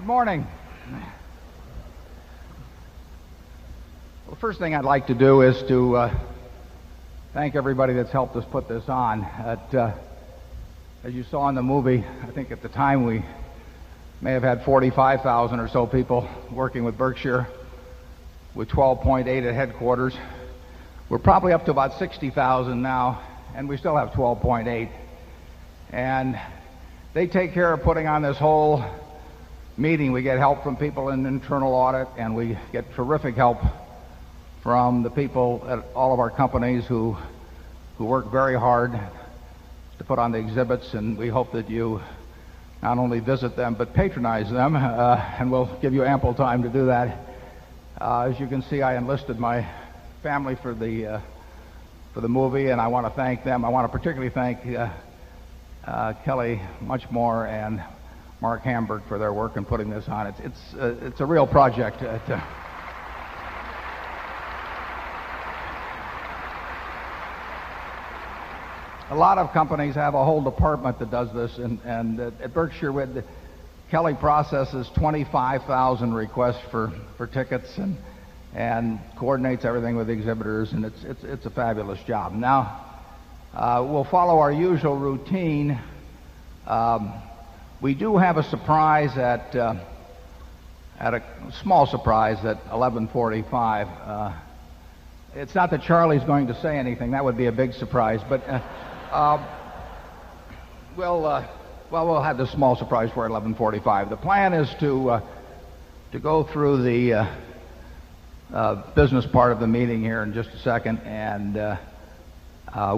Good morning. The first thing I'd like to do is to thank everybody that's helped us put this on. As you saw in the movie, I think at the time, we may have had 45,000 or so people working with Berkshire with 12.8 at headquarters. We're probably up to about 60,000 now we still have 12.8. And they take care of putting on this whole meeting. We get help from people in internal audit and we get terrific help from the people at all of our companies who who work very hard to put on the exhibits. And we hope that you not only visit them, but patronize them. And we'll give you ample time to do that. As you can see, I enlisted my family for the for the movie and I want to thank them. I want to particularly thank, Kelly Muchmore and Mark Hamburg for their work in putting this on. It's it's, it's a real project. A lot of companies have a whole department that does this. And and at Berkshire, Kelly processes 25 1,000 requests for for tickets and and coordinates everything with the exhibitors. And it's it's a fabulous job. Now, we'll follow our usual routine. We do have a surprise at at a small surprise at 11:45. It's not that Charlie's going to say anything. That would be a big surprise. But we'll, well, we'll have this small surprise for 11:45. The plan is to to go through the business part of the meeting here in just a second. And,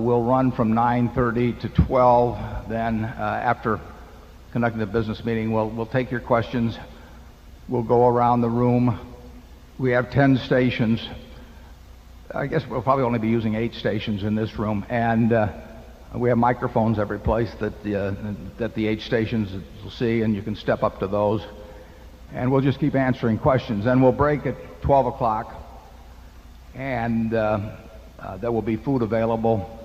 we'll run from 9:30 to 12. Then, after conducting the business meeting, we'll we'll take your questions. We'll go around the room. We have 10 stations. I guess we'll probably only be using 8 stations in this room. And we have microphones every place that the, that the 8 stations will see and you can step up to those. And we'll just keep answering questions. And we'll break at 12 o'clock and, there will be food available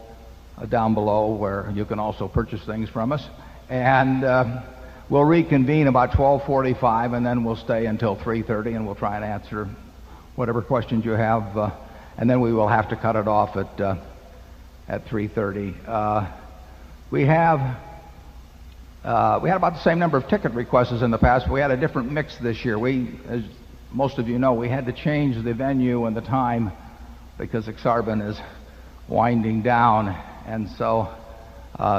down below where you can also purchase things from us. And we'll reconvene about 12:45 and then we'll stay until 3:30 and we'll try and answer whatever questions you have. And then we will have to cut it off at 3:30. We have we had about the same number of ticket requests as in the past. We had a different mix this year. We, as most of you know, we had to change the venue and the time because Exarvon is winding down. And so,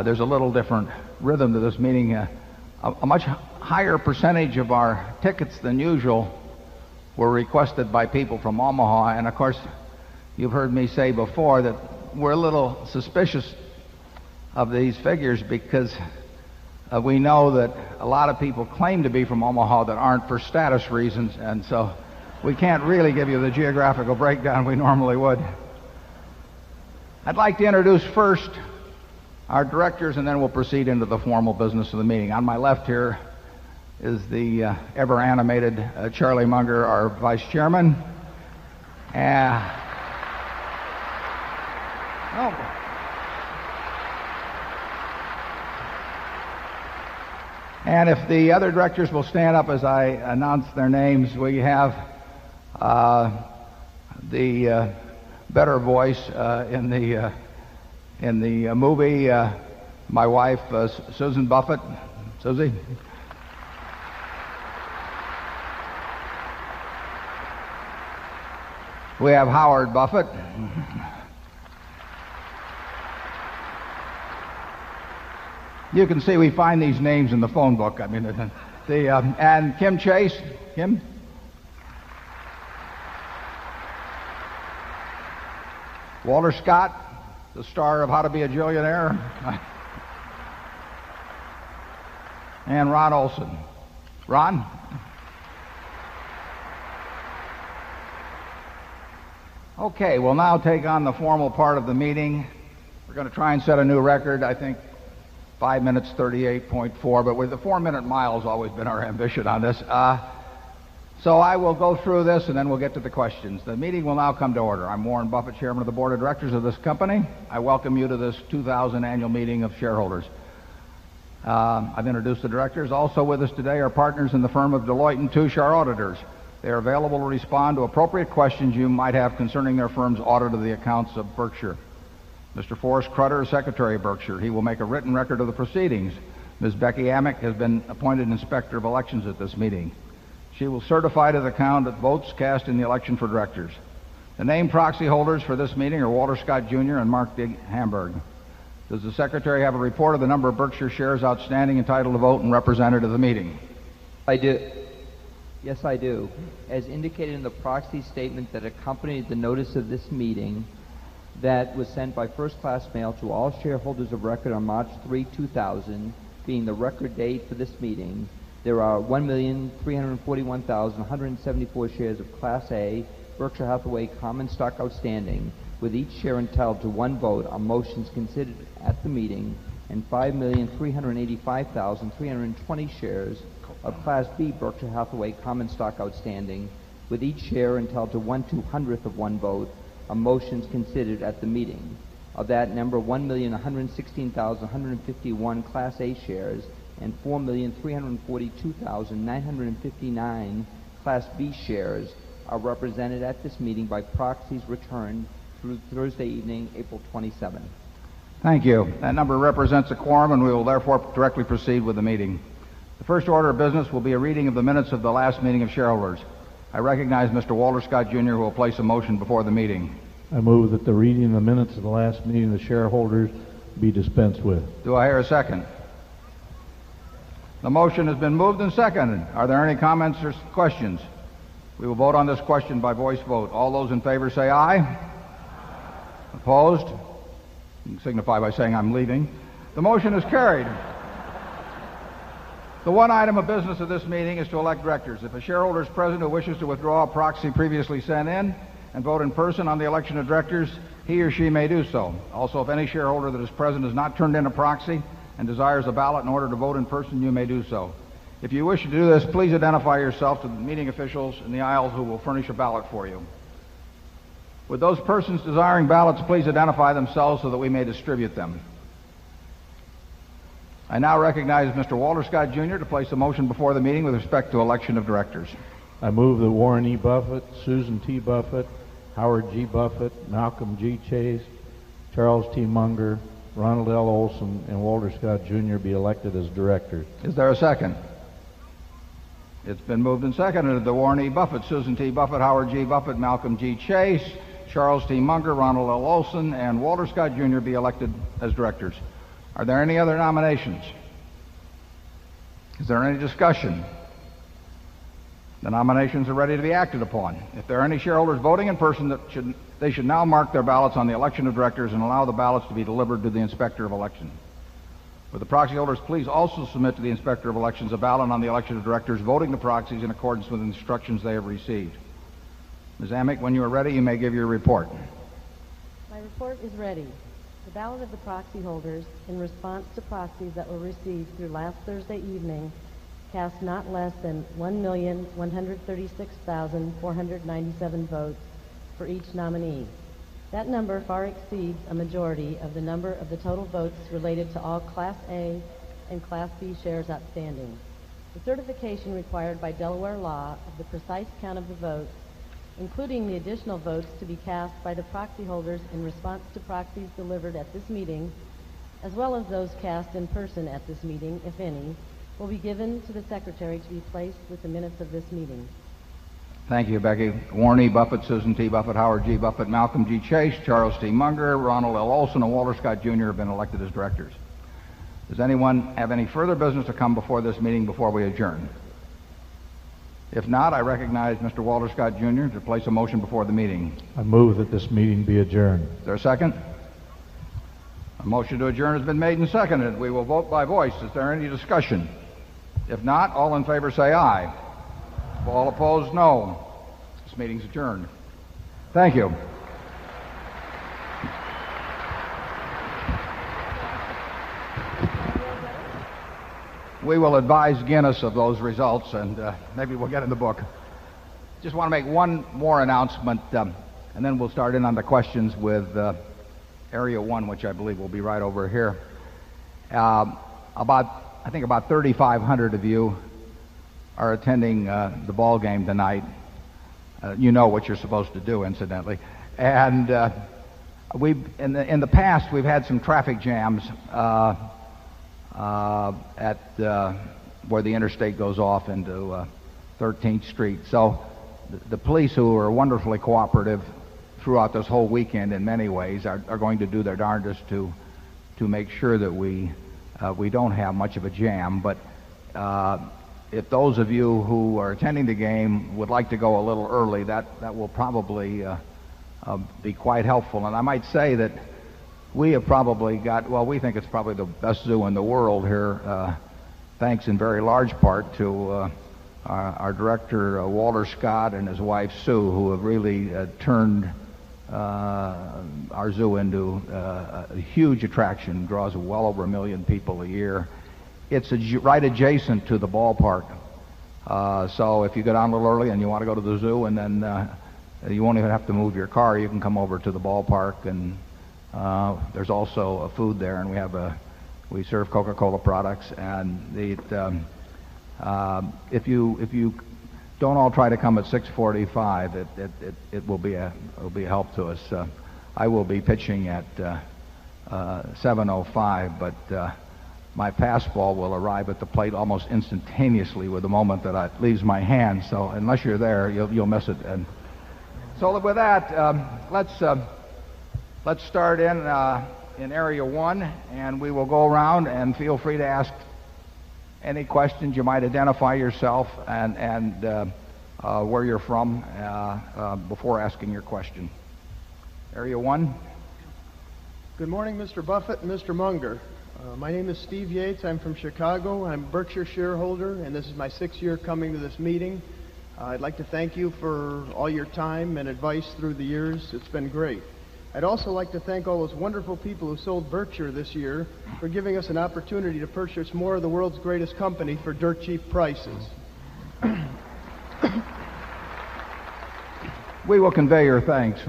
there's a little different rhythm to this, meaning a much higher percentage of our tickets than usual were requested by people from Omaha. And of course, you've heard me say before that we're a little suspicious of these figures because we know that a lot of people claim to be from Omaha that aren't for status reasons. And so we can't really give you the geographical breakdown we normally would. I'd like to introduce first our directors, and then we'll proceed into the formal business of the meeting. On my left here is the, ever animated Charlie Munger, our vice chairman. And if the other directors will stand up as I announce their names, we have the better voice in the movie, my wife, Susan Buffet. Susie? We have Howard Buffett. You can see we find these names in the phone book. I mean, the, and Kim Chase. Kim? Walter Scott, the star of How to be a Joyaoneer. And Ron Olson. Ron? Okay. We'll now take on the formal part of the meeting. We're going to try and set a new record. I think 5 minutes 38 point 4. But with the 4 minute mile's always been our ambition on this. So I will go through this and then we'll get to the questions. The meeting will now come to order. I'm Warren Buffett, Chairman of the Board of Directors of this company. I welcome you to this 2000 Annual Meeting of Shareholders. I've introduced the directors. Also with us today are partners in the firm of Deloitte and Touche, our auditors. They are available to respond to appropriate questions you might have concerning their firm's audit of the accounts of Berkshire. Mister Forrest Cruthers, Secretary of Berkshire, he will make a written record of the proceedings. Miss Becky Amick has been appointed inspector of elections at this meeting. She will certify to the count that votes cast in the election for directors. The named proxy holders for this meeting are Walter Scott Junior and Mark Digamburg. Does the secretary have a report of the number of Berkshire shares outstanding entitled to vote and represented at the meeting? I do. Yes, I do. As indicated in the proxy statement that accompanies the notice of this meeting that was sent by 1st class mail to all shareholders of record on March 3, 2000, being the record date for this meeting, there are 1,341,174 shares of Class A Berkshire Hathaway common stock outstanding with each share entitled to one vote on motions considered at the meeting and 5,385,320 shares of Class B Berkshire Hathaway common stock outstanding with each share until to onetwo hundredth of one vote, a motion is considered at the meeting. Of that number, 1,116 1,151 Class A Shares and 4,342,009 Class B Shares are represented at this meeting by proxies returned through Thursday evening, April 27. Thank you. That number represents quorum and we will therefore directly proceed with the meeting. The first order of business will be a reading of the minutes of the last meeting of shareholders. I recognize mister Walter Scott Junior who will place a motion before the meeting. I move that the reading of the minutes of the last meeting of the shareholders be dispensed with. Do I hear a second? The motion has been moved and seconded. Are there any comments or questions? We will vote on this question by voice vote. All those in favor, say aye. Opposed? You can signify by saying I'm leaving. The motion is carried. The one item of business at this meeting is to elect directors. If a shareholder is president who wishes to withdraw a proxy previously sent in and vote in person on the election of directors, he or she may do so. Also, if Also, if any shareholder that is present has not turned in a proxy and desires a ballot in order to vote in person, you may do so. If you wish to do this, please identify yourself to the meeting officials in the aisle who will furnish a ballot for you. Would those persons who will furnish a ballot for you. With those persons desiring ballots, please identify themselves so that we may distribute them. I now recognize mister Walter Scott, Jr. To place a motion before the meeting with respect to election of directors. I move that Warren e. Buffet, Susan t Buffet, Howard g Buffet, Malcolm G Chase, Charles t Munger, Ronald L Olson, and Walter Scott, Jr. Be elected as directors. Is there a second? It's been moved in second. The Warren e Buffet, Susan t Buffet, Howard g Buffet, Malcolm g Chase, Charles t Munker, Ronald l Olson, and Walter Scott Junior be elected as directors. Are there any other nominations? Is there any discussion? The nominations are ready to be acted upon. If there are any shareholders voting in person, should they should now mark their ballots on the election of directors and allow the ballots to be delivered to the Inspector of Election. Would the proxy holders please also submit to the Inspector of Elections a ballot on the election of directors voting the proxies in accordance with the instructions they have received. Miss Amick, when you are ready, you may give your report. My report is ready. The ballot of the proxy holders in response to proxies that were received through last Thursday evening cast not less than 1,136,497 votes for each nominee. That number far exceeds a majority of the number of the total votes related to all Class A and Class B shares outstanding. The certification required by Delaware law of the precise count of the votes, including the additional votes to be cast by the proxy holders in response to proxies delivered at this meeting as well as those cast in person at this meeting, if any, will be given to the secretary to be placed with the minutes of this meeting. Thank you, Becky. Warren E. Buffet, Susan T. Buffet, Howard G. Buffet, Malcolm G. Chase, Charles T. Munger, Ronald L. Olson, and Walter Scott Junior have been elected as directors. Does anyone have any further business to come before this meeting before we adjourn? If not, I recognize mister Walter Scott Junior to place a motion before the meeting. I move that this meeting be adjourned. Is there a second? A motion to adjourn has been made and seconded. We will vote by voice. Is there any discussion? If not, all in favor, say aye. All opposed, no. This meeting's adjourned. Thank you. We will advise Guinness of those results and maybe we'll get in the book. Just want to make one more announcement, and then we'll start in on the questions with Area 1, which I believe will be right over here. About, I think, about 35100 of you are attending, the ball game tonight. You know what you're supposed to do, incidentally. And we've in the in the past, we've had some traffic jams at where the interstate goes off into 13th Street. So the police who are wonderfully cooperative throughout this whole weekend in many ways are going to do their darndest to to make sure that we, we don't have much of a jam. But, if those of you who are attending the game would like to go a little early, that that will probably, be quite helpful. And I might say that we have probably got well, we think it's probably the best zoo in the world here, thanks in very large part to our director, Walter Scott, and his wife, Sue, who have really turned our zoo into a huge attraction, draws well over a 1000000 people a year. It's right adjacent to the ballpark. So if you get on a little early and you want to go to the zoo and then you won't even have to move your car. You can come over to the ballpark and there's also a food there and we have a we serve Coca Cola products and if you if you don't all try to come at 6:45, it it it will be help to us. I will be pitching at 7:05, but my pass ball will arrive at the plate almost instantaneously with the moment that it leaves my hand. So unless you're there, you'll miss it. So with that, let's start in, in area 1. And we will go around and feel free to ask any questions you might identify yourself and and, where you're from, before asking your question. Area 1. Good morning, mister Buffet and mister Munger. My name is Steve Yates. I'm from Chicago. I'm Berkshire shareholder and this is my 6th year coming to this meeting. I'd like to thank you for all your time and advice through the years. It's been great. I'd also like to thank all those wonderful people who sold Berkshire this year for giving us an opportunity to purchase more of the world's greatest company for dirt cheap prices. We will convey your thanks.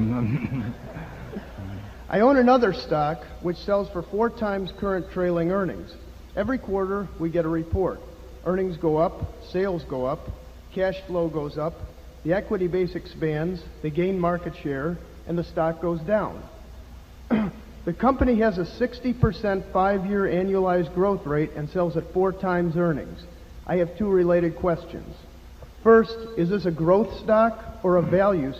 I own another stock which sells for 4 times current trailing earnings. Every quarter, we get a report. Earnings go up, sales go up, cash flow goes up, the equity base expands, they gain market share and the stock goes down. The company has a 60% 5 year annualized growth rate and sells at 4x earnings. I have 2 related questions. First, is this a growth stock or a value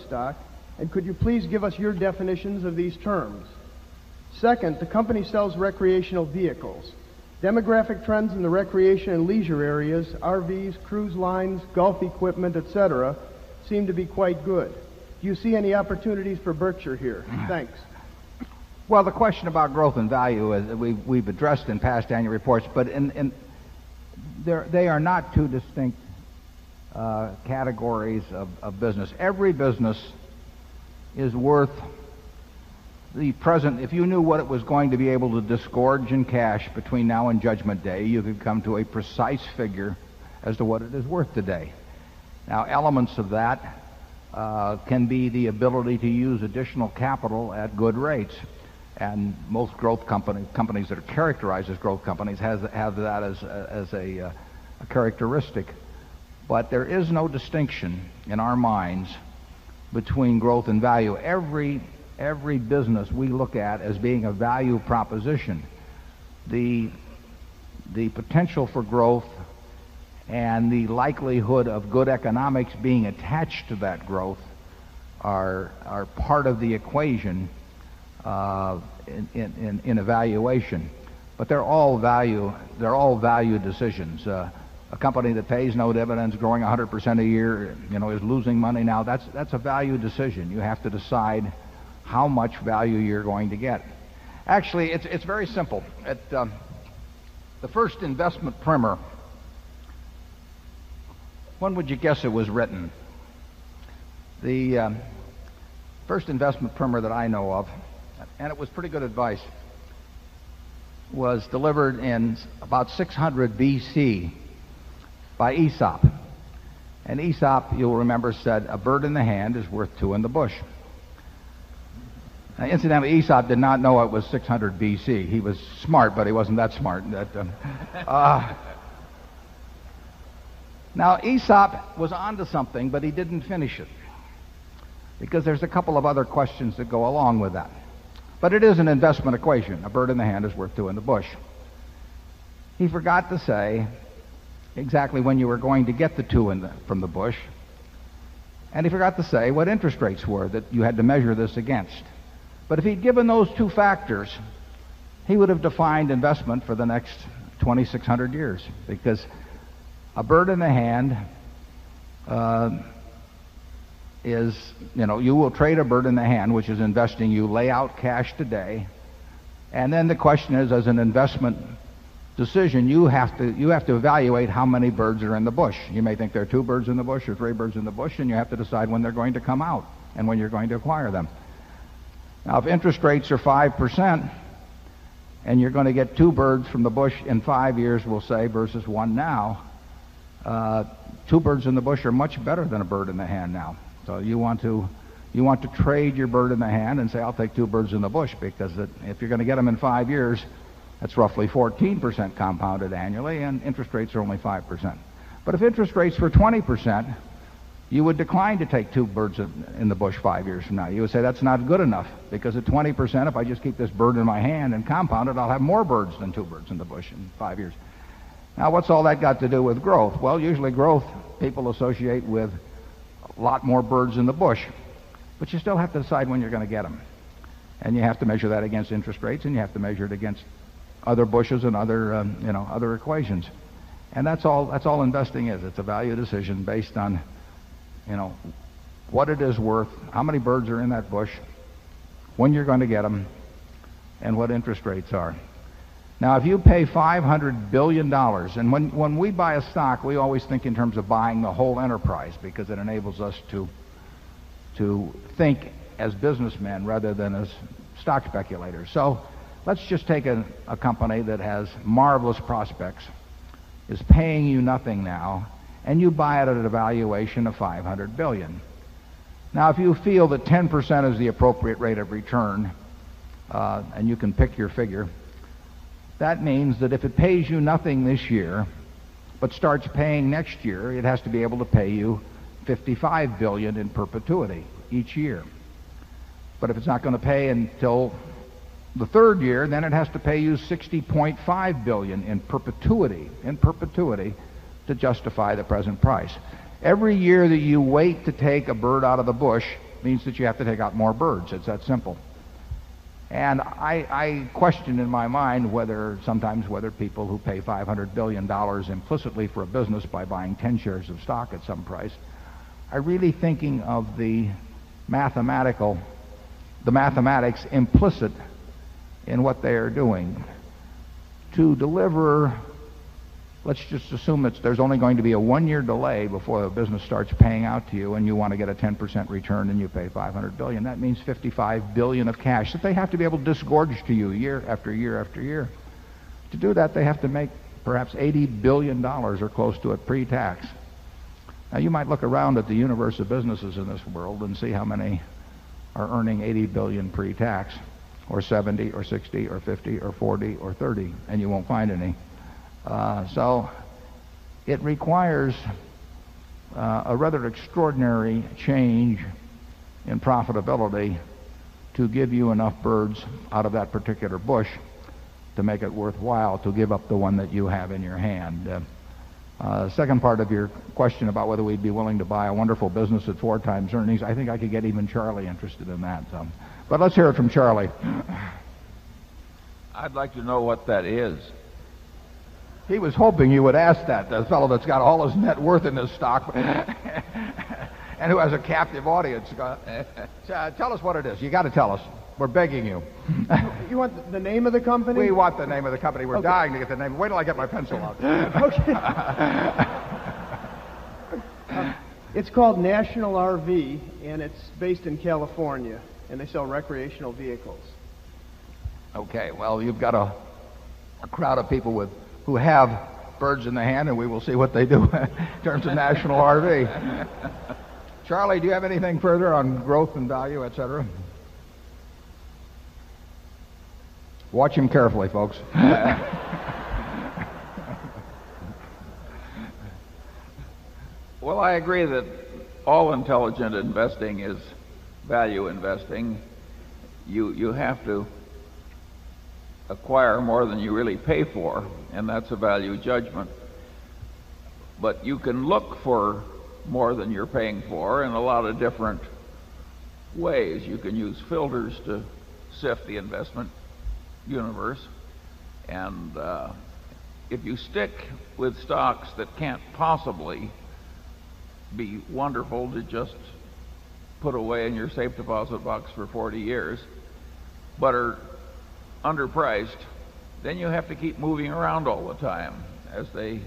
And could you please give us your definitions of these terms? 2nd, the company sells recreational vehicles. Demographic trends in the recreation and leisure areas, RVs, cruise lines, golf equipment, etcetera, seem to be quite good. Do you see any opportunities for Berkshire here? Thanks. Well, the question about growth and value as we've we've addressed in past annual reports, but in in there they are not 2 distinct categories of of business. Every business is worth the present if you knew what it was going to be able to disgorge in cash between now and judgment day, you could come to a precise figure as to what it is worth today. Now, elements of that, can be the ability to use additional capital at good rates. And most growth companies that are characterized as growth companies have that as a characteristic. But there is no distinction in our minds between growth and value. Every every business we look at as being a value proposition. The potential for growth and the likelihood of good economics being attached to that growth are part of the equation in evaluation. But they're all value decisions. A company that pays no dividends, growing 100% a year, you know, is losing money now. That's that's a value decision. You have to decide how much value you're going to get. Actually, it's it's very simple. At the first investment primer, when would you guess it was written? The first investment primer that I know of and it was pretty good advice was delivered in about 600 BC by Aesop. And Aesop, you'll remember, said, a bird in the hand is worth 2 in the bush. Incidentally, Aesop did not know it was 600 BC. He was smart, but he wasn't that smart. Now, Aesop was on to something, but he didn't finish it because there's a couple of other questions that go along with that. But it is an investment equation. A bird in the hand is worth 2 in the bush. He forgot to say exactly when you were going to get the 2 in the from the bush. And he forgot to say what interest rates were that you had to measure this against. But if he'd given those two factors, he would have defined investment for the next 26 100 years. Because a bird in the hand is, you know, you will trade a bird in the hand, which is investing. You lay out cash today. And then the question is, as an investment decision, you have to you have to evaluate how many birds are in the bush. You may think there are 2 birds in the bush or 3 birds in the bush. And you have to decide when they're going to come and when you're going to acquire them. Now, if interest rates are 5%, and you're going to get 2 birds from the bush in 5 years, we'll say, versus 1 now, 2 birds in the bush are much better than a bird in the hand now. So you want to you want to trade your bird in the hand and say, I'll take 2 birds in the bush because if you're going to get them in 5 years, that's roughly 14% compounded annually and interest rates are only 5%. But if interest rates were 20%, you would decline to take 2 birds in the bush 5 years from now. You would say, that's not good enough because at 20%, if I just keep this bird in my hand and compound it, I'll have more birds than 2 birds in the bush in 5 years. Now what's all that got to do with growth? Well, usually growth people associate with a lot more birds in the bush. But you still have to decide when you're going to get them. And you have to measure that against interest rates. And you have to measure it against other bushes and other, you know, other equations. And that's all that's all investing is. It's a value decision based on, you know, what it is worth, how many birds are in that bush, when you're going to get them, and what interest rates are. Now, if you pay $500,000,000,000 and when when we buy a stock, we always think in terms of buying the whole enterprise because it enables us to to think as businessmen rather than as stock speculators. So let's just take a a company that has marvelous prospects, is paying you nothing now and you buy it at a valuation of 500,000,000,000. Now, if you feel that 10% is the appropriate rate of return, and you can pick your figure, That means that if it pays you nothing this year, but starts paying next year, it has to be able to pay you 55,000,000,000 in perpetuity each year. But if it's not going to pay until the 3rd year, then it has to pay you 60,500,000,000 in perpetuity in perpetuity to justify the present price. Every year that you wait to take a bird out of the bush means that you have to take out more birds. It's that simple. And I I question in my mind whether sometimes whether people who pay $500,000,000,000 implicitly for a business by buying 10 shares of stock at some price, I really thinking of the mathematical the mathematics implicit in what they are doing to deliver. Let's just assume that there's only going to be a 1 year delay before the business starts paying out to you and you want to get a 10% return and you pay 500,000,000,000 that means 55,000,000,000 of cash that they have to be able to disgorge to you year after year after year. To do that, they have to make perhaps $80,000,000,000 or close to it pre tax. Now, you might look around at the universe of businesses in this world and see how many are earning 80,000,000,000 pre tax or 70 or 60 or 50 or 40 or 30 and you won't find any. So it requires a rather extraordinary change in profitability to give you enough birds out of that particular bush to make it worthwhile to give up the one that you have in your hand. Question about whether we'd be willing to buy a wonderful business at 4 times earnings. I think I could get even Charlie interested in that. But let's hear it from Charlie. I'd like to know what that is. He was hoping you would ask that. The fellow that's got all his net worth in his stock and who has a captive audience. Tell us what it is. You got to tell us. We're begging you. You want the name of the company? We want the name of the company. We're dying to get the name. Wait till I get my pencil out. Okay. It's called National RV and it's based in California and they sell recreational vehicles. Okay. Well, you've got a crowd of people with who have birds in the hand and we will see what they do in terms of National RV. Charlie, do you have anything further on growth and value, etcetera? Watch him carefully, folks. Well, I agree that all intelligent investing is value investing. You have to acquire more than you really pay for, and that's value judgment. But you can look for more than you're paying for in a lot of different ways. You can use filters to sift the investment universe. And if you stick with stocks that can't possibly be wonderful to just put away in your safe deposit box for 40 years but are underpriced, then you have to keep moving around all the time. As they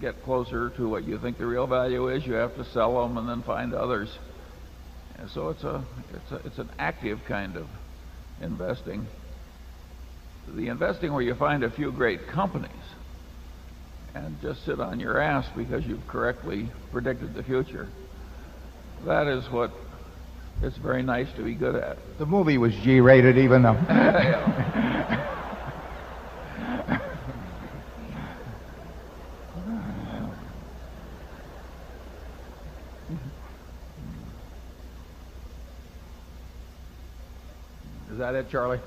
get closer to what you think the real value is, you have to sell them and then find others. And so it's an active kind of investing. The investing where you find a few great companies and just sit on your ass because you've correctly predicted the future. That is what is very nice to be good at. The movie was g rated even though. Is that it, Charlie?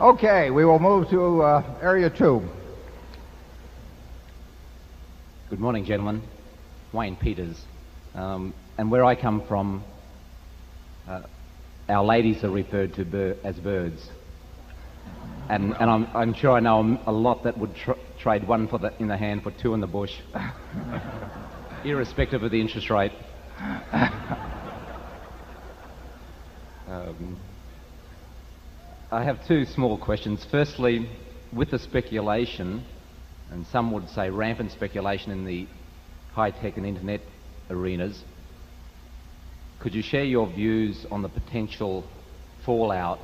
Okay. We will move to area 2. Good morning, gentlemen. Wayne Peters. And where I come from, our ladies are referred to as birds. And I'm sure I know a lot that would trade 1 in the hand for 2 in the bush, irrespective of the interest rate. I have 2 small questions. Firstly, with the Could you share your views on the potential fallout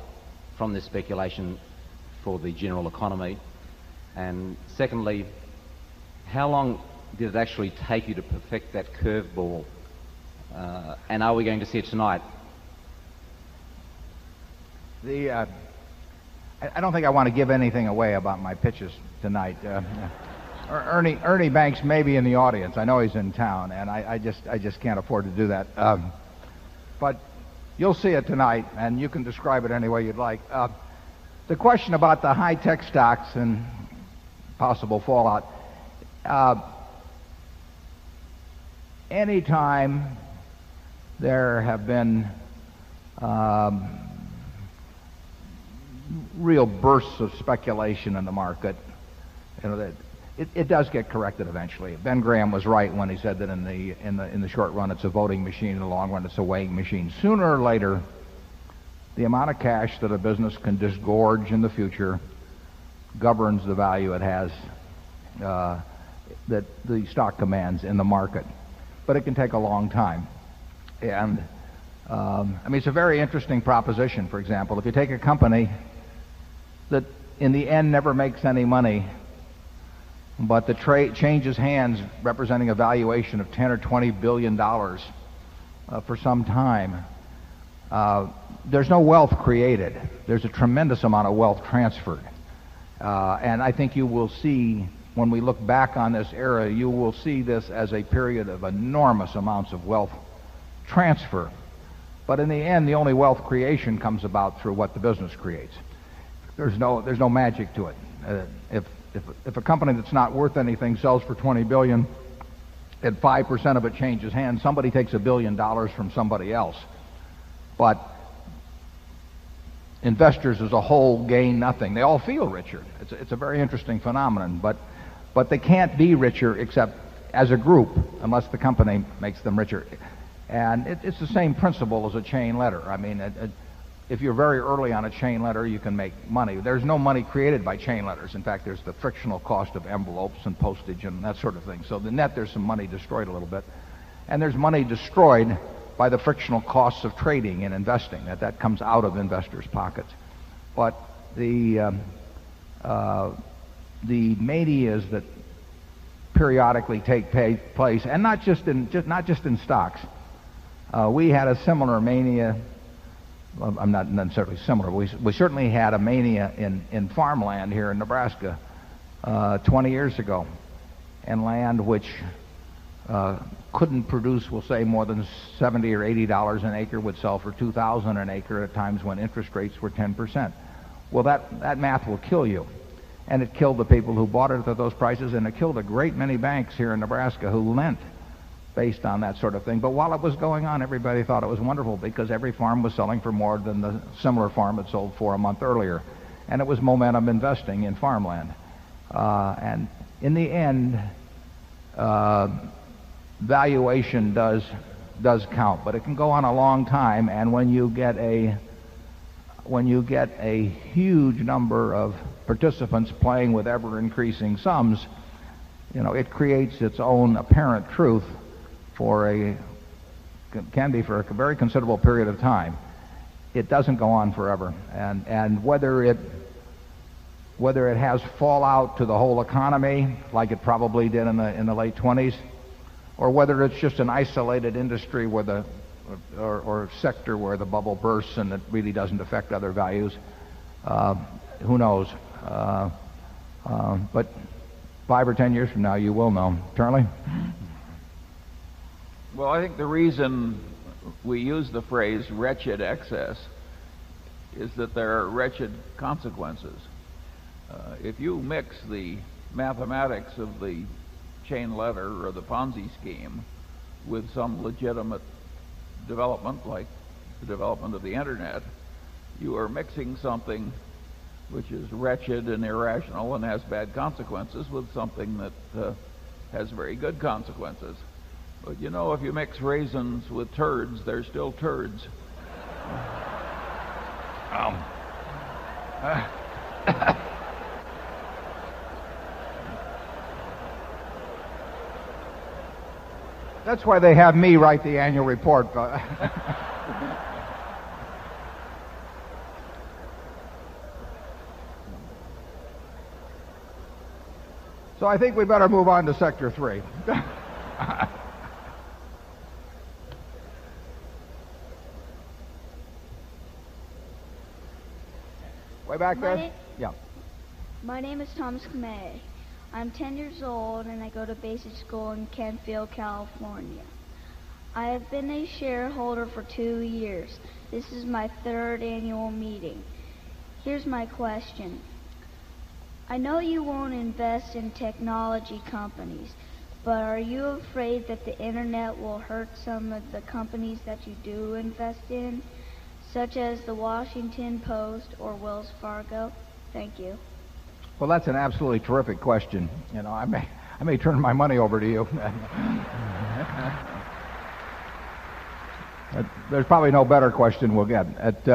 from this speculation for the general economy? And secondly, how long does it actually take you to perfect that curveball? And are we going to see it tonight? The, I don't think I want to give anything away about my pitches tonight. Ernie Ernie Banks may be in the audience. I know he's in town. And I just I just can't afford to do that. But you'll see it tonight. And you can describe it any way you'd like. The question about the high-tech stocks and possible fallout, Anytime there have been real bursts of speculation in the market. You know, that it it does get corrected eventually. Ben Graham was right when he said that in the the in the short run, it's a voting machine. In the long run, it's a weighing machine. Sooner or later, the amount of cash that a business can disgorge in the future governs the value it has, that the stock demands in the market. But it can take a long time. And, I mean, it's a very interesting proposition. For example, if you take a company that, in the end, never makes any money, But the trade changes hands, representing a valuation of $10 or $20,000,000,000 for some time. There's no wealth created. There's a tremendous amount of wealth transferred. And I think you will see, when we look back on this era, you will see this as a period of enormous amounts of wealth transfer. But in the end, the only wealth creation comes about through what the business creates. There's no there's no magic to it. If a company that's not worth anything sells for $20,000,000,000 and 5% of it changes hands, somebody takes $1,000,000,000 from somebody else. But investors as a whole gain nothing. They all feel richer. It's a very interesting phenomenon. But they can't be richer except as a group unless the company makes them richer. And it's the same principle as a chain letter. I mean, if you're very early on a chain letter, you can make money. There's no money created by chain letters. In fact, there's the frictional cost of envelopes and postage and that sort of thing. So the net, there's some money destroyed a little bit. And there's money destroyed by the frictional costs of trading and investing that that comes out of investors' pockets. But the, the maybe is that periodically take pay place and not just in just not just in stocks. We had a similar mania. I'm not certainly similar. We we certainly had a mania in in farmland here in Nebraska, 20 years ago. And land which couldn't produce, we'll say, more than 70 or $80 an acre would sell for 2,000 an acre at times when interest rates were 10%. Well, that that math will kill you. And it killed the people who bought it at those prices and it killed a great many banks here in Nebraska who lent based on that sort of thing. But while it was going on, everybody thought it was wonderful because every farm was selling for more than the similar farm it sold for a month earlier. And it was momentum investing in farmland. And in the end, valuation does does count. But it can go on a long time. And when you get a when you get a huge number of participants playing with ever increasing sums, you know, it creates its own apparent truth for a can be for a very considerable period of time. It doesn't go on forever. And and whether it whether it has fallout to the whole economy, like it probably did in the in the late twenties, or whether it's just an isolated industry with a or or sector where the bubble bursts and it really doesn't affect other values. Who knows? But 5 or 10 years from now, you will know. Charlie? Well, I think the reason we use the phrase, wretched excess is that there are wretched consequences. If you mix the mathematics of the chain letter or the Ponzi scheme with some legitimate development like the development of the Internet, you are mixing something which is wretched and irrational and has bad consequences with something that has very good consequences but, you know, if you mix raisins with turds, they're still turds. That's why they have me write the annual report. So I think we better move on to Sector 3. Way back there. Yeah. My name is Thomas Kamay. I'm 10 years old and I go to basic school in Canfield, California. I have been a shareholder for 2 years. This is my 3rd annual meeting. Here's my question. I know you won't invest in technology companies, but are you afraid that the Internet will hurt some of the companies that you do invest in, such as the Washington Post or Wells Fargo? Thank you. Well, that's an absolutely terrific question. You know, I may I may turn my money over to you. There's probably no better question we'll get at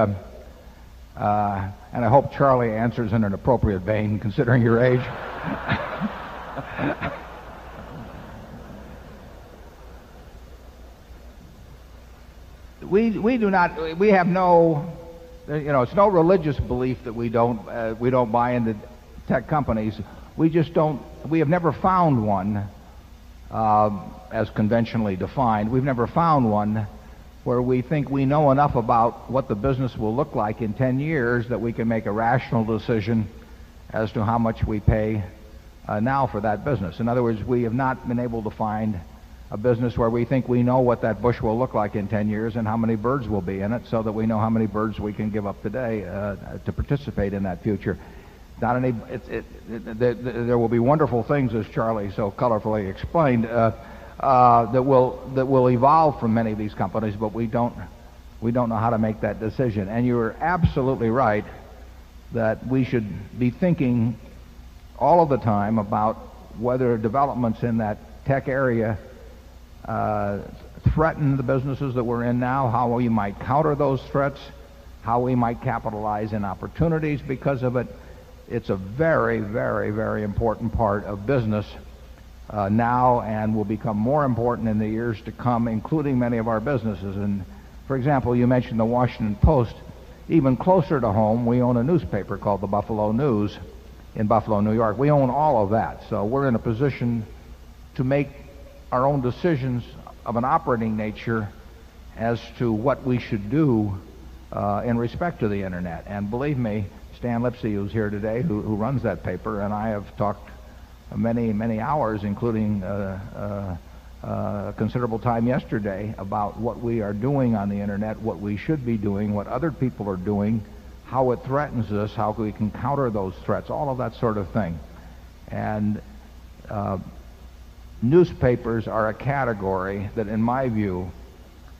and I hope Charlie answers in an appropriate vein, considering your age. We do not we have no, you know, it's no religious belief that we don't, we don't buy into tech companies. We just don't we have never found one, as conventionally defined. We've never found one where we think we know enough about what the business will look like in 10 years that we can make a rational decision as to how much we pay now for that business. In other words, we have not been able to find a business where we think we know what that bush will look like in 10 years and how many birds will be in it so that we know how many birds we can up today, to participate in that future. Not any it it it there will be wonderful things, as Charlie so colorfully explained, that will that will evolve from many of these companies. But we don't we don't know how to make that decision. And you're absolutely right that we should be thinking all of the time about whether developments in that tech area, threaten the businesses that we're in now, how we might counter those threats, how we might capitalize in opportunities because of it. It's a very, very, very important part of business now and will become more important in the years to come, including many of our businesses. And for example, you mentioned the Washington Post. Even closer to home, we own a newspaper called the Buffalo News in Buffalo, New York. We own all of that. So we're in a position to make our own decisions of an operating nature as to what we should do, in respect to the Internet. And believe me, Stan Lipsey, who's here today, who runs that paper and I have talked many many hours including, considerable time yesterday about what we are doing on the Internet, what we should be doing, what other people are doing, how it threatens us, how we can counter those threats, all of that sort of thing. And, newspapers are a category that, in my view,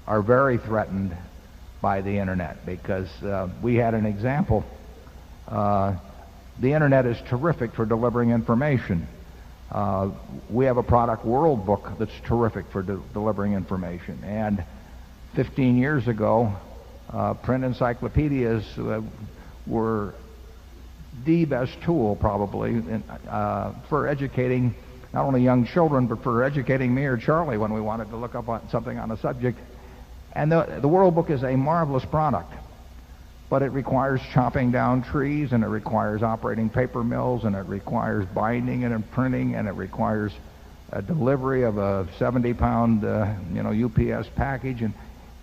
are very threatened by the Internet because, we had an example. The Internet is terrific for delivering information. We have a product world book that's terrific for delivering information. And 15 years ago, print encyclopedias were the best tool probably, for educating not only young children, but for educating me or Charlie when we wanted to look up on something on a subject. And the the World Book is a marvelous product, but it requires chopping down trees and it requires operating paper mills and it requires binding and printing and it requires a delivery of a £70, you know, UPS package and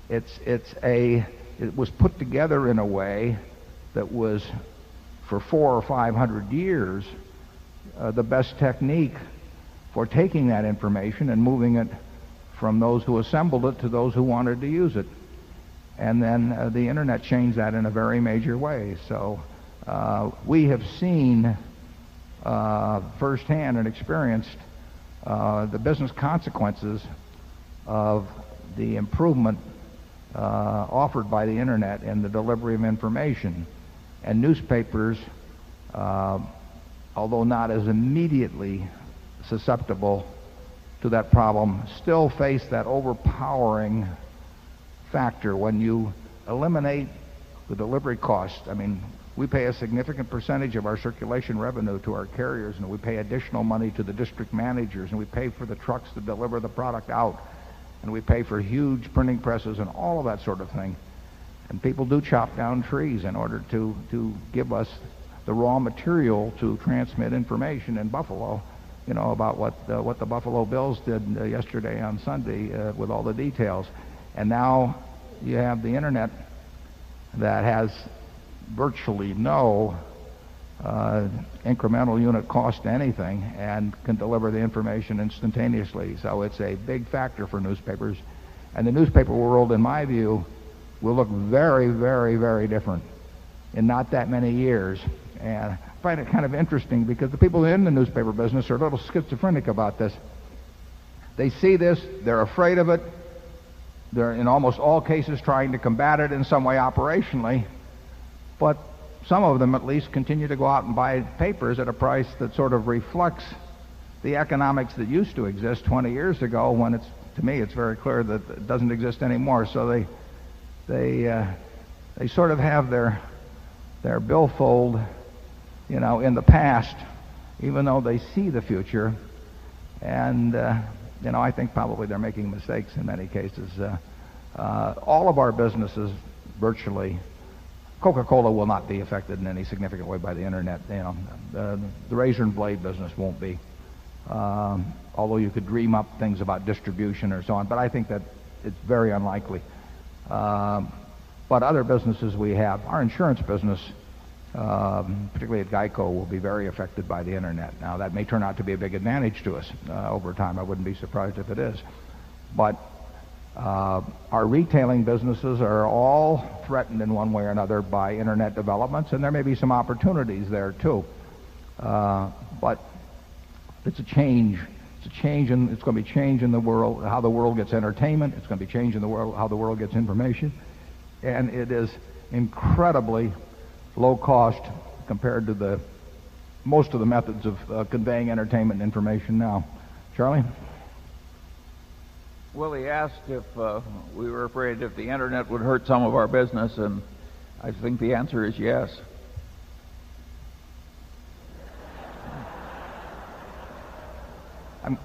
it's it's a it was put together in a way that was for 4 or 500 years, the best technique for taking that information and moving it from those who assembled it to those who wanted to use it. And then the Internet changed that in a very major way. So we have seen firsthand and experienced, the business consequences of the improvement offered by the Internet and the delivery of information. And newspapers, to that problem, still face that overpowering factor when you eliminate the delivery cost I mean we pay a significant percentage of our circulation revenue to our carriers and we pay additional money to the district managers and we pay for the trucks to deliver the product out and we pay for huge printing presses and all of that sort of thing and people do chop down trees in order to to give us the raw material to transmit information in Buffalo. You know, about what, what the Buffalo Bills did yesterday on Sunday, with all the details. And now you have the Internet that has virtually no, incremental unit cost anything and can deliver the information instantaneously. So it's a big factor for newspapers. And the newspaper world, in my view, will look very, very, very different in not that many years. And I find it kind of interesting because the people in the newspaper business are a little schizophrenic about this. They see this. They're afraid of it. They're, in almost all cases, trying to combat it in some way operationally. But some of them, at least, continue to go out and buy papers at a price that, sort of, reflects the economics that used to exist 20 years ago when it's to me, it's very clear that it doesn't exist anymore. So they they, they sort of have their their billfold, you know, in the past, even though they see the future. And, you know, I think probably they're making mistakes in many cases. All of our businesses virtually Coca Cola will not be affected in any significant way by the internet. You know, the razor and blade business won't be, although you could dream up things about distribution or so on. But I think that it's very unlikely. But other businesses we have, our insurance business, particularly at GEICO, will be very affected by the Internet. Now that may turn out to be a big advantage to us, over time. I wouldn't be surprised if it is. But, our retailing businesses are all threatened in one way or another by Internet developments and there may be some opportunities there too. But it's a change. It's a change and it's going to be change in the world, how the world gets entertainment. It's going to be change in the world, how the world gets information. And it is incredibly low cost compared to the most of the methods of, conveying entertainment information now. Charlie? Well, he asked if, we were afraid if the Internet would hurt some of our business and I think the answer is yes.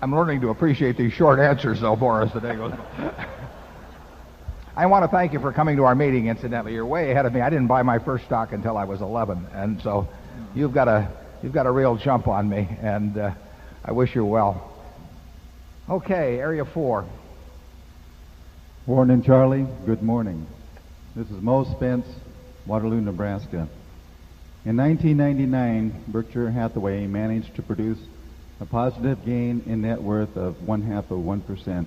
I'm learning to appreciate these short answers though, Boris. I want to thank you for coming to our meeting, incidentally. You're way ahead of me. I didn't buy my first stock until I was 11. And so you've got a you've got a real jump on me. And I wish you well. Okay. Area 4. Morning, Charlie. Good morning. This is Moe Spence, Waterloo, Nebraska. In 1999, Berkshire Hathaway managed to produce a positive gain in net worth of 1 half of 1%.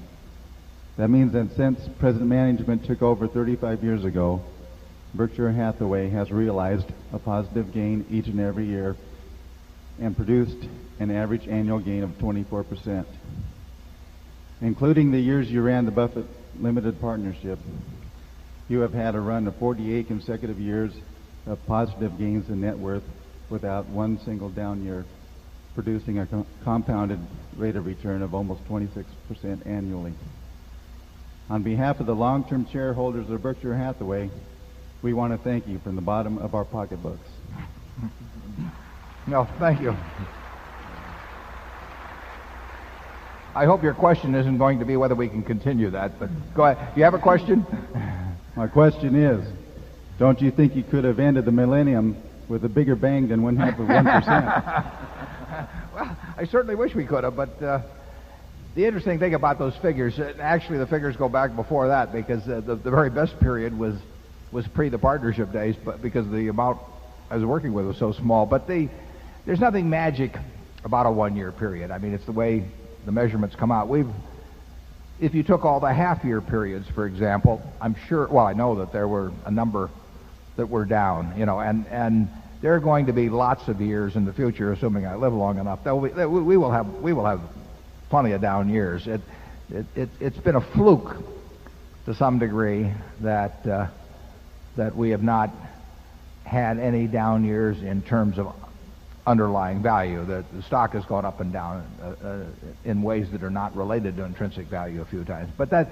That means that since president management took over 35 years ago, Berkshire Hathaway has realized a positive gain each and every year and produced an average annual gain of 24 percent. Including the years you ran the Buffett Limited Partnership, you have had to run the 48 consecutive years of positive gains in net worth without one single down year producing a compounded rate of return of almost 26% annually. On behalf of the long term shareholders of Berkshire Hathaway, we want to thank you from the bottom of our pocketbooks. No. Thank you. I hope your question isn't going to be whether we can continue that But go ahead. Do you have a question? My question is, don't you think you could have ended the millennium with a bigger bang than 1 half of 1 percent? I certainly wish we could have. But, the interesting thing about those figures, actually, the figures go back before that because, the very best period was was pre the partnership days but because the amount I was working with was so small but the there's nothing magic about a 1 year period. I mean, it's the way the measurements come out. We've if you took all the half year periods, for example, I'm sure well, I know that there were a number that were down, you know, and and there are going to be lots of years in the future, assuming I live long enough, that we we will have we will have plenty of down years. It it it's been a fluke to some degree that, that we have not had any down years in terms of underlying value that stock has gone up and down, in ways that are not related to intrinsic value a few times. But that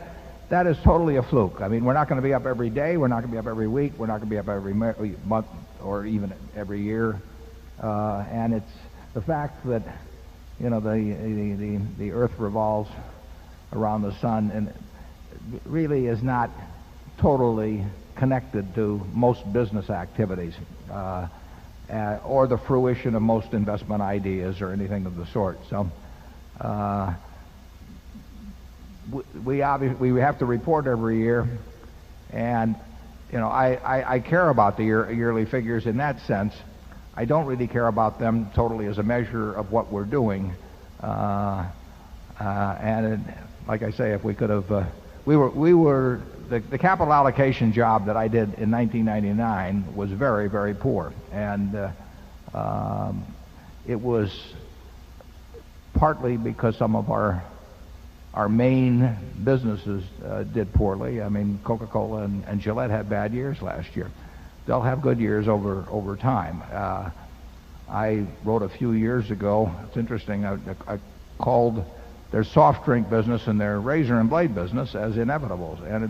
that is totally a fluke. I mean, we're not going to be up every day. We're not going to be up every week. We're not every month or even every year. And it's the fact that, you know, the the the earth revolves around the sun and really is not totally connected to most business activities or the fruition of most investment ideas or anything of the sort. So we we have to report every year and, you know, I I care about the year yearly figures in that sense. I don't really care about them totally as a measure of what we're doing. And like I say, if we could have, we were we were the capital allocation job that I did in 1999 was very, very poor. And it was partly because some of our our main businesses did poorly. I mean Coca Cola and Gillette had bad years last year. They'll have good years over time. I wrote a few years ago. It's interesting. I called their soft drink business and their razor and blade business as inevitable. And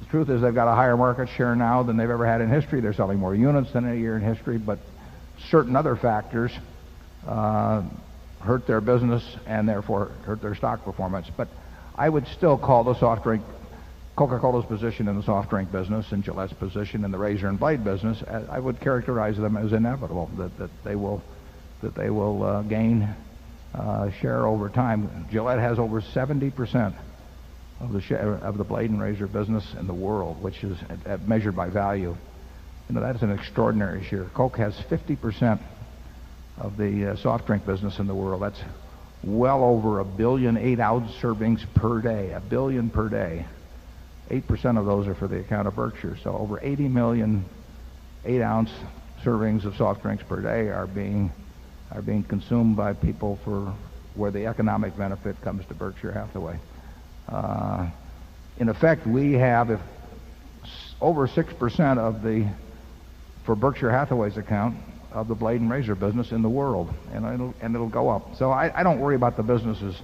the truth is they've got a higher market share now than they've ever had in history. They're selling more units than a year in history, but certain other factors, hurt their business and therefore hurt their stock performance. I would still call the soft drink Coca Cola's position in the soft drink business and Gillette's position in the razor and bite business, I would characterize them as inevitable that that they will that they will, gain, share over time. Gillette has over 70% of the share of the blade and razor business in the world, which is measured by value. You know, that is an extraordinary share. Coke has 50% of the, soft drink business in the world. That's well over a 1000000000 8 ounce servings per day. A 1000000000 per day. 8% of those are for the account of Berkshire. So over 80,000,000 8 ounce servings of soft drinks per day are being are being consumed by people for where the economic benefit comes to Berkshire Hathaway. In effect, we have over 6% of the for Berkshire Hathaway's account of the blade and razor business in the world and I know and it'll go up. So I I don't worry about the businesses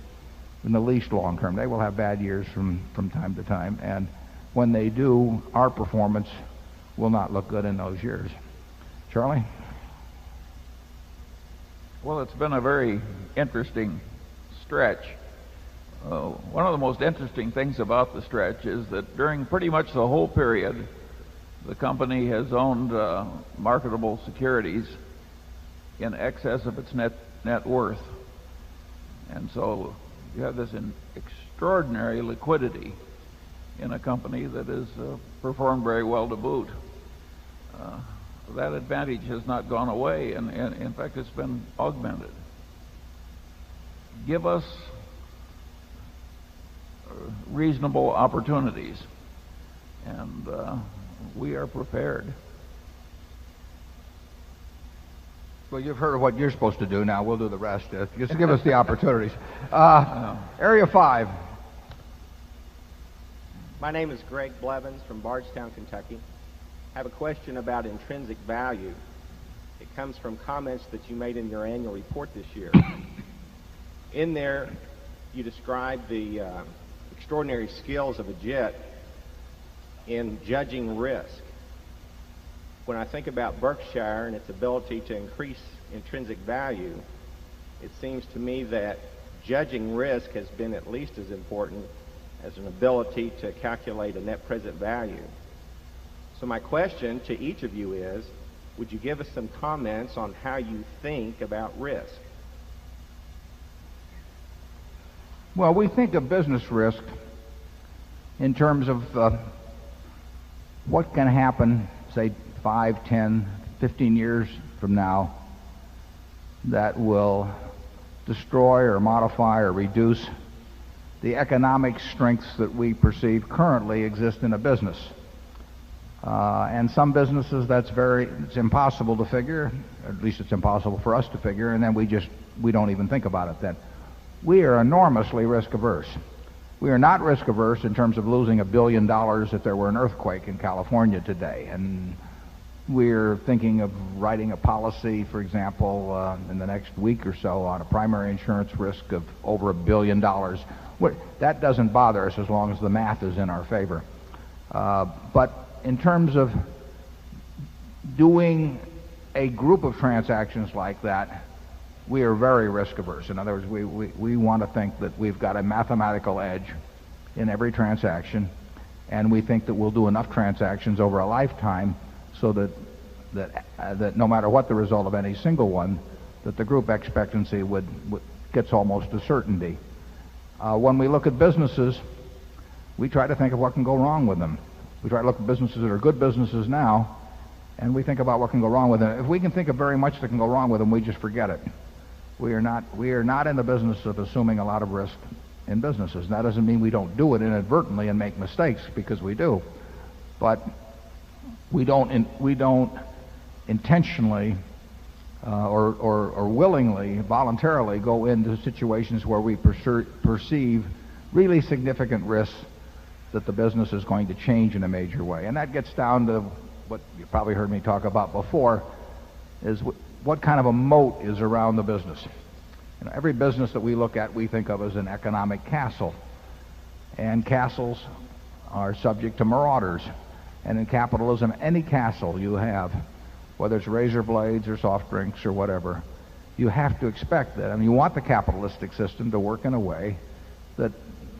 in the least long term. They will have bad years from from time to time. And when they do, our performance will not look good in those years. Charlie? Well, it's been a very interesting stretch. One of the most interesting things about the stretch is that during pretty much the whole period, the company has owned marketable securities in excess of its net net worth and so you have this in extraordinary liquidity in a company that is performed very well to boot. That advantage has not gone away and in fact it's been augmented. Give us reasonable opportunities And we are prepared. Well, you've heard what you're supposed to do now. We'll do the rest. Just give us the opportunities. Area 5. My name is Greg Blevins from Bardstown, Kentucky. I have a question about intrinsic value. It comes from comments that you made in your annual report this year. In there, you described the extraordinary skills of a jet in judging risk. When I think about Berkshire and its ability to increase intrinsic value, it seems to me that judging risk has been at least as important as an ability to calculate a net present value. So my question to each of you is, would you give us some comments on how you think about risk? Well, we think the business risk in terms of what can happen, say, 5, 10, 15 years from now that will destroy or modify or reduce the economic strengths that we perceive currently exist in a business. And some businesses, that's very it's impossible to figure. At least, it's impossible for us to figure. And then we just we don't even think about it then. We are enormously risk averse. We are not risk averse in terms of losing $1,000,000,000 if there were an earthquake in California today. And we're thinking of writing a policy, for example, in the next week or so on a primary insurance risk of over $1,000,000,000 What that doesn't bother us as long as the math is in our favor. But in terms of doing a group of transactions like that, we are very risk averse. In other words, we we we want to think that we've got a mathematical edge in every transaction and we think that we'll do enough transactions over a lifetime so that that, that no matter what the result of any single one, that the group expectancy would would gets almost a certainty. When we look at businesses, we try to think of what can go wrong with them. We try to look at businesses that are good businesses now and we think about what can go wrong with them. If we can think of very much that can go wrong with them, we just forget it. We are not we are not in the business of assuming a lot of risk in businesses. That doesn't mean we don't do it inadvertently and make mistakes because we do. But we don't we don't intentionally, or or willingly voluntarily go into situations where we pursue perceive really significant risks that the business is going to change in a major way. And that gets down to what you probably heard me talk about before is what kind of a moat is around the business. Every business that we look at, we think of as an economic castle. And castles are subject to marauders. And in capitalism, any castle you have, whether it's razor blades or soft drinks or whatever, you have to expect that. I mean, you want the capitalistic system to work in a way that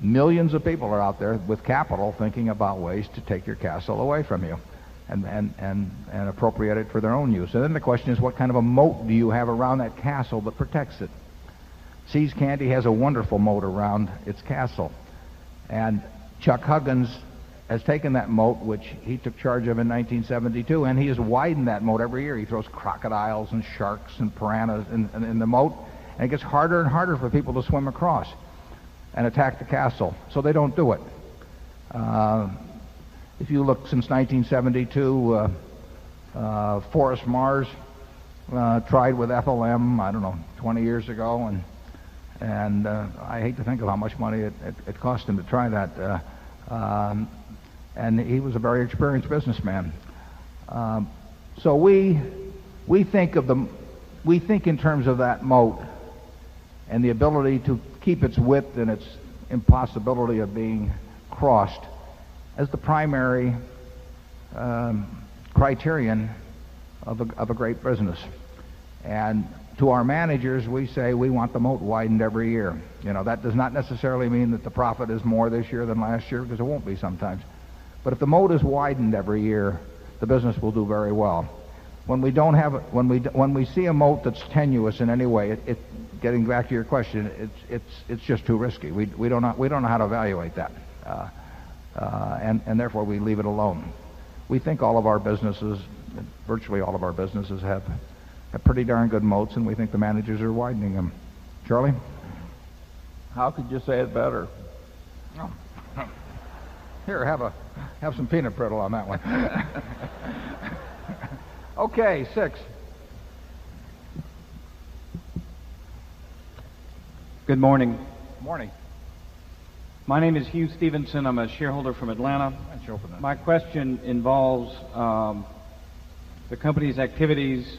millions of people are out there with capital thinking about ways to take your castle away from you and and and appropriate it for their own use. And then the question is, what kind of a moat do you have around that castle that protects it? Sea's Candy has a wonderful moat around its castle. And Chuck Huggins has taken that moat which he took charge of in 1972. And he has widened that moat every year. He throws crocodiles and sharks and piranhas in in the moat. And it gets harder and harder for people to swim across and attack the castle. So they don't do it. If you look since 1972, Forest Mars tried with FLM, I don't know, 20 years ago. And and I hate to think of how much money it cost him to try that. And he was a very experienced businessman. So we we think of them we think in terms of that moat and the ability to keep its width and its impossibility of being crossed as the primary criterion of a of a great business. And to our managers, we say we want the moat widened every year. You know, that does not necessarily mean that the profit is more this year than last year because it won't be sometimes. But if the moat is widened every year, the business will do very well. When we don't have it, when we when we see a moat that's tenuous in any way, it it getting back to your question, it's it's it's just too risky. We we don't know we don't know how to evaluate that. And and therefore, we leave it alone. We think all of our businesses, virtually all of our businesses, have a pretty darn good moats and we think the managers are widening them. Charlie? How could you say it better? Here, have a have some peanut brittle on that one. Okay. 6. Good morning. Good morning. My name is Hugh Stevenson. I'm a shareholder from Atlanta. My question involves the company's activities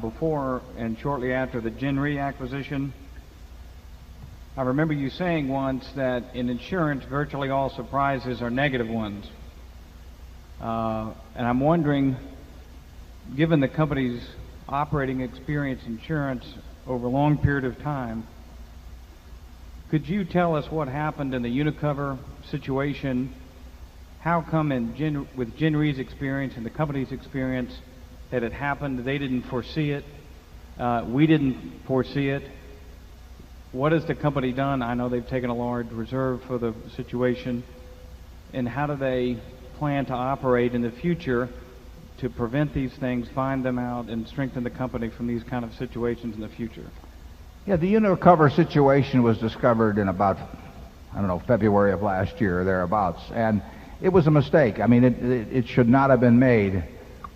before and shortly after the Gen Re acquisition. I remember you saying once that in insurance, virtually all surprises are negative ones. And I'm wondering given the company's operating experience insurance over a long period of time, could you tell us what happened in the unit cover situation? How come in with Jen Rees experience and the company's experience that it happened that they didn't foresee it? We didn't foresee it. What has the company done? I know they've taken a large reserve for the situation and how do they plan to operate in the future to prevent these things, find them out, and strengthen the company from these kind of situations in the future? Yeah. The Uno Cover situation was discovered in about, I don't know, February of last year or thereabouts. And it was a mistake. I mean, it it it should not have been made.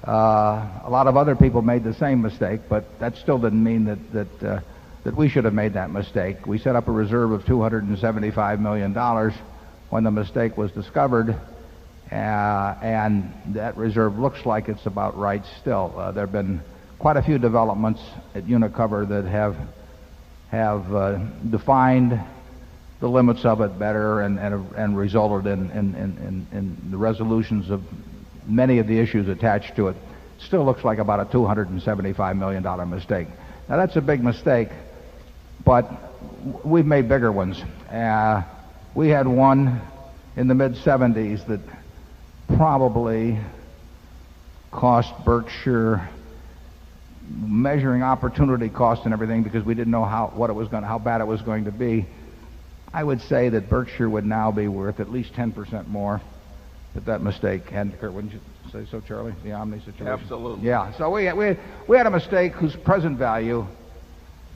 A lot of other people made the same mistake, but that still didn't mean that that, that we should have made that mistake. We set up a reserve of $275,000,000 when the mistake was discovered, and that reserve looks like it's about right still. There have been quite a few developments at UNICOWER that have have defined the limits of it better and and resulted in in the resolutions of many of the issues attached to it. Still looks like about a $275,000,000 mistake. Now, that's a big mistake, but we've made bigger ones. We had one in the mid seventies that probably cost Berkshire measuring opportunity cost and everything because we didn't know how what it was going to how bad was going to be. I would say that Berkshire would now be worth at least 10% more at that mistake. And, Curt, wouldn't you say so, Charlie? The omni situation? We had a mistake whose present value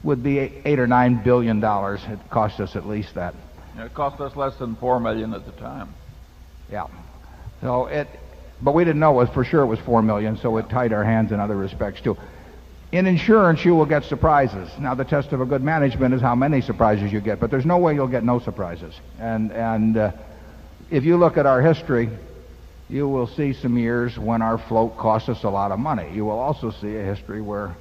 would be 8 or $9,000,000,000 had cost us at least that. Yeah. It cost us less than 4,000,000 at the time. Yeah. So it us less than 4,000,000 at the time. Yeah. So it but we didn't know it was for sure it was 4,000,000. So we tied our hands in other respects too. In insurance, you will get surprises. Now, the test of a good management is how many surprises you get. But there's no way you'll get no surprises. And and, if you look at our history, you will see some years when our float costs us a lot of money. You will also see a history where,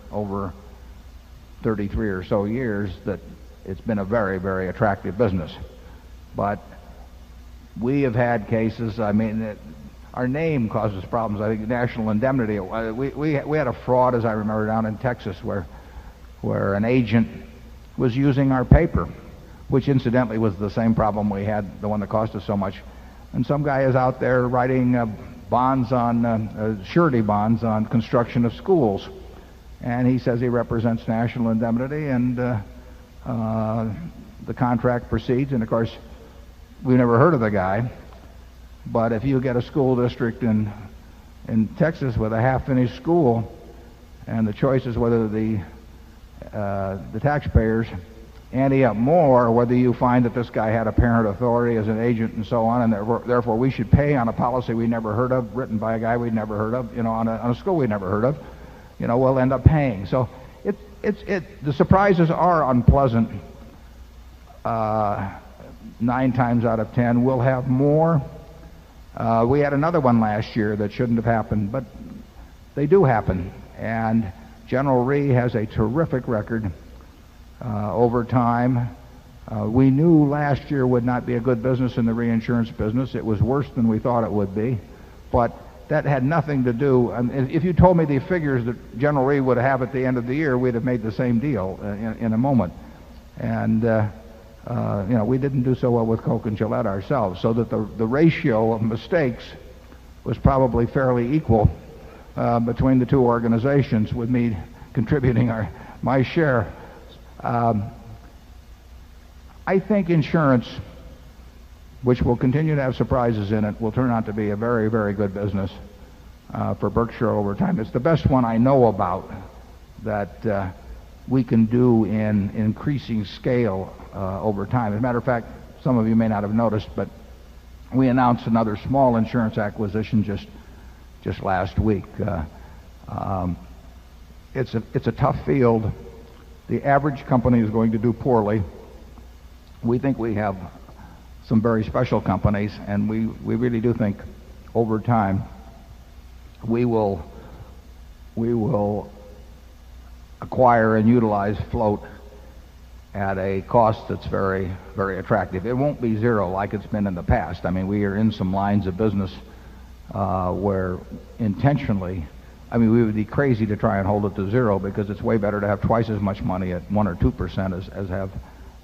over 33 or so years that it's been a very, very attractive business. But we have had cases, I mean, that our name causes problems. I think the National Indemnity, we we had a fraud, as I remember, down in Texas, where where an agent was using our paper, which incidentally was the same problem we had, the one that cost us so much. And some guy is out there writing bonds on, surety bonds on construction of schools. And he says he represents national indemnity and the contract proceeds. And, of course, we never heard of the guy. But if you get a school district in in Texas with a half finished school and the choices whether the, the taxpayers ante up more, whether you find that this guy had a parent authority as an agent and so on and therefore, we should pay on a policy we never heard of, written by a guy we never heard of, you know, on a on a school we never heard of, you know, we'll end up paying. So it it's it the surprises are unpleasant. Nine times out of 10, we'll have more. We had another one last year that shouldn't have happened, but they do happen. And General Rhee has a terrific record, over time. We knew last year would not be a good business in the reinsurance business. It was worse than we thought it would be, but that had nothing to do. And if you told me the figures that General Lee would have at the end of the year, we'd have made the same deal in a moment. And, you know, we didn't do so well with Coke and Gillette ourselves. So that the ratio of mistakes was probably fairly equal between the 2 organizations with me contributing our my share. I think insurance, which will continue to have surprises in it, will turn out to be a very, very good business for Berkshire over time. It's the best one I know about that we can do in increasing scale over time. As a matter of fact, some of you may not have noticed, but we announced another small insurance acquisition just just last week. It's a it's a tough field. The average company is going to do poorly. We think we have some very special companies and we we really do think over time, we will we will acquire and utilize float at a cost that's very, very attractive. It won't be 0 like it's been in the past. I mean, we are in some lines of business, where intentionally, I mean, we would be crazy to try and hold it to 0 because it's way better to have twice as much money at 1% or 2% as have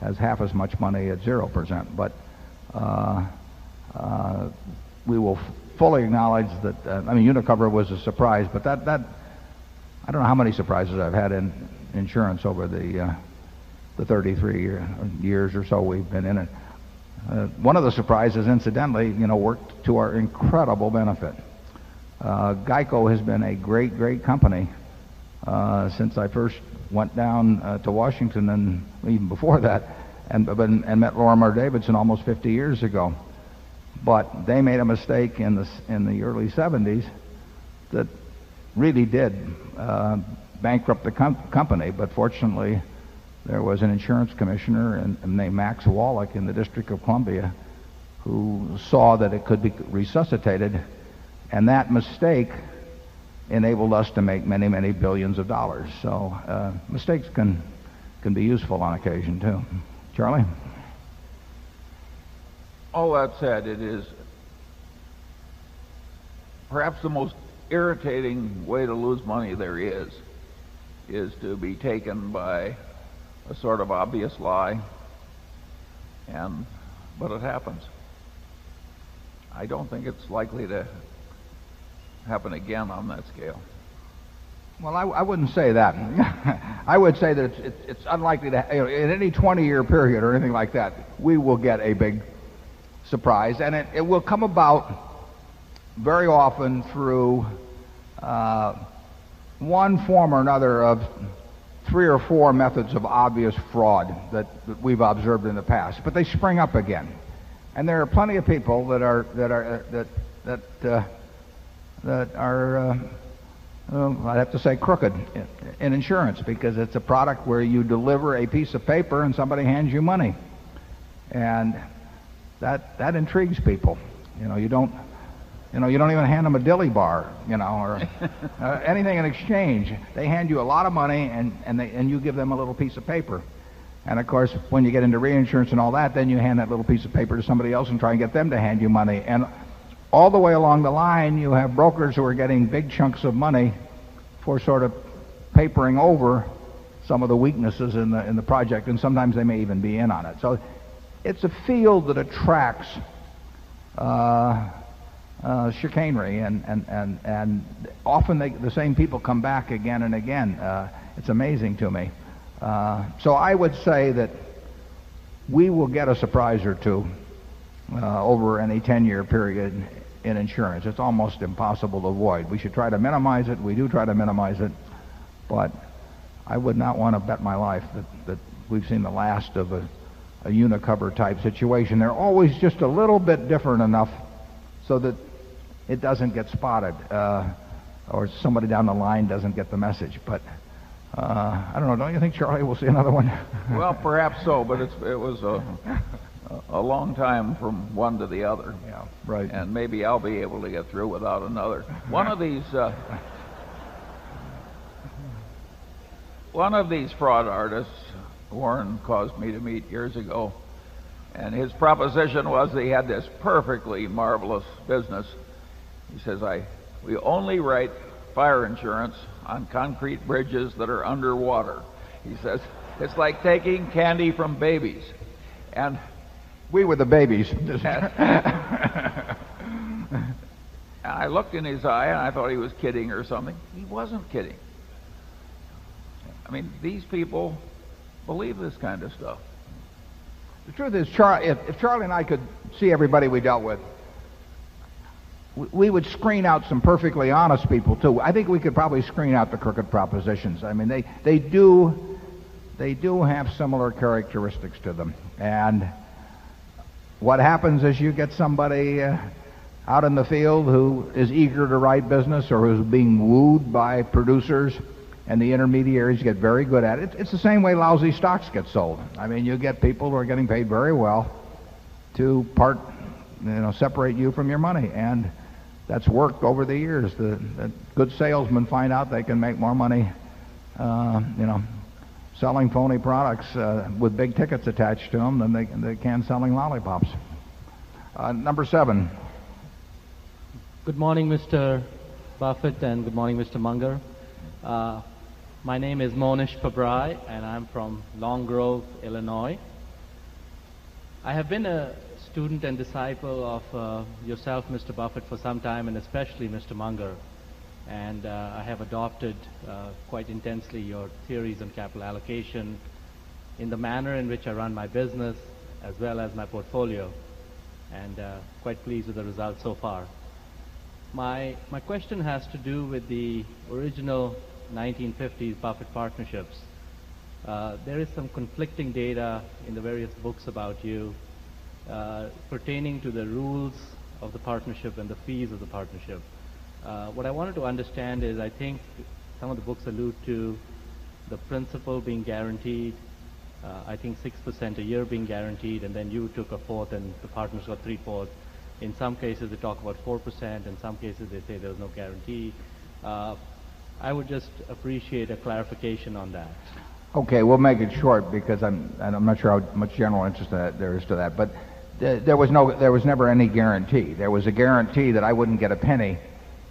as half as much money at 0%. But we will fully acknowledge that I mean, UNICOVER was a surprise, but that that I don't know how many surprises I've had in insurance over the the 33 years or so we've been in it. One of the surprises incidentally, you know, worked to our incredible benefit. GEICO has been a great, great company since I first went down to Washington and even before that and met Lorimer Davidson almost 50 years ago. But they made a mistake in this in the early seventies that really did bankrupt the company. But fortunately, there was an insurance commissioner named Max Wallach in the District of Columbia who saw that it could be resuscitated. And that mistake enabled us to make many, many 1,000,000,000 of dollars. So, mistakes can can be useful on occasion too. Charlie? All that said, it is perhaps the most irritating way to lose money there is is to be taken by a sort of obvious lie and but it happens. I don't think it's likely to happen again on that scale. Well, I I wouldn't say that. I would say that it's it's unlikely that in any 20 year period or anything like that, we will get a big surprise. And it it will come about very often through one form or another of 3 or 4 methods of obvious fraud that we've observed in the past. But they spring up again. And there are plenty of people that are that are that that that are, I'd have to say, crooked in insurance because it's a product where you deliver a piece of paper and somebody hands you money. And that that intrigues people. You know, you don't, you know, you don't even hand them a deli bar, you know, or anything in exchange. They hand you a lot of money and and they and you give them a little piece of paper. And, of course, when you get into reinsurance and all that, then you hand that little piece of paper to somebody else and try and get them to hand you money. And all the way along the line, you have brokers who are getting big chunks of money for sort of papering over some of the weaknesses in the in the project. And sometimes they may even be in on it. So it's a field that attracts chicanery and and and often, they the same people come back again and again. It's amazing to me. So I would say that we will get a surprise or 2, over any 10 year period in insurance. It's almost impossible to avoid. We should try to minimize it. We do try to minimize it. But I would not want to bet my life that that we've seen the last of a a unicubber type situation. They're always just a little bit different enough so that it doesn't get spotted. Or somebody down the line doesn't get the message. But, I don't know. Don't you think, Charlie, we'll see another one? Well, perhaps so. But it's it was a long time from one to the other. Yeah. Right. And maybe I'll be able to get through without another. 1 of these, 1 of these fraud artists, Warren, caused me to meet years ago, and his proposition was that he had this perfectly marvelous business. He says, I we only write fire insurance on concrete bridges that are underwater. He says, it's like taking candy from babies. And we were the babies. I looked in his eye, and I thought he was kidding or something. He wasn't kidding. I mean, these people believe this kind of stuff. The truth is, Charlie if Charlie and I could see everybody we dealt with, we would screen out some perfectly honest people too. I think we could probably screen out the crooked propositions. I mean, they they do they do have similar characteristics to them. And what happens is you get somebody out in the field who is eager to write business or is being wooed by producers and the intermediaries get very good at it. It's the same way lousy stocks get sold. I mean, you get people who are getting paid very well to part, you know, separate you from your money. And that's worked over the years. The good salesmen find out they can make more money, you know, selling phony products with big tickets attached to them, then they can selling lollipops. Number 7. Good morning, Mr. Buffet and good morning, Mr. Munger. My name is Mohnish Pabrai and I'm from Long Grove, Illinois. I have been a student and disciple of yourself Mr. Buffet for some time and especially Mr. Munger and I have adopted quite intensely your theories on capital allocation in the manner in which I run my business as well as my portfolio and quite pleased with the results so far. My question has to do with the original 1950s Buffett Partnerships. There is some conflicting data in the various books about you pertaining to the rules of the partnership and the fees of the partnership. What I wanted to understand is I think some of the books allude to the principal being guaranteed, I think 6% a year being guaranteed and then you took a 4th and the partners got 3 fourth. In some cases they talk about 4%, in some cases they say there is no guarantee. I would just appreciate a clarification on that. Okay. We will make it short because I am not sure how much general interest there is to that. But there was no there was never any guarantee. There was a guarantee that I wouldn't get a penny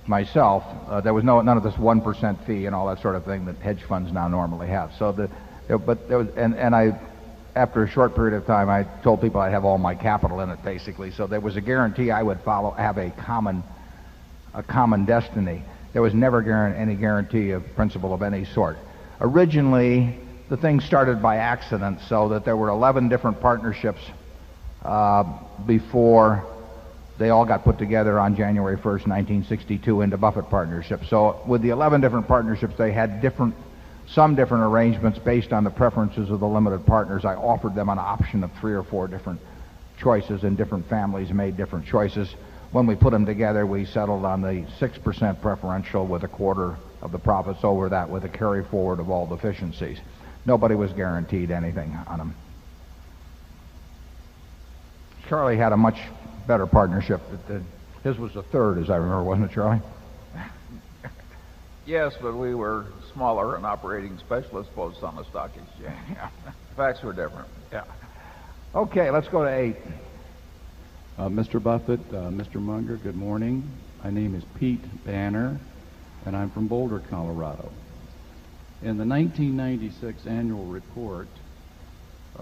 myself. There was no none of this 1% fee and all that sort of thing that hedge funds now normally have. So the but there was and and I after a short period of time, I told people I have all my capital in it basically. So there was a guarantee I would follow have a common a common destiny. There was never guarantee any guarantee of principle of any sort. Originally, the thing started by accident so that there were 11 different partnerships, before they all got put together on January 1, 1962 into Buffett Partnership. So with the 11 different partnerships, they had different some different arrangements based on the preferences of the limited partners. I offered them an option of 3 or 4 different choices and different families made different choices. When we put them together, we settled on the 6% preferential with a quarter of the profits over that with a carry forward of all deficiencies. Nobody was guaranteed anything on them. Charlie had a much better partnership. This was the 3rd, as I remember, wasn't it, Charlie? Yes. But we were smaller, an operating specialist post summer stock exchange. Facts were different. Yeah. Okay. Let's go to 8. Mister Buffet, mister Munger, good morning. My name is Pete Banner and I am from Boulder, Colorado. In the 1996 Annual Report,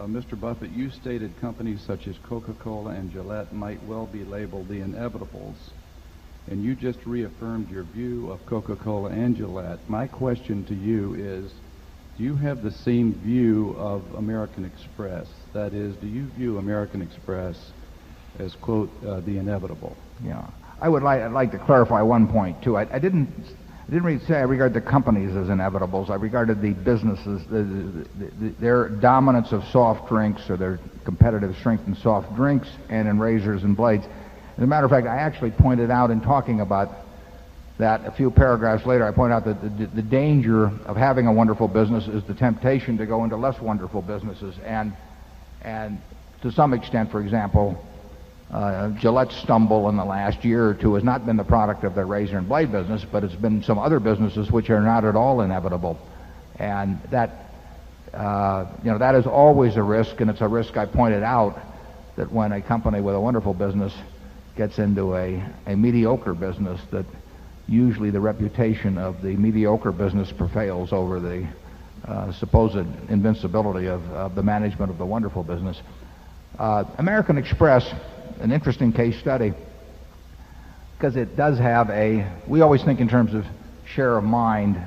Mr. Buffet, you stated companies such as Coca Cola and Gillette might well be labeled the inevitable and you just reaffirmed your view of Coca Cola and Gillette. My question to you is, do you have the same view of American Express? That is, do you view American Express as quote, the inevitable? Yeah. I would like I'd like to clarify one point too. I didn't didn't really say I regard the companies as inevitable. I regarded the businesses, their dominance of soft drinks or their competitive strength in soft drinks and in razors and blades. As a matter of fact, I actually pointed out in talking about that a paragraphs later, I pointed out that the the danger of having a wonderful business is the temptation to go into less wonderful businesses. And and to some extent, for example, Gillette's stumble in the last year or 2 has not been the product of their razor and blade business, but it's been some other businesses which are not at all inevitable. And that, you know, that is always a risk and it's a risk I pointed out that when a company with a wonderful business gets into a mediocre business that usually the reputation of the mediocre business over the supposed invincibility of the management of the wonderful business. American Express, an interesting case study because it does have a we always think in terms of share of mind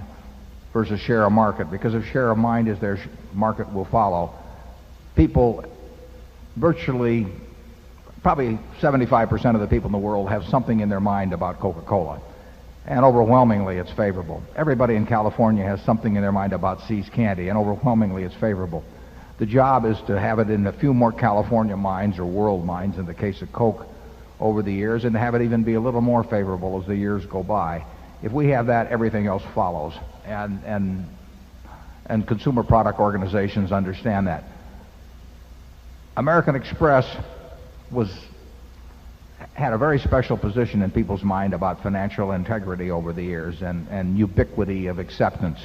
versus share of market, because if share of mind is there, market will follow. People virtually, probably 75% of the people in the world have something in their mind about Coca Cola. And overwhelmingly, it's favorable. Everybody in California has something in their mind about seized candy, and overwhelmingly, it's favorable. The job is to have it in a few more California mines or world mines, in the case of Coke, over the years and have it even be a little more favorable as the years go by. If we have that, everything else follows. And and consumer product organizations understand that. American Express was had a very special position in people's mind about financial integrity over the years and and ubiquity of acceptance.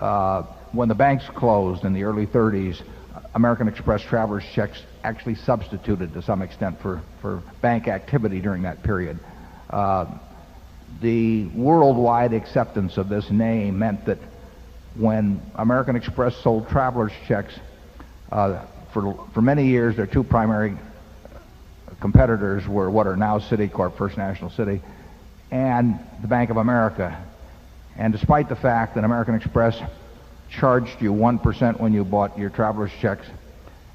When the banks closed in the early thirties, American Express Travelers Chefs actually substituted to some extent for for bank activity during that period. The worldwide acceptance of this name meant that when American Express sold traveler's checks, for for many years, their 2 primary competitors were what are now Citicorp, First National Citi and the Bank of America. And despite the fact that American Express charged you 1% when you bought your traveler's checks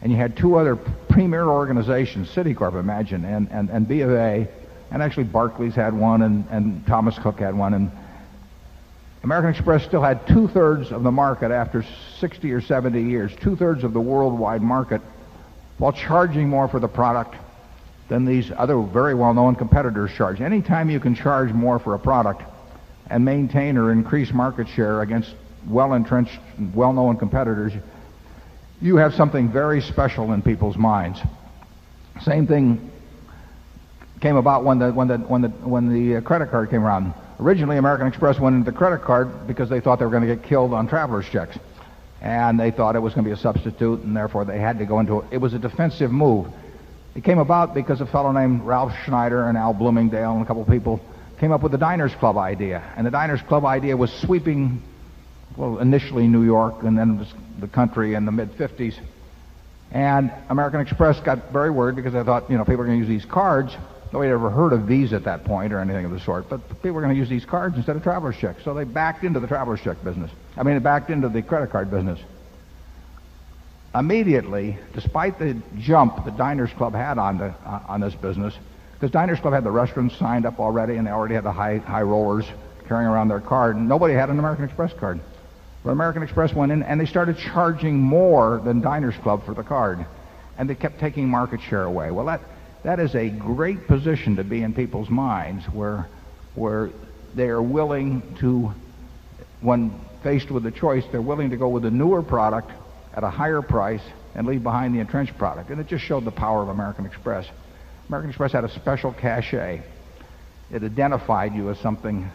and you had 2 other premier organizations, Citicorp, imagine and and and BofA, and actually Barclays had 1 and and Thomas Cook had 1. And American Express still had 2 thirds of the market after 60 or 70 years, 2 thirds of the worldwide market, while charging more for the product than these other very well known competitors charge. Anytime you can charge more for a product and maintain or increase market share against well entrenched, well known competitors, you have something very special in people's minds. Same thing came about when the when the when the when the credit card came around. Originally, American Express went into credit card because they thought they were going to get killed on traveler's checks. And they thought it was going to be a substitute and therefore they had to go into it. It was a defensive move. It came about because a fellow named Ralph Schneider and Al Bloomingdale and a couple of people came up with a diners club idea. And the diners club idea was sweeping, well, initially New York and then the country in the mid fifties. And American Express got very worried because they thought, you know, people are going to use these cards. No way ever heard of these at that point or anything of the sort. But they were going to use these cards instead of Travelers Chek. So they backed into the Travelers Chek business. I mean, it backed into the credit card business. Immediately, despite the jump the Diners Club had on the, on this business, because Diners Club had the restaurants signed up already and they already had the high high rollers carrying around their card. And nobody had an American Express card. But American Express went in and they started charging more than Diners Club for the card. And they kept taking market share away. Well, that that is a great position to be in people's minds, where where they are willing to, when faced with a choice, they're willing to go with a newer product at a higher price and leave behind the entrenched product. And it just showed the power of American Express. American Express had a special cache. It identified you as something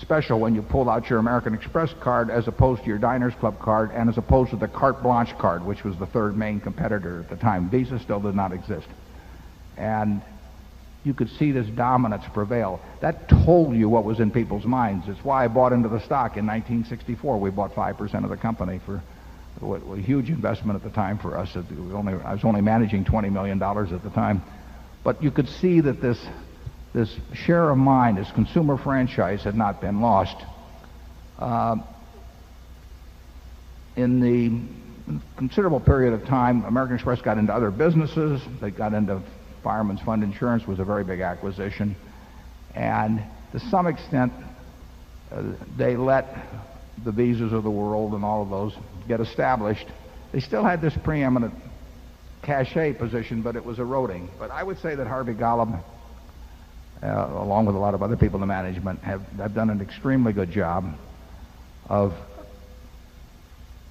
special when you pull out your American Express card as opposed to your Diner's Club card and as opposed to the carte blanche card, which was the 3rd main competitor at the time. Visa still did not exist. And you could see this dominance prevail. That told you what was in people's minds. It's why I bought into the stock in 1964. We bought 5% of the company for a huge investment at the time for us. I was only managing $20,000,000 at the time. But you could see that this this share of mind, this consumer franchise had not been lost. In the considerable period of time, American Express got into other businesses. They got into Fireman's Fund Insurance was a very big acquisition. And to some extent, they let the visas of the world and all of those get established. They still had this preeminent cachet position, but it was eroding. But I would say that Harvey Golub, along with a lot of other people in the management, have done an extremely good job of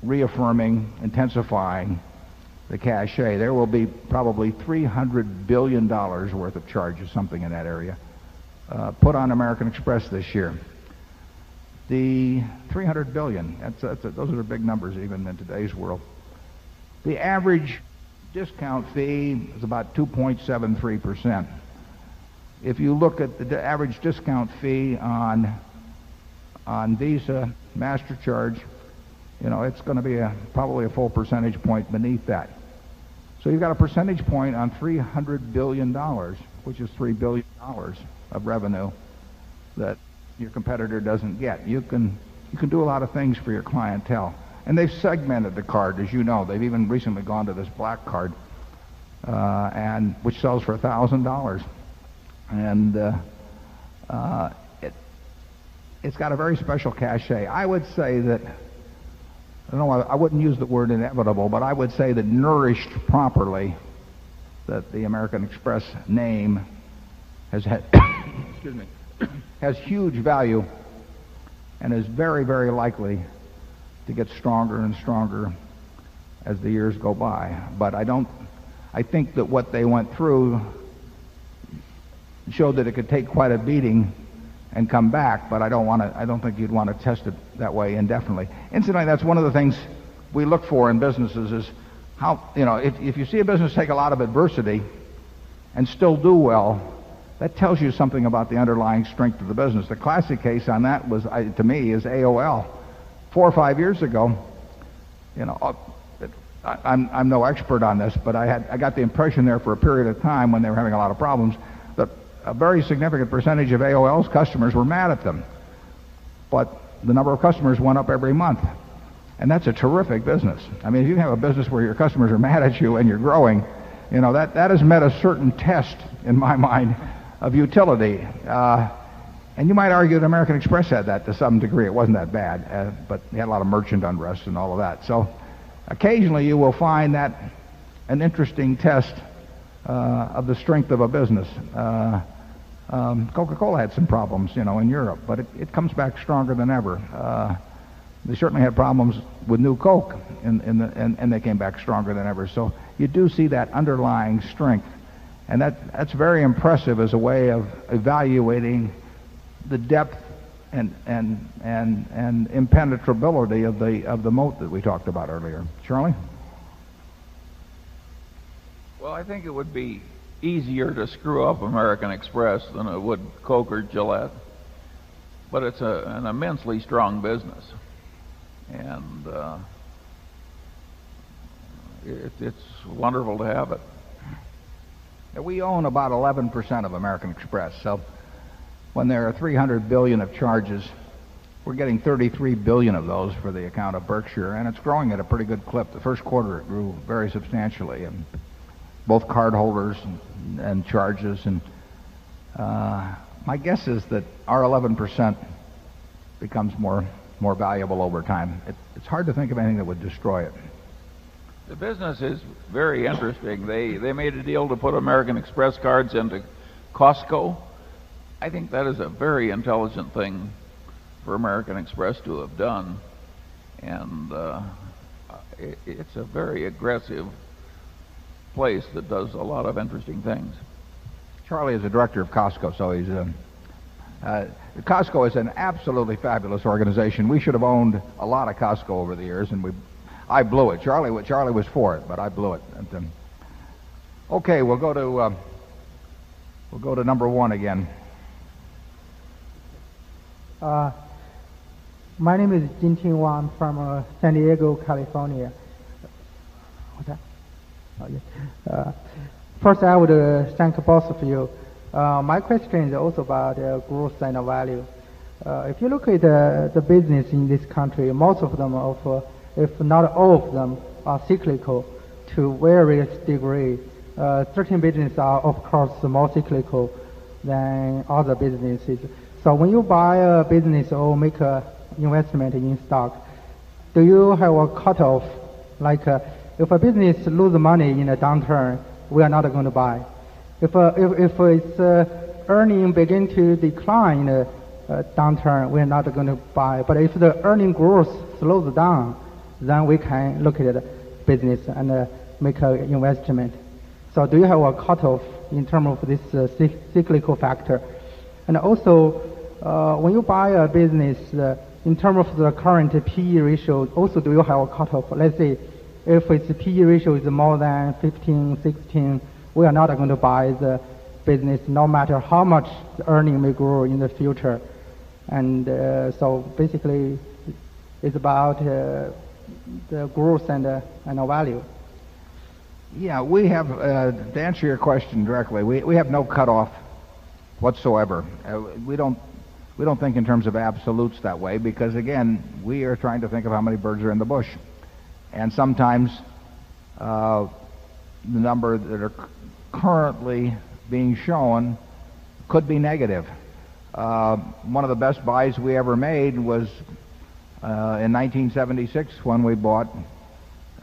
reaffirming, intensifying the cache. There will be probably 300 $1,000,000,000 worth of charges, something in that area, put on American Express this year. The 300,000,000,000 that's that's a those are big numbers even in today's world. The average discount fee is about 2.73%. If you look at the average discount fee on on Visa Master Charge, you know, it's going to be a probably a full percentage point beneath that. So you've got a percentage point on $300,000,000,000 which is 3,000,000,000 dollars of revenue that your competitor doesn't get. You can do a lot of things for your clientele. And they've segmented the card, as you know. They've even recently gone to this black card, and which sells for $1,000 And it it's got a very special cache. I would say that, I don't know, I wouldn't use the word inevitable, but I would say that nourished properly that the American Express name has had Excuse me. Has huge value and is very, very likely to get stronger and stronger as the years go by. But I don't I think that what they went through showed that it could take quite a beating and come back. But I don't want to I don't think you'd want to test it that way indefinitely. And so that's one of the things we look for in businesses is how, you know, if if you see a business take a lot of adversity and still do well, that tells you something about the underlying strength of the business. The classic case on that was, to me, is AOL. 4 or 5 years ago, you know, I I'm I'm no expert on this, but I had I got the impression there for a period of time when they were having a lot of problems that a very significant percentage of AOL's customers were mad at them. But the number of customers went up every month And that's a terrific business. I mean, if you have a business where your customers are mad at you and you're growing, you know, that that has met a certain test, in my mind, of utility. And you might argue that American Express had that to some degree. It wasn't that bad. But they had a lot of merchant unrest and all of that. So occasionally, you will find that an interesting test of the strength of a business. Coca Cola had some problems, you know, in Europe, but it it comes back stronger than ever. They certainly had problems with new Coke and and and they came back stronger than ever. So you do see that underlying strength. And that that's very impressive as a way of evaluating the depth and and and and impenetrability of the of the moat that we talked about earlier. Charlie? Well, I think it would be easier to screw up American Express than I would coke or Gillette. But it's an immensely strong business. And it's wonderful to have it. We own about 11% of American Express. So when there are 300,000,000,000 of charges, we're getting 33,000,000,000 of those for the account of Berkshire and it's growing at a pretty good clip. The Q1, it grew very substantially and both cardholders and charges and, my guess is that our 11% becomes more more valuable over time. It's hard to think of anything that would destroy it. The business is very interesting. They they made a deal to put American Express cards into Costco. I think that is a very intelligent thing for American Express to have done and, it's a very aggressive place that does a lot of interesting things. Charlie is a director of Costco. So he's, Costco is an absolutely fabulous organization. We should have owned a lot of Costco over the years and we I blew it. Charlie was Charlie was for it, but I blew it. Okay. We'll go to we'll go to number 1 again. My name is Jingjing Wang from San Diego, California. First, I would thank both of you. My question is also about growth and value. If you look at the business in this country, most of them, if not all of them are cyclical to various degree. Certain businesses are, of course, more cyclical than other businesses. So when you buy a business or make an investment in stock, do you have a cut off like if a business loses money in a downturn, we are not going to buy. If it's earning begin to decline downturn, we are not going to buy. But if the earning growth slows down, then we can look at business and make an investment. So do you have a cut off in terms of this cyclical factor? And also, when you buy a business in terms of the current PE ratio, also do you have a cut off? Let's say, if the PE ratio is more than 15%, 16%, we are not going to buy the business no matter how much the earning we grow in the future. And so basically, it's about the growth and the value. Yeah. We have, to answer your question directly, we we have no cutoff whatsoever. We don't we don't think in terms of absolutes that way because, again, we are trying to think of how many birds are in the bush. And sometimes, the number that are currently being shown could be negative. One of the best buys we ever made was in 1976 when we bought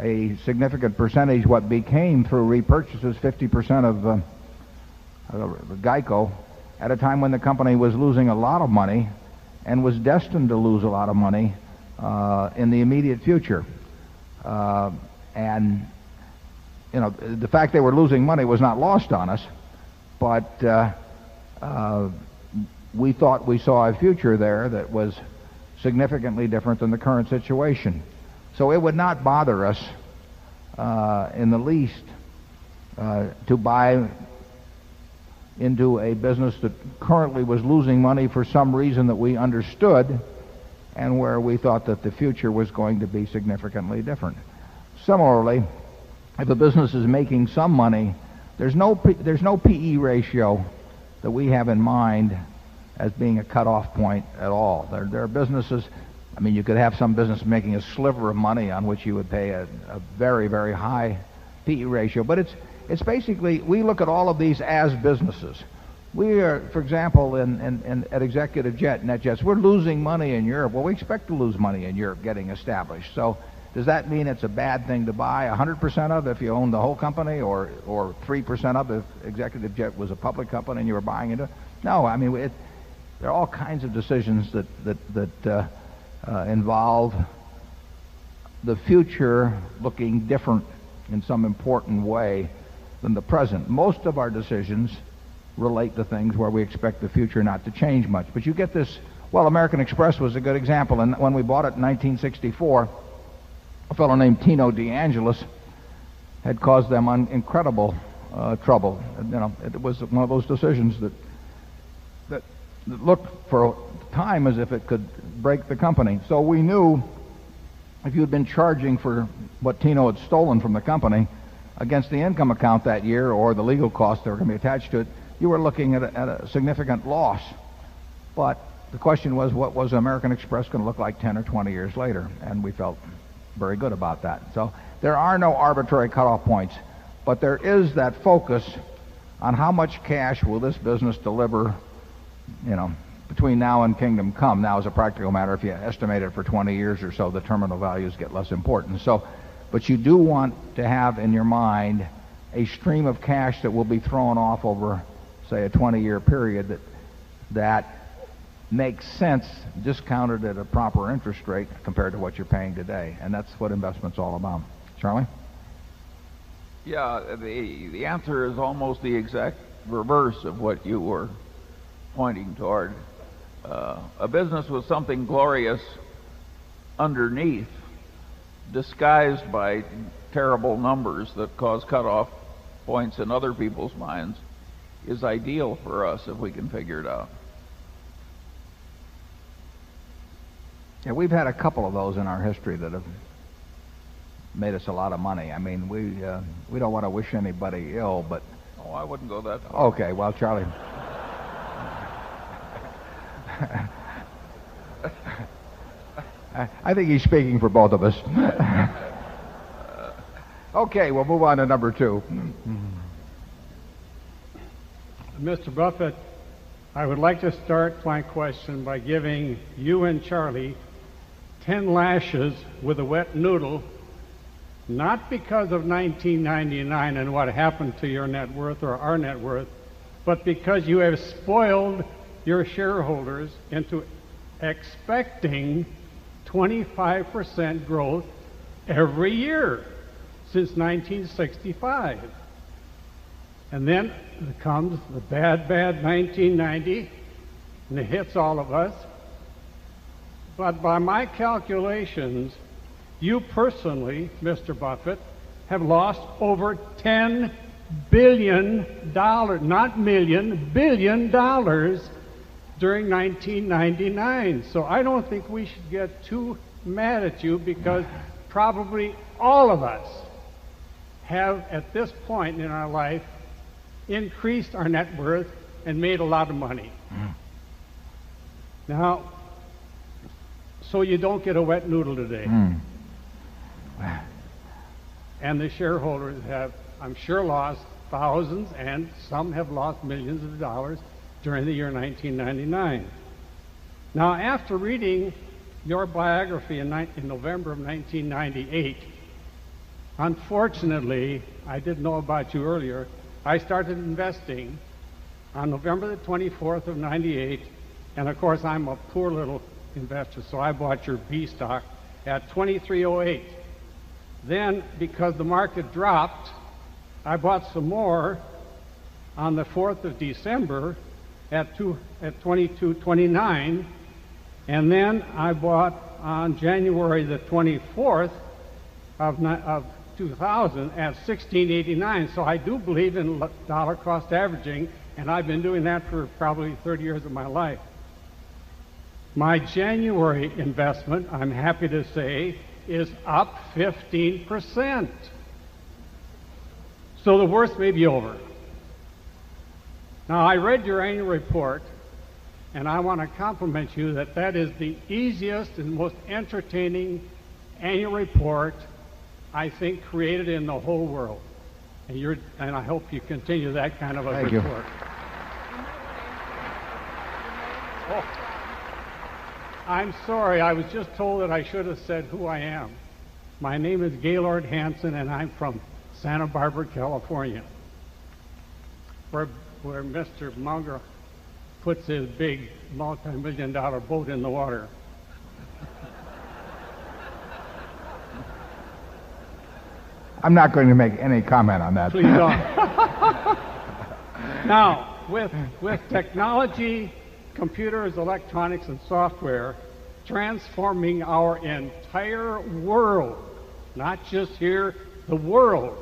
a significant percentage what became through repurchases 50% of GEICO at a time when the company was losing a lot of money and was destined to lose a lot of money in the immediate future. And, you know, the fact they were losing money was not lost on us. But we thought we saw a future there that was significantly different than the current situation. So it would not bother us in the least to buy into a business that currently was losing money for some reason that we understood money, there's no PE ratio that we have in mind as being a cutoff point at all. There are businesses, I mean, you could have some business making a sliver of money on which you would pay a very, very high PE ratio. But it's it's basically we look at all of these as businesses. We are for example in in in at executive jet net jets we're losing money in Europe. Well, we expect to lose money in Europe getting established. So does that mean it's a bad thing to buy a 100% of if you own the whole company or or 3% of if executive jet was a public company and you were buying into it? No. I mean, it there are all kinds of decisions that that that, involve the future looking different in some important way than the present. Most of our decisions relate to things where we expect the future not to change much. But you get this. While American Express was a good example. And when we bought it in 1964, a fellow named Tino Deangelis had caused them an incredible, trouble. And, you know, it was one of those decisions that that looked for time as if it could break the company. So we knew if you had been charging for what Tino had stolen from the company against the income account that year or the legal costs that were going to be attached to it, you were looking at a significant loss. But the question was, what was American Express going to look like 10 or 20 years later? And we felt very good about that. So there are no arbitrary cutoff points. But there is that focus on how much cash will this business deliver, you know, between now and kingdom come. Now is a practical matter. If you estimate it for 20 years or so, the terminal values get less important. So but you do want to have in your mind a stream of cash that will be thrown off over, say, a 20 year period that that makes sense discounted at a proper interest rate compared to what you're paying today. And that's what investments all about. Charlie? Yeah. The answer is almost the exact reverse of what you were pointing toward. A business was something glorious underneath disguised by terrible numbers that cause cutoff points in other people's minds is ideal for us if we can figure it out. Yeah. We've had a couple of those in our history that have made us a lot of money. I mean, we, we don't want to wish anybody ill, but Oh, I wouldn't go that far. Okay. Well, Charlie. I think he's speaking for both of us. Okay. We'll move on to number 2. Mr. Buffet, I would like to start my question by giving you and Charlie. 10 lashes with a wet noodle. Not because of 1999 and what happened to your net worth or our net worth but because you have spoiled your shareholders into expecting 25% growth every year since 19 65. And then it comes the bad, bad. 1990. And it hits all of us. But by my calculations you personally mister Buffett have lost over 10 $1,000,000,000 not $1,000,000,000 during 1999. So I don't think we should get too mad at you because probably all of us have at this point in our life increased our net worth and made a lot of money. Now, so you don't get a wet noodle today. And the shareholders have I'm sure lost 1,000 and some have lost 1,000,000 of dollars The year in 1990 9. Now after reading your biography in November of 1998, Unfortunately, I didn't know about you earlier. I started investing on November 24, 98 and of course I'm a poor little investor so I bought your B stock at $2,308 then because the market dropped I bought some more on the 4th December at 22/29 and then I bought on January 24th of 2000 at 16.89. So I do believe in dollar cost averaging and I've been doing that for probably 30 years of my life. My January investment, I'm happy to say, is up. 15%. So the worst may be over. Now, I read your annual report. And I want to compliment you that that is the easiest and most entertaining annual report. I think created in the whole world and you're and I hope you continue that kind of a report. I'm sorry. I was just told that I should have said who I am. My name is Gaylord Hansen and I'm from I'm not going to make any comment on that. Now, with with technology, computers, electronics and software transforming our entire world, not just here, the world.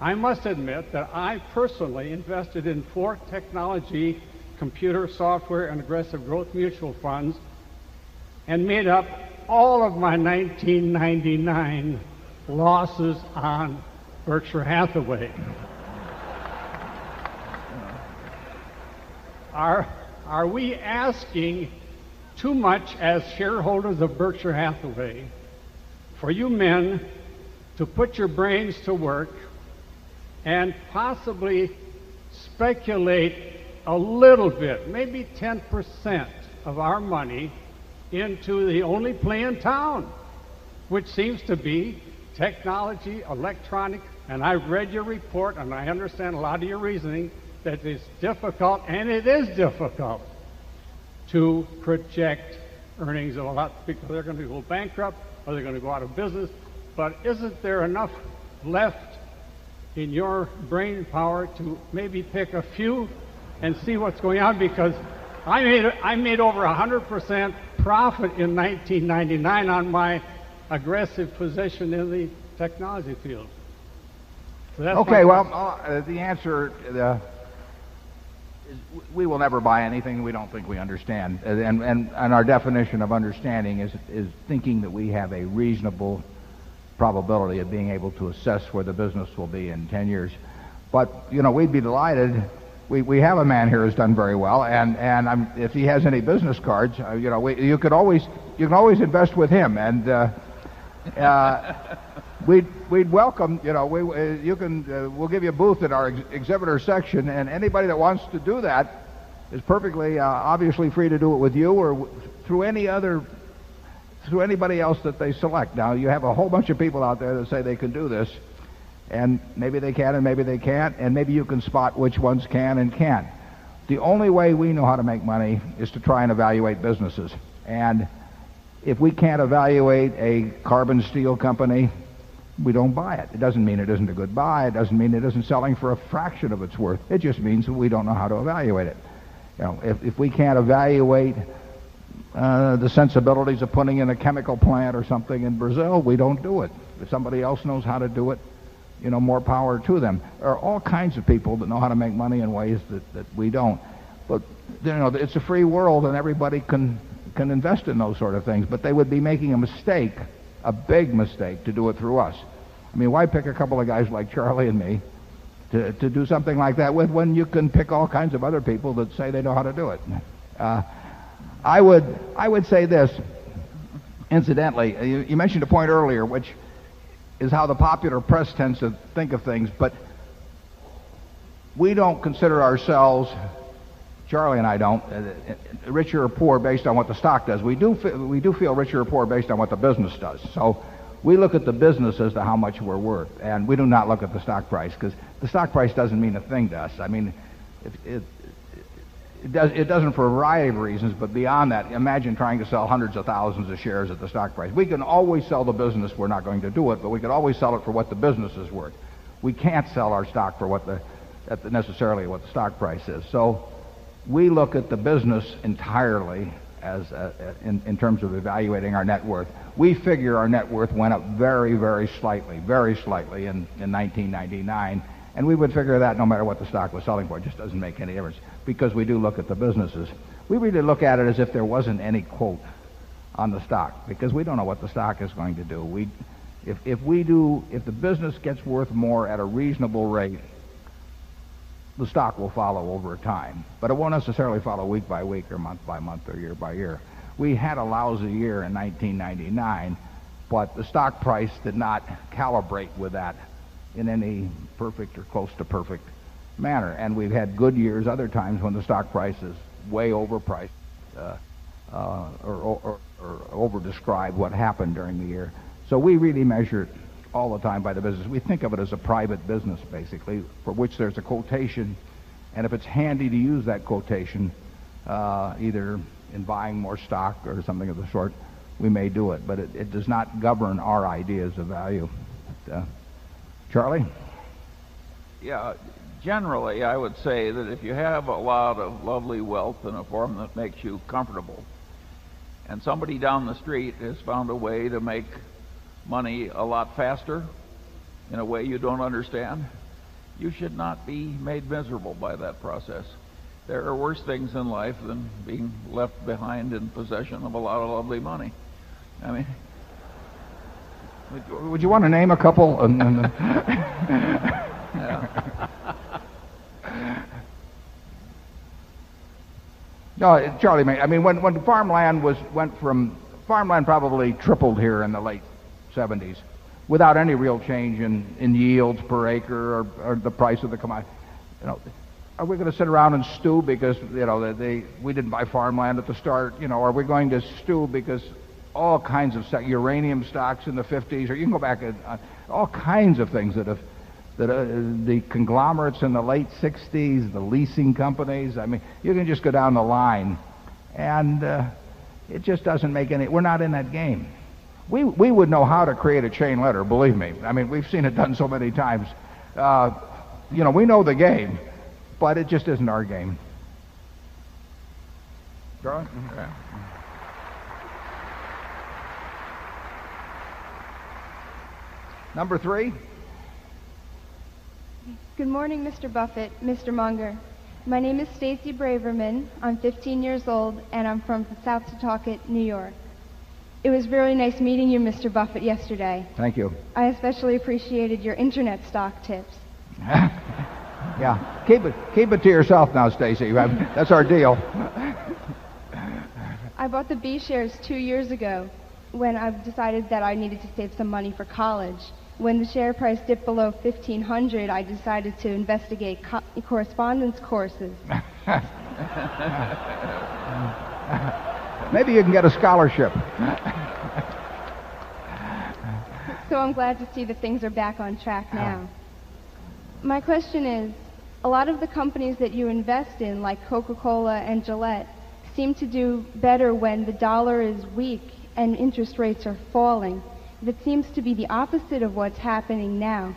I must admit that I personally invested in 4th Technology, computer software and aggressive growth mutual funds and made up all of my 1999 losses on Berkshire Hathaway. To work and possibly. Speculate. A little bit. Maybe 10% of our money into the only play in town, which seems to be technology, electronic, and I read your report and I understand a lot of your reasoning that it's difficult and it is difficult to project earnings of a lot of people. They're going to go bankrupt or they're going to go out of business. But isn't there enough left in your brain power to maybe pick a few and see what's going on because I made I made over a 100% profit in 1999 on my aggressive position in the technology field. Okay. Well, the answer, the we will never buy anything we don't think we understand. And and our definition of understanding is is thinking that we have a reasonable probability of being able to assess where the business will be in 10 years. But you know, we'd be delighted. We we have a man here who's done very well and and I'm if he has any business cards, you know, we you could always you can always invest with him. And we'd welcome you know, we you can we'll give you a booth at our exhibitor section. And anybody that wants to do that is perfectly, obviously free to do it with you or through any other through anybody else that they select. Now, you have a whole bunch of people out there that say they can do this and maybe they can and evaluate businesses. And if we can't evaluate a carbon steel company, we don't buy it. It doesn't mean it isn't a good buy. It doesn't mean it isn't selling for a fraction of its worth. It just means that we don't know how to evaluate it. Now, if if we can't evaluate, the sensibilities of putting in a chemical plant or something in Brazil, we don't do it. If somebody else knows how to do it, you know, more power to them. There are all kinds of people that know how to make money in ways that that we don't. But, you know, it's a free world and everybody can can invest in those sort of things. But they would be making a mistake, a big mistake, to do it through us. I mean, why pick a couple of guys like Charlie and me to to do something like that with when you can pick all kinds of other people that say they know how to do it? I would I would say this incidentally. You you mentioned a point earlier, which is how the popular press tends to think of things. But we don't consider ourselves, Charlie and I don't, richer or poor based on what the stock does. We do feel we do feel richer or poor based on what the business does. So we look at the business as to how much we're worth and we do not look at the stock price because the stock price doesn't mean a thing to us. I mean, it it does it doesn't for a variety of reasons. But beyond that, imagine trying to sell 100 of 1000 of shares at the stock price. We can always sell the business. We're not going to do it. But we could always sell it for what the business is worth. We can't sell our stock for what the necessarily what the stock price is. So we look at the business entirely as, in terms of evaluating our net worth. We figure our net worth went up very, very slightly, very slightly in in 1999. And we would figure that no matter what the stock was selling for, it just doesn't make any difference because we do look at the businesses. We really look at it as if there wasn't any quote on the stock because we don't know what the stock is going to do. We if if we do if the business gets worth more at a reasonable rate, the stock will follow over time. But it won't necessarily follow week by week or month by month or year by year. We had a lousy year in 1999, but the stock price did not calibrate with that in any perfect or close to perfect manner. And we've had good years other times when the stock price is way overpriced or over describe what happened during the year. So we really measure all the time by the business. We think of it as a private business basically for which there's a quotation and if it's handy to use that quotation, either in buying more stock or something of the sort, we may do it. But it it does not govern our ideas of value. Charlie? Yeah. Generally, I would say that if you have a lot of lovely wealth in a form that makes you comfortable and somebody down the street has found a way to make money a lot faster in a way you don't understand, You should not be made miserable by that process. There are worse things in life than being left behind in possession of a lot of lovely money. I mean, would you want to name a couple? Charlie may I mean, when the farmland was went from farmland probably tripled here in the late seventies without any real change in in yields per acre or or the price of the commodity, you know. Are we going to sit around and stew because, you know, they we didn't buy farmland at the start? You know, are we going to stew because all kinds of uranium stocks in the fifties or you can go back and all kinds of things that have that, the conglomerates in the late sixties, the leasing companies. I mean, you can just go down the line. And, it just doesn't make any we're not in that game. We we would know how to create a chain letter, believe me. I mean, we've seen it done so many times. You know, we know the game, but it just isn't our game. Go on. Okay. Number 3. Good morning, mister Buffet, mister Monger. My name is Stacy Braverman. I'm 15 years old, and I'm from South Talkat, New York. It was very nice meeting you, mister Buffet, yesterday. Thank you. I especially appreciated your Internet stock tips. Yeah. Keep it keep it to yourself now, Stacey. That's our deal. I bought the B shares 2 years ago when I've decided that I needed to save some money for college. When the share price dipped below 1500, I decided to investigate correspondence courses. Maybe you can get a scholarship. So I'm glad to see that things are back on track now. My question is, a lot of the companies that you invest in like Coca Cola and Gillette seem to do better when the dollar is weak and interest rates are falling. That seems to be the opposite of what's happening now.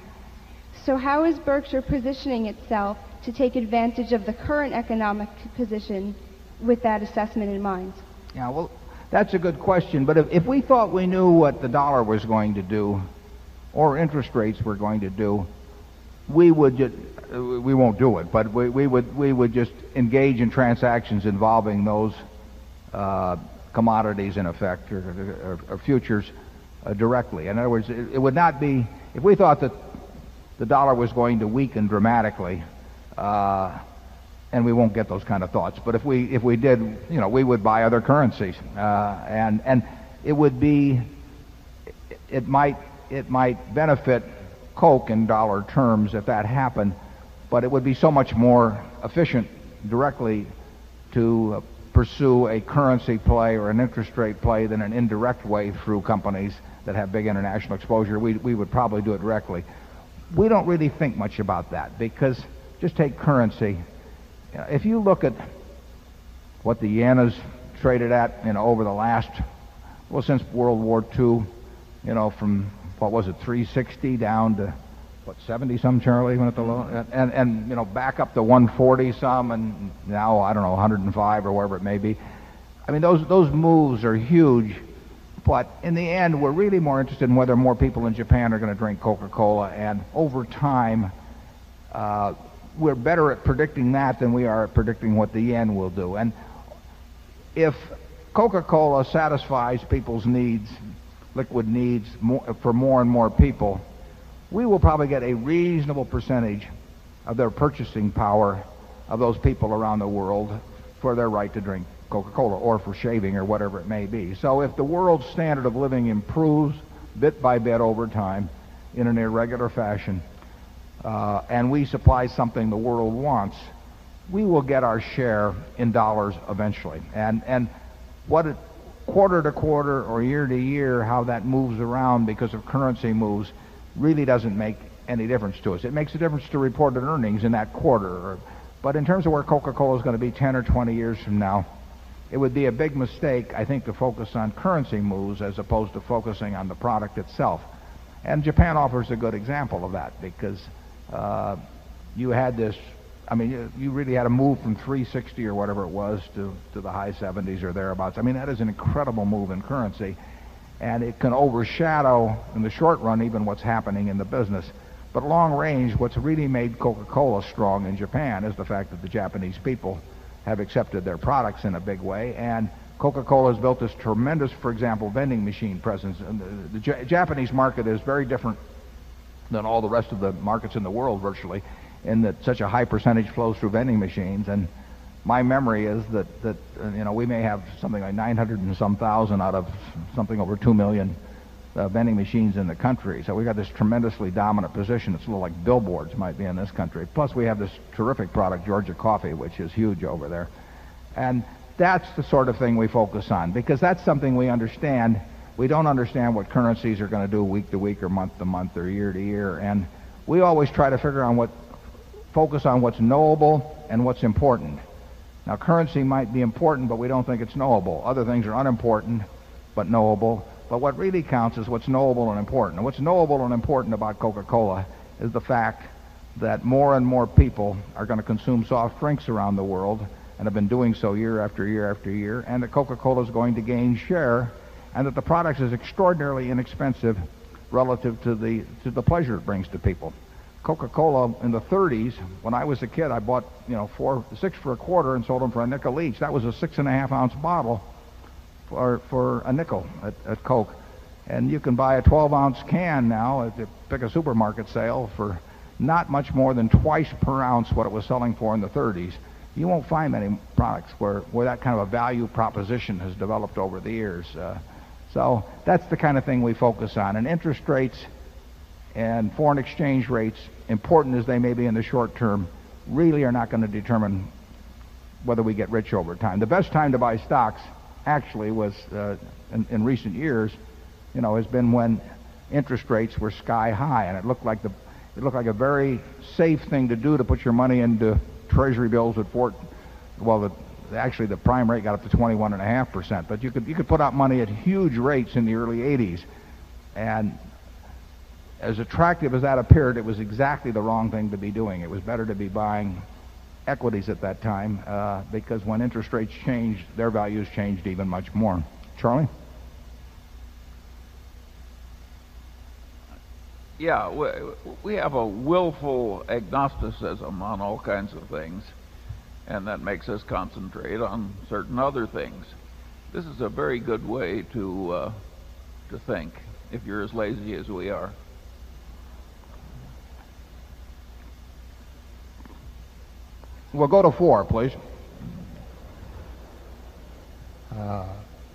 So how is Berkshire positioning itself to take advantage of the current economic position with that assessment in mind? Yeah. Well, that's a good question. But if we thought we knew what the dollar was going to do or interest rates were going to do, we would just we won't do it. But we would we would just engage in transactions involving those commodities, in effect, or futures directly. In other words, it would not be if we thought that the dollar was going to weaken dramatically, and we won't get those kind of thoughts. But if we did, you know, we would buy other currencies. And it would be it might benefit Coke in dollar terms if that happened, but it would be so much more efficient directly to pursue a currency play or an interest rate play than an indirect way through companies that have big international exposure, we we would probably do it directly. We don't really think much about that because just take currency. If you look at what the yen has traded at, you know, over the last, well, since World War II, you know, from what was it, 360 down to, what, 70 some, Charlie? Went below. And and, you know, back up to 140 some and now, I don't know, 105 or whatever it may be. I mean, those those moves are huge. But in the end, we're really more interested in whether more people in Japan are going to drink Coca Cola. And over time, we're better at predicting that than we are predicting what the yen will do. And if Coca Cola satisfies people's needs, liquid needs more for more and more people, we will probably get a reasonable percentage of their purchasing power of those people around the world for their right to drink Coca Cola or for shaving or whatever it may be. So if the world's standard of living improves bit by bit over time in an irregular fashion, and we supply something the world wants, we will get our share in dollars eventually. And and what quarter to quarter or year to year, how that moves around because of currency moves really doesn't make any difference to us. It makes a difference to reported earnings in that quarter. But in terms of where Coca Cola is going to be 10 or 20 years from now It would be a big mistake I think to focus on currency moves as opposed to focusing on the product itself And Japan offers a good example of that because, you had this I mean, you really had a move from 360 or whatever it was to to the high 70s or thereabouts. I mean, that is an incredible move in currency. And it can overshadow, in the short run, even what's happening in the business. But long range, what's really made Coca Cola strong in Japan is the fact that the Japanese people have accepted their products in a big way. And Coca Cola has built this tremendous, for example, vending machine presence. And the Japanese market is very different than all the rest of the markets in the world virtually and that such a high percentage flows through vending machines. And my memory is that that, you know, we may have something like 900 and some 1000 out of something over 2,000,000 vending machines in the country. So we got this tremendously dominant position. It's a little like billboards might be in this country. Plus, we have this terrific product, Georgia Coffee, which is huge over there. And that's the sort of thing we focus on because that's something we understand. We don't understand what currencies are going to do week to week or month to month or year to year. And we always try to figure out what focus on what's knowable and what's important. Now currency might be important, but we don't think it's knowable. Other things are unimportant, but knowable. But what really counts is what's knowable and important. And what's knowable and important about Coca Cola is the fact that more and more people are going to consume soft drinks around the world and have been doing so year after year after year and that Coca Cola is going to gain share and that the product is extraordinarily inexpensive relative to the to the pleasure it brings to people Coca Cola in the thirties when I was a kid I bought you know 4 6 for a quarter and sold them for a nickel each That was a 6 and a half ounce bottle for a nickel at Coke And you can buy a 12 ounce can now at pick a supermarket sale, for not much more than twice per ounce what it was selling for in the thirties. You won't find many products where that kind of a value proposition has developed over the years. So that's the kind of thing we focus on. And interest rates and foreign exchange rates, important as they may be in the short term, really are not going to determine whether we get rich over time. The best time to buy stocks actually was in recent years, you know, has been when interest rates were sky high. And it looked like it looked like a very safe thing to do to put your money into treasury bills at 4th well, actually the primary got up to 21.5%. But you could put out money at huge rates in the early eighties. And as attractive as that appeared, it was exactly the wrong thing be doing. It was better to be buying equities at that time, because when interest rates change their values changed even much more. Charlie? Yeah. We have a willful agnosticism on all kinds of things and that makes us concentrate on certain other things. This is a very good way to, to think if you're as lazy as we are. We'll go to 4, please.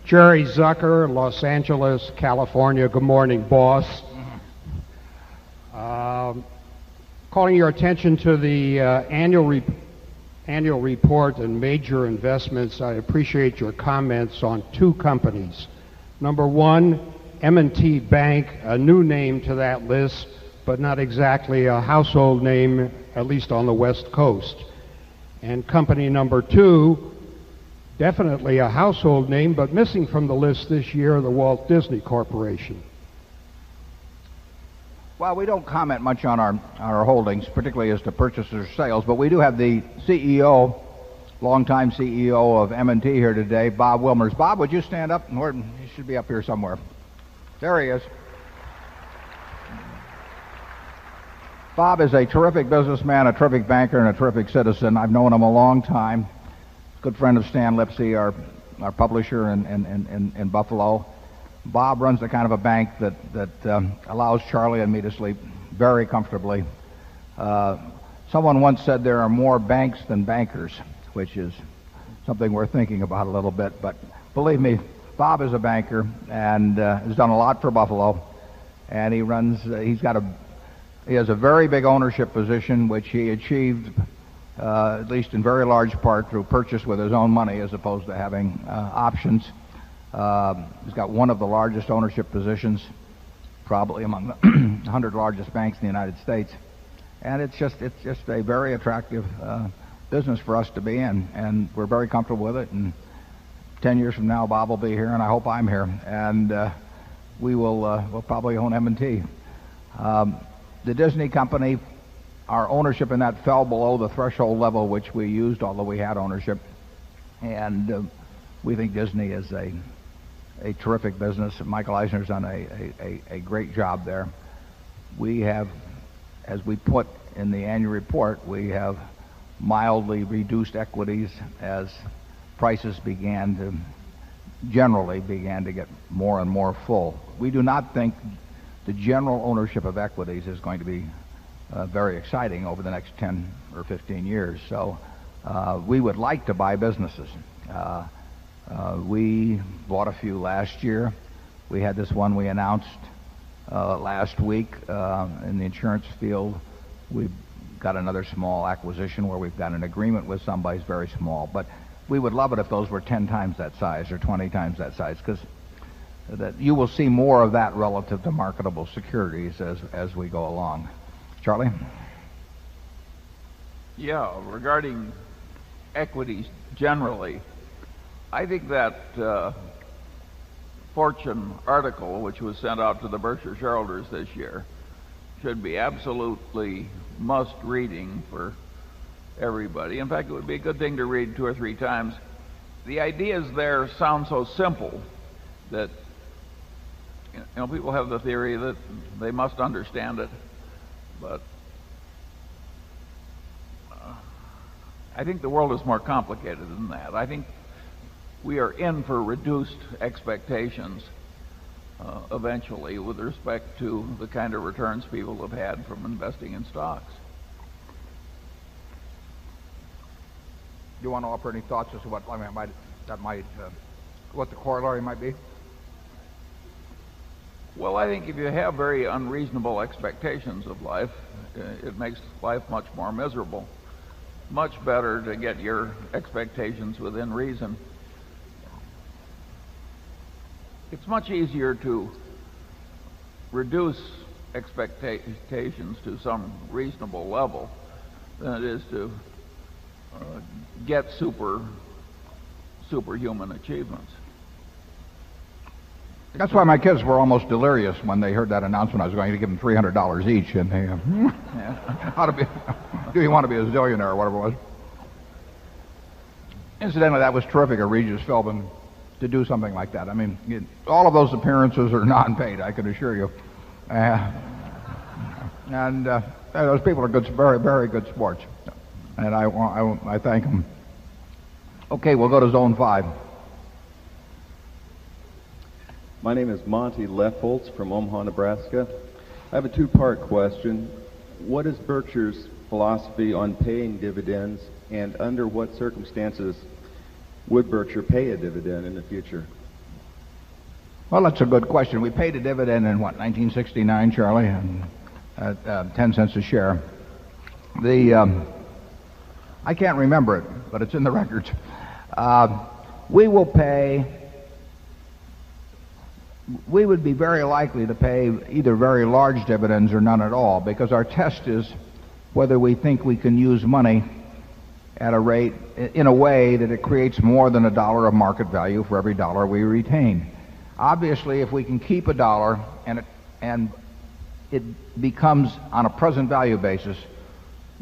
Jerry Zucker, Los Angeles, California. Good morning, boss. Calling your attention to the Annual Report and Major Investments. I appreciate your comments on 2 companies. Number 1, M and T Bank, a new name to that list, but not exactly a household name, at least on the West Coast. And company number 2, definitely a household name, but missing from the list this year, the Walt Disney Corporation. Well, we don't comment much on our holdings, particularly as to purchase or sales, but we do have the CEO, long time CEO of M&T here today, Bob Wilmers. Bob, would you stand up? Or he should be up here somewhere. There he is. Bob is a terrific businessman, a terrific banker and a terrific citizen. I've known him a long time. Good friend of Stan Lipsey, our publisher in Buffalo. Bob runs a kind of a bank that that allows Charlie and me to sleep very comfortably. Someone once said, there are more banks than bankers, which is something we're thinking about a little bit. But believe me, Bob is a banker and, he's done a lot for Buffalo. And he runs he's got a he has a very big ownership position, which he achieved, at least in very large part, through purchase with his own money as opposed to having options. He's got one of the largest ownership positions, probably among the 100 largest banks in the United States. And it's just it's just a very attractive business for us to be in. And we're very comfortable with it. And 10 years from now, Bob will be here. And I hope I'm here and we will probably own M and T. The Disney Company, our ownership in that fell below the threshold level which we used, although we had ownership. And we think Disney is a terrific business. Michael Eisner has done a great job there. We have as we put in the annual report, we have mildly reduced equities as prices began to generally began to get more and more full. We do not think the general ownership of equities is going to be very exciting over the next 10 or 15 years. So we would like to buy businesses. We bought a few last year. We had this one we announced last week in the insurance field. We got another small acquisition where we've got an agreement with somebody who's very small but we would love it if those were 10 times that size or 20 times that size because that you will see more of that relative to marketable securities as as we go along. Charlie? Yeah. Regarding equities, generally, I think that Fortune article which was sent out to the Berkshire shareholders this year should be absolutely must reading for everybody. In fact, it would be a good thing to read 2 or 3 times. The ideas there sound so simple that people have the theory that they must understand it. But I think the world is more complicated than that. I think we are in for reduced expectations eventually with respect to the kind of returns people have had from investing in stocks. You want to offer any thoughts as to what I mean might that might, what the corollary might be? Well, I think if you have very unreasonable expectations of life, it makes life much more miserable. Much better to get your expectations within reason. It's much easier to reduce expectations to some reasonable level than it is to, get super superhuman achievements. That's why my kids were almost delirious when they heard that announcement. I was going to give them $300 each and they How to be do you want to be a zillionaire or whatever it was? Incidentally, that was terrific of Regis Feldman to do something like that. I mean, all of those appearances are non paid, I can assure you. And those people are good very, very good sports. And I want I want I thank them. Okay. We'll go to zone 5. My name is Monty Leffolz from Omaha, Nebraska. I have a 2 part question. What is Berkshire's philosophy on paying dividends and under what circumstances would Berkshire pay a dividend in the future? Well, that's a good question. We paid a dividend in, what, 1969, Charlie? 10¢ a share. The, I can't remember it, but it's in the records. We will pay we would be very likely to pay either very large dividends or none at all. Because our test is whether we think we can use money at a rate in a way that it creates more than a dollar of market value for every dollar we retain. Obviously, if we can keep a dollar and it and it becomes, on a present value basis,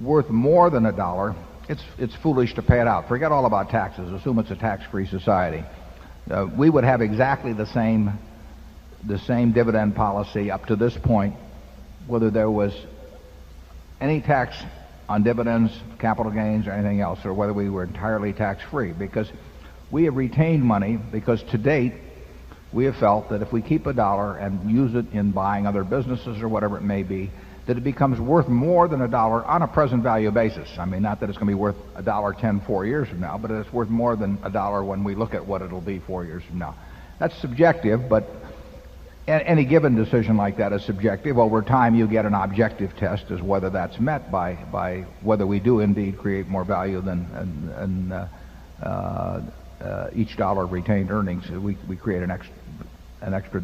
worth more than a dollar, it's it's foolish to pay it out. Forget all about taxes. Assume it's a tax free society. We would have exactly the same the same dividend policy up to this point, whether there was any tax on dividends, capital gains or anything else or whether we were entirely tax free because we have retained money because to date, we have felt that if we keep a dollar and use it in buying other businesses or whatever it may be, that it becomes worth more than a dollar on a present value basis. I mean, not that it's going to be worth a dollar 10 4 years from now, but it is worth more than a dollar when we look at what it'll be 4 years from now. That's subjective, but any given decision like that is subjective. Over time, you'll get an objective test as whether that's met by by whether we do indeed create more value than and each dollar retained earnings. We create an extra an extra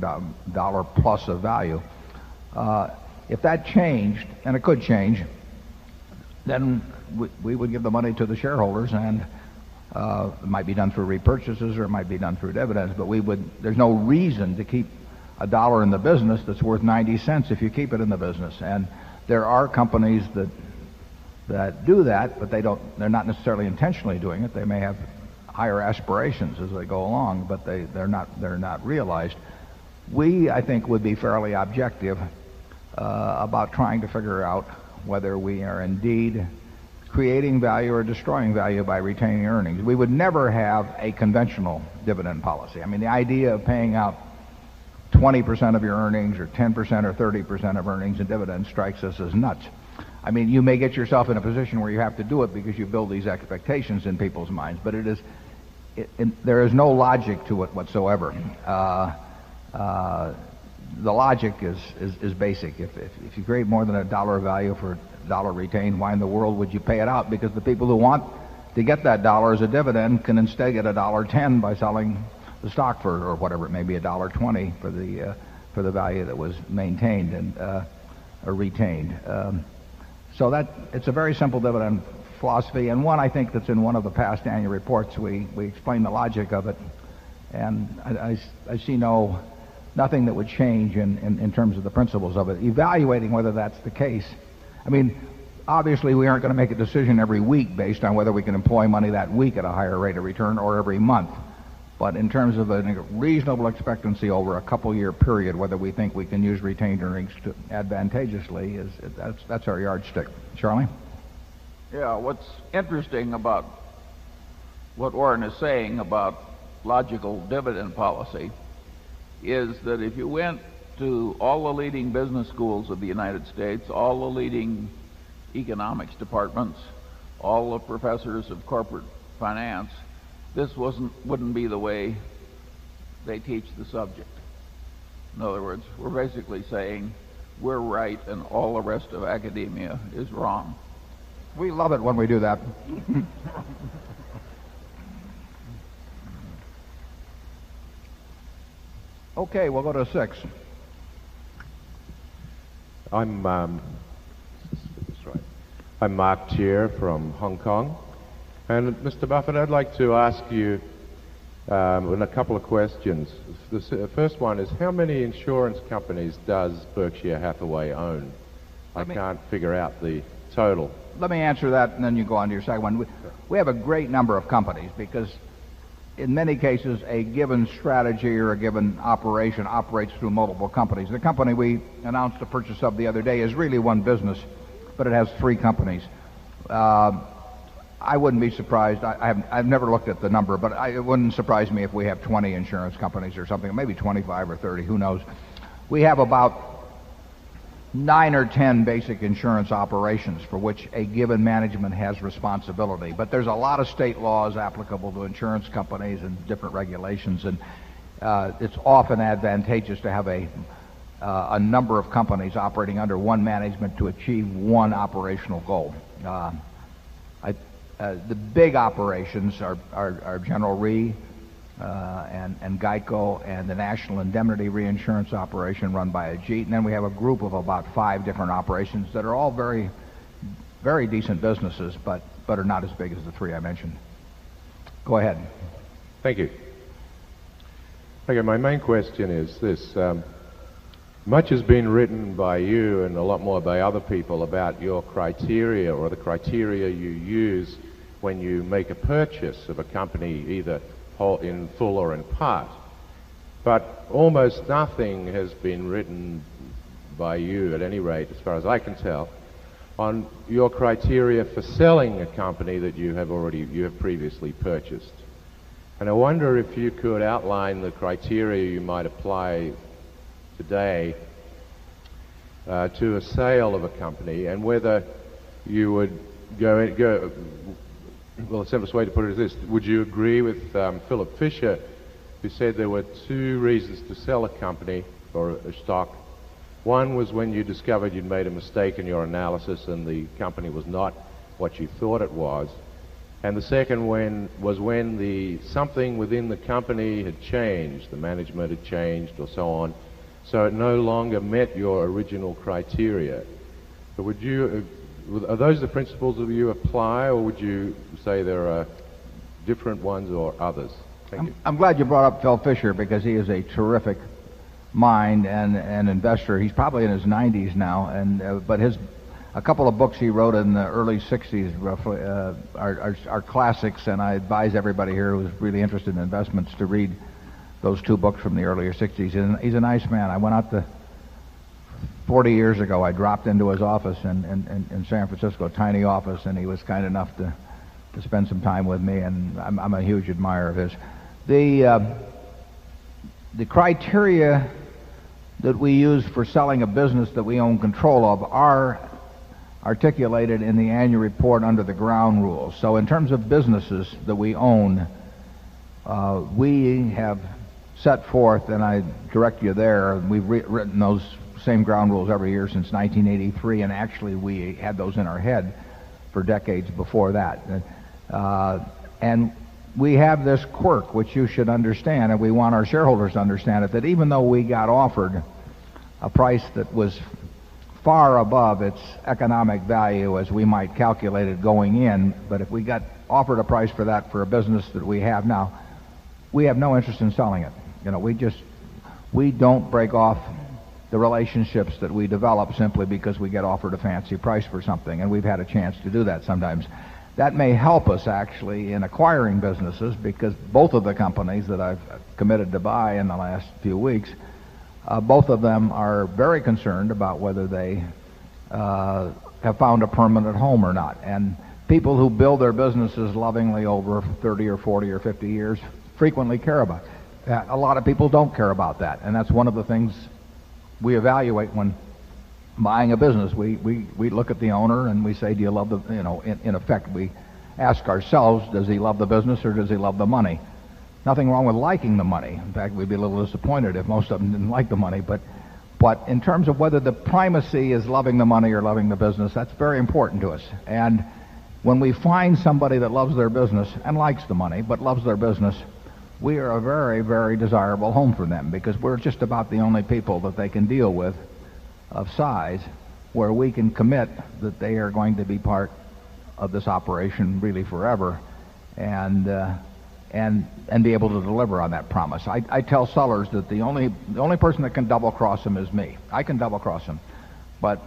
dollar plus of value. If that changed and it could change, then we would give the money to the shareholders and, it might be done through repurchases or it might be done through dividends. But we would there's no reason to keep a dollar in the business that's worth 90¢ if you keep it in the business. And there are companies that that do that, but they don't they're not necessarily intentionally doing it. They may have higher aspirations as they go along, but they they're not they're not realized. We, I think, would be fairly objective, about trying to figure out whether we are indeed creating value or destroying value by retaining earnings. We would never have a conventional dividend policy. I mean, the idea of paying out 20% of your earnings or 10% or 30% of earnings in dividends strikes us as nuts. I mean, you may get yourself in a position where you have to do it because you build these expectations in people's minds. But it is there is no logic to it whatsoever. The logic is is basic. If if you create more than a dollar value for dollar retained, why in the world would you pay it out? Because the people who want to get that dollar as a dividend can instead get a dollar 10 by selling the stock for or whatever it may be a dollar 20 for the value that was maintained and retained. So that it's a very simple dividend philosophy and one I think that's in one of the past annual reports. We we explained the logic of it and I see no nothing that would change in in in terms of the principles of it. Evaluating whether that's the case. I mean, obviously, we aren't going to make a decision every week based on whether we can employ money that week at a higher rate of return or every month. But in terms of a reasonable expectancy over a couple year period, whether we think we can use retained earnings advantageously is that's our yardstick. Charlie? Yeah. What's interesting about what Warren is saying about logical dividend policy is that if you went to all the leading business schools of the economics departments, all the professors of corporate finance, this wasn't wouldn't be the way they teach the subject. In other words, we're basically saying we're right and all the rest of academia is wrong. We love it when we do that. Okay. We'll go to 6. I'm, I'm Mark Cheer from Hong Kong And Mr. Buffet, I'd like to ask you a couple of questions. The first one is how many insurance companies does Berkshire Hathaway own? I can't figure out the total. Let me answer that and then you go on to your second one. We have a great number of companies because in many cases, a given strategy or a given operation operates through multiple companies. The company we announced the purchase of the other day is really one business, but it has 3 companies. I wouldn't be surprised. I've never looked at the number, but I it wouldn't surprise me if we have 20 insurance companies or something, maybe 25 or 30. Who knows? We have about 9 or 10 basic insurance operations for which a given management has responsibility. But there's a lot of state laws applicable to insurance companies and different regulations. And it's often advantageous to have a number of companies operating under one management to achieve one operational goal. I the big operations are our our General Re, and and GEICO and the National Indemnity Reinsurance Operation run by GE. And then we have a group of about 5 different operations that are all very, very decent businesses, but but are not as big as the 3 I mentioned. Go ahead. Thank you. Again, my main question is this, much has been written by you and a lot more by other people about your criteria or the criteria you use when you make a purchase of a company either whole in full or in part. But almost nothing has been written by you at any rate as far as I can tell on your criteria for selling a company that you have already you have previously purchased. And I wonder if you could outline the criteria you might apply today to a sale of a company and whether you would go well, the simplest way to put it is this, would you agree with Philip Fisher, who said there were two reasons to sell a company or a stock. 1 was when you discovered you made a mistake in your analysis and the company was not what you thought it was. And the second when was when the something within the company had changed, the management had changed or so on, So it no longer met your original criteria. But would you are those the principles that you apply or would you say there are different ones or others? Thank you. I'm glad you brought up Phil Fisher because he is a terrific mind and an investor. He's probably in his nineties now and but his a couple of books he wrote in the early sixties roughly, are are are classics. And I advise everybody here who's really interested in investments to read those two books from the earlier sixties. And he's a nice man. I went out to 40 years ago. I dropped into his office in in in San Francisco, tiny office. And he was kind enough to to spend some time with me. And I'm I'm a huge admirer of his. The criteria that we use for selling a business that we own control of are articulated in the annual report under the ground rules. So in terms of businesses that we own, we have set forth and I direct you there, we've written those same ground rules every year since 1983. And actually, we had those in our head for decades before that. And we have this quirk, which you should understand, and we want our shareholders to understand it, that even though we got offered a price that was far above its economic value as we might calculate it going in. But if we got offered a price for that for a business that we have now, we have no interest in selling it. You know, we just we don't break off the relationships that we develop simply because we get offered a fancy price for something and we've had a chance to do that sometimes. That may help us actually in acquiring businesses because both of the companies that I've committed to buy in the last few weeks, both of them are very concerned about whether they have found a permanent home or not. And people who build their businesses lovingly over 30 or 40 or 50 years frequently care about that. A lot of people don't care about that. And that's one of the things we evaluate when buying a business. We we we look at the owner and we say, do you love the you know, in in effect, we ask ourselves, does he love the business or does he love the money? Nothing wrong with liking the money. In fact, we'd be a little disappointed if most of them didn't like the money. But but in terms of whether the primacy is loving the money or loving the business, that's very important to us. And when we find somebody that loves their business and likes the money but loves their business, we are a very, very desirable home for them because we're just about the only people that they can deal with of size where we can commit that they are going to be part of this operation really forever and, and and be able to deliver on that promise. I I tell sellers that the only the only person that can double cross them is me. I can double cross them. But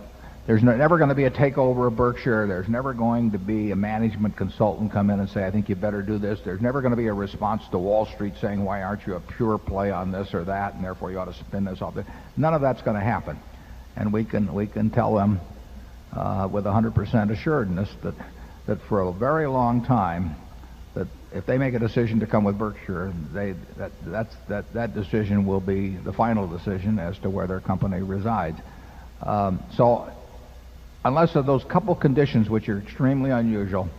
there's never going to be a takeover of Berkshire. There's never going to be a management consultant come in and say, I think you better do this. There's never going to be response to Wall Street saying, why aren't you a pure play on this or that and therefore you ought to spin this off. None of that's going to happen. And we can we can tell them with a 100 percent assuredness that that for a very long time that if they make a decision to come with Berkshire, they that's that that decision will be the final decision as to where their company resides. So unless of those couple conditions, which are extremely unusual,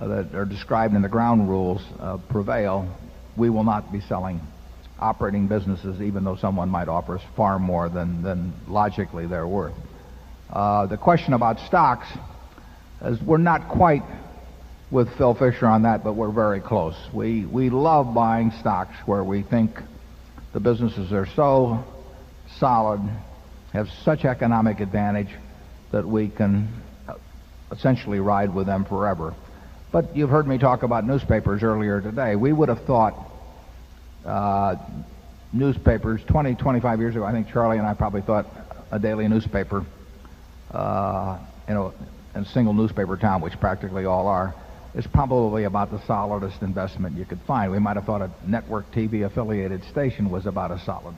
that are described in the ground rules, prevail, we will not be selling operating businesses even though someone might offer us far more than than logically they're worth. The question about stocks as we're not quite with Phil Fisher on that, but we're very close. We we love buying stocks where we think the businesses are so solid, have such economic advantage that we can essentially ride with them forever. But you've heard me talk about newspapers earlier today. We would have thought, newspapers 20, 25 years ago, I think Charlie and I probably thought a daily newspaper, you know, in single newspaper town, which practically all are, is probably about the solidest investment you could find. We might have thought a network TV affiliated station was about a solid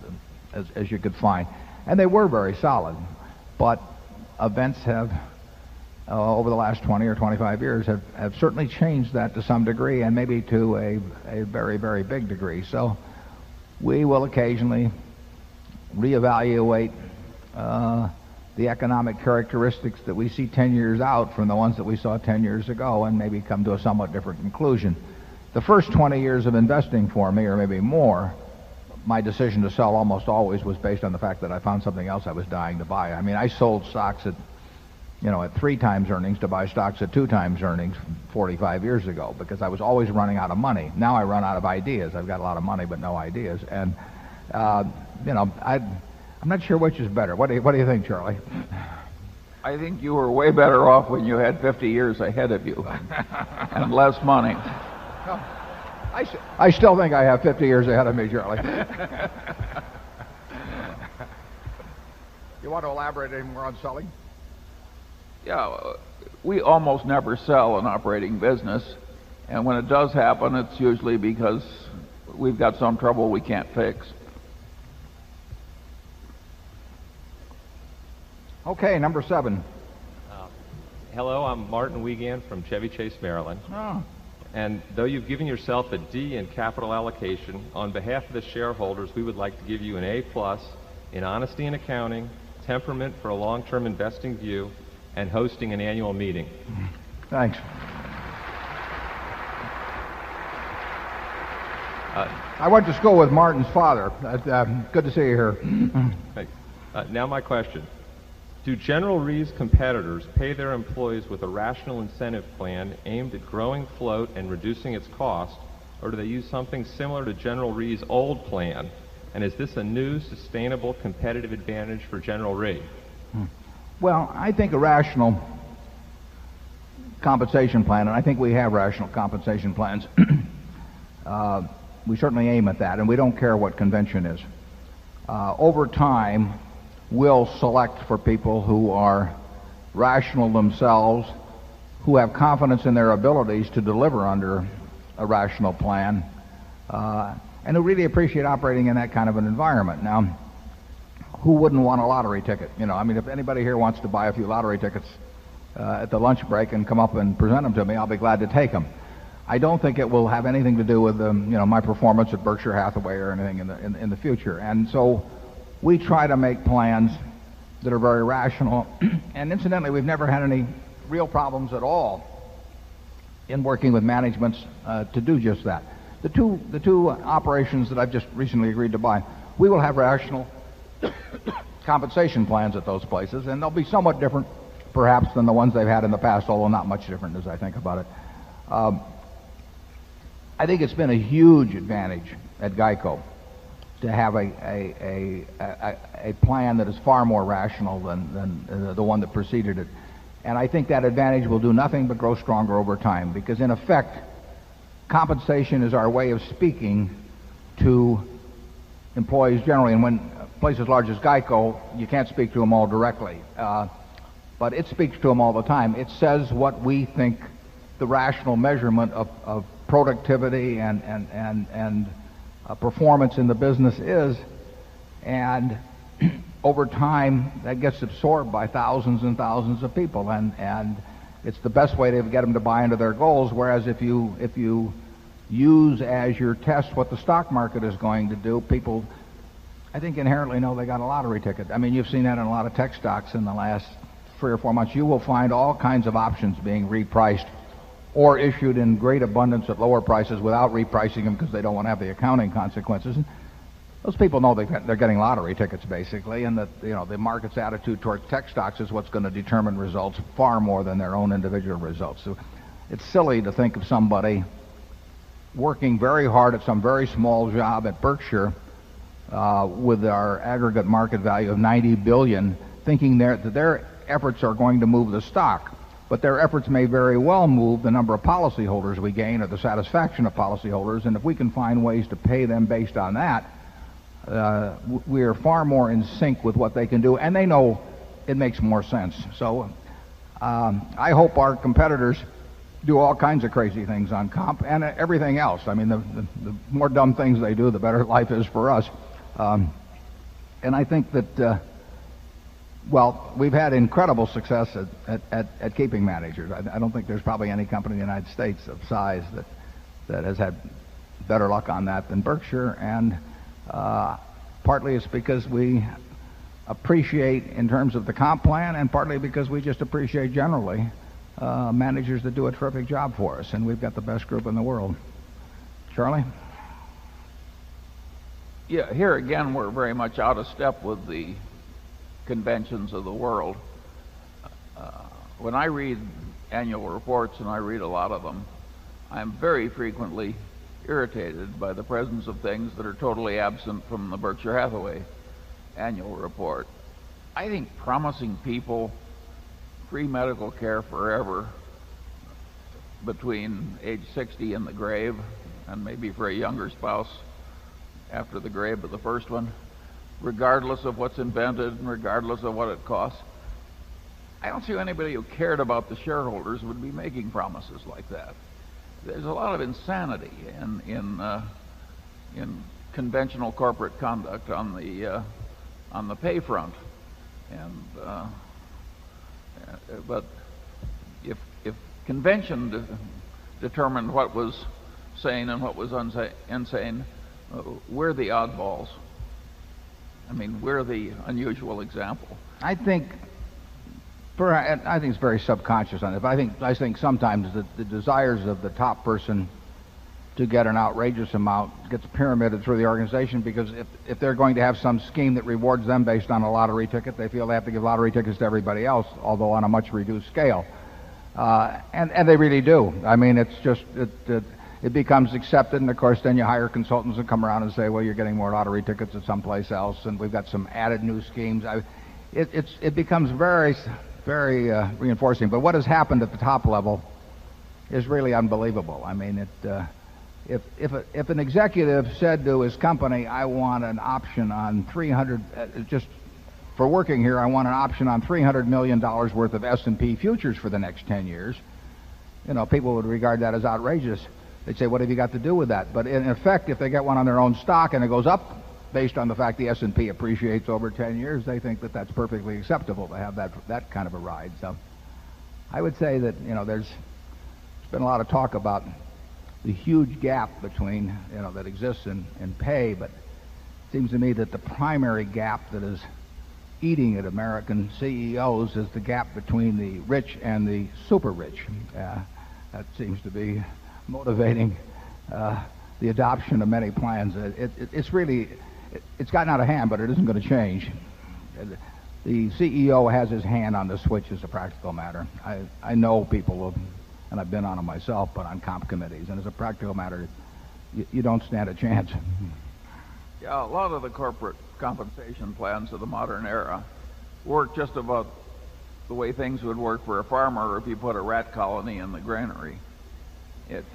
as as you could find. And they were very solid. But events have, over the last 20 or 25 years, have have certainly changed that to some degree and maybe to a very, very big degree. So we will occasionally reevaluate the economic characteristics that we see 10 years out from the ones that we saw 10 years ago and maybe come to a somewhat different conclusion. The first 20 years of investing for me or maybe more, my decision to sell almost always was based on the fact that I found something else I was dying to buy. I mean, I sold stocks at, you know, at 3 times earnings to buy stocks at 2 times earnings 45 years ago because I was always running out of money. Now I run out of ideas. I've got a lot of money, but no ideas. And, you know, I'm not sure which is better. What do you think, Charlie? I think you were way better off when you had 50 years ahead of you and less money. I still think I have 50 years ahead of me, Charlie. You want to elaborate anymore on selling? Yeah. We almost never sell an operating business and when it does happen it's usually because we've got some trouble we can't fix. Okay. Number 7. Hello. I'm Martin Wiegand from Chevy Chase, Maryland. Hello. And though you've given yourself a d in capital allocation, on behalf of the shareholders, we would like to give you an a plus in honesty and accounting, temperament for a long term investing view and hosting an annual meeting. Thanks. I want to just go with Martin's father. Good to see you here. Thanks. Now my question. Do General Re's competitors pay their employees with a rational incentive plan aimed at growing float and reducing its cost or do they use something similar to General Re's old plan? And is this a new sustainable competitive advantage for General Re? Well, I think a rational compensation plan and I think we have rational compensation plans. We certainly aim at that and we don't care what convention is. Over time, we'll select for people who are rational themselves, who have confidence in their abilities to deliver under a rational plan, and who really appreciate operating in that kind of an environment. Now, who wouldn't want a lottery ticket? You know, I mean, if anybody here wants to buy a few lottery tickets, at the lunch break and come up and present them to me, I'll be glad to take them. I don't think it will have anything to do with, you know, my performance at Berkshire Hathaway or anything in the in the future. And so we try to make plans that are very rational. And incidentally, we've never had any real problems at all in working with managements, to do just that. The 2 the 2 operations that I've just recently agreed to buy, we will have rational compensation plans at those places. And they'll be somewhat different, perhaps, than the ones they've had at I think it's been a huge advantage at GEICO. I think it's been a huge advantage at GEICO to have a a plan that is far more rational than than than the one that preceded it. And I think that advantage will do nothing but grow stronger over time because, in effect, compensation is our way of speaking to employees generally. And when a place as large as GEICO, you can't speak to them all directly. But it speaks to them all the time. It says what we think the rational measurement of of productivity and and and performance in the business is. And over time, that gets absorbed by thousands and thousands of people. And and it's the best way to get them to buy into their goals. Whereas, if you if you use as your test what the stock market is going to do, people, I think, inherently know they got a lottery ticket. I mean, you've seen that in a lot of tech stocks in the last 3 or 4 months. You will find all kinds of options being repriced or issued in great abundance of lower prices without repricing them because they don't want to have the accounting consequences. Those people know they're getting lottery tickets, basically. And that, you know, the market's attitude towards tech stocks is what's going to determine results far more than their own individual results. So it's silly to think of somebody working very hard at some very small job at Berkshire, with our aggregate market value of 90,000,000,000 thinking that their efforts are going to move the stock. But their efforts may very well move the number of policyholders we gain or the satisfaction of policyholders. And if policyholders. And if we can find ways to pay them based on that, we are far more in sync with what they can do. And they know it makes more sense. So, I hope our competitors do all kinds of crazy things. So, I hope our competitors do all kinds of crazy things. So, I hope our competitors do all kinds of crazy things on comp and everything else. I mean, the the more dumb things they do, the better life is for us. And I think that, well, we've had incredible success at at at keeping managers. I don't think there's probably any company in the United States of size that that has had better luck on that than Berkshire. And, partly, it's because we appreciate in terms of the comp plan and partly because we just appreciate generally, managers that do a terrific job for us and we've got the best group in the world. Charlie? Yeah. Here again, we're very much out of step with the conventions of the world. When I read annual reports and I read a lot of them, I am very frequently irritated by the presence of things that are totally absent from the Berkshire Hathaway annual report. I think promising people free medical care forever between and maybe for a younger spouse after the grave, but the first one, regardless of what's invented and regardless of what it costs, I don't see anybody who cared about the shareholders would be making promises like that. There's a lot of insanity in in conventional corporate conduct on the on the pay front. And but if if convention determined what was saying and what was unsaying, We're the oddballs. I mean, we're the unusual example. I think for and I think it's very subconscious on it. I think I think sometimes that the desires of the top person to get an outrageous amount gets a pyramid of through the organization because if they're going to have some scheme that rewards them based on a lottery ticket, they feel they have to give lottery tickets to everybody else, although on a much reduced scale. And and they really do. I mean, it's just it it becomes accepted. And of course, then you hire consultants that come around and say, well, you're getting more lottery tickets at someplace else and we've got some added new schemes. I it's it's it becomes very, very, reinforcing. But what has happened at the top level is really unbelievable. I mean, it, if if if an executive said to his company, I want an option on 300, just for working here, I want an option on $300,000,000 worth of S and P futures for the next 10 years. You know, people would regard that as outrageous. They'd say, what have you got to do with that? But in effect, if they get one on their own stock and it goes up based on the fact the S and P appreciates over 10 years, they think that that's perfectly acceptable to have that that kind of a ride. So I would say that, you know, there's been a lot of talk about the huge gap between, you know, that exists in in pay. But it seems to me that the primary gap that is eating at American CEOs is the gap between the rich and the super rich. That seems to be motivating the adoption of many plans that it's really it's gotten out of hand but it isn't going to change the CEO has his hand on the switch is a practical matter I know people of and I've been on them myself, but on comp committees and as a practical matter, you don't stand a chance. Yeah. A lot of the corporate compensation plans of the modern era work just about the way things would work for a farmer if you put a rat colony in the granary. It's,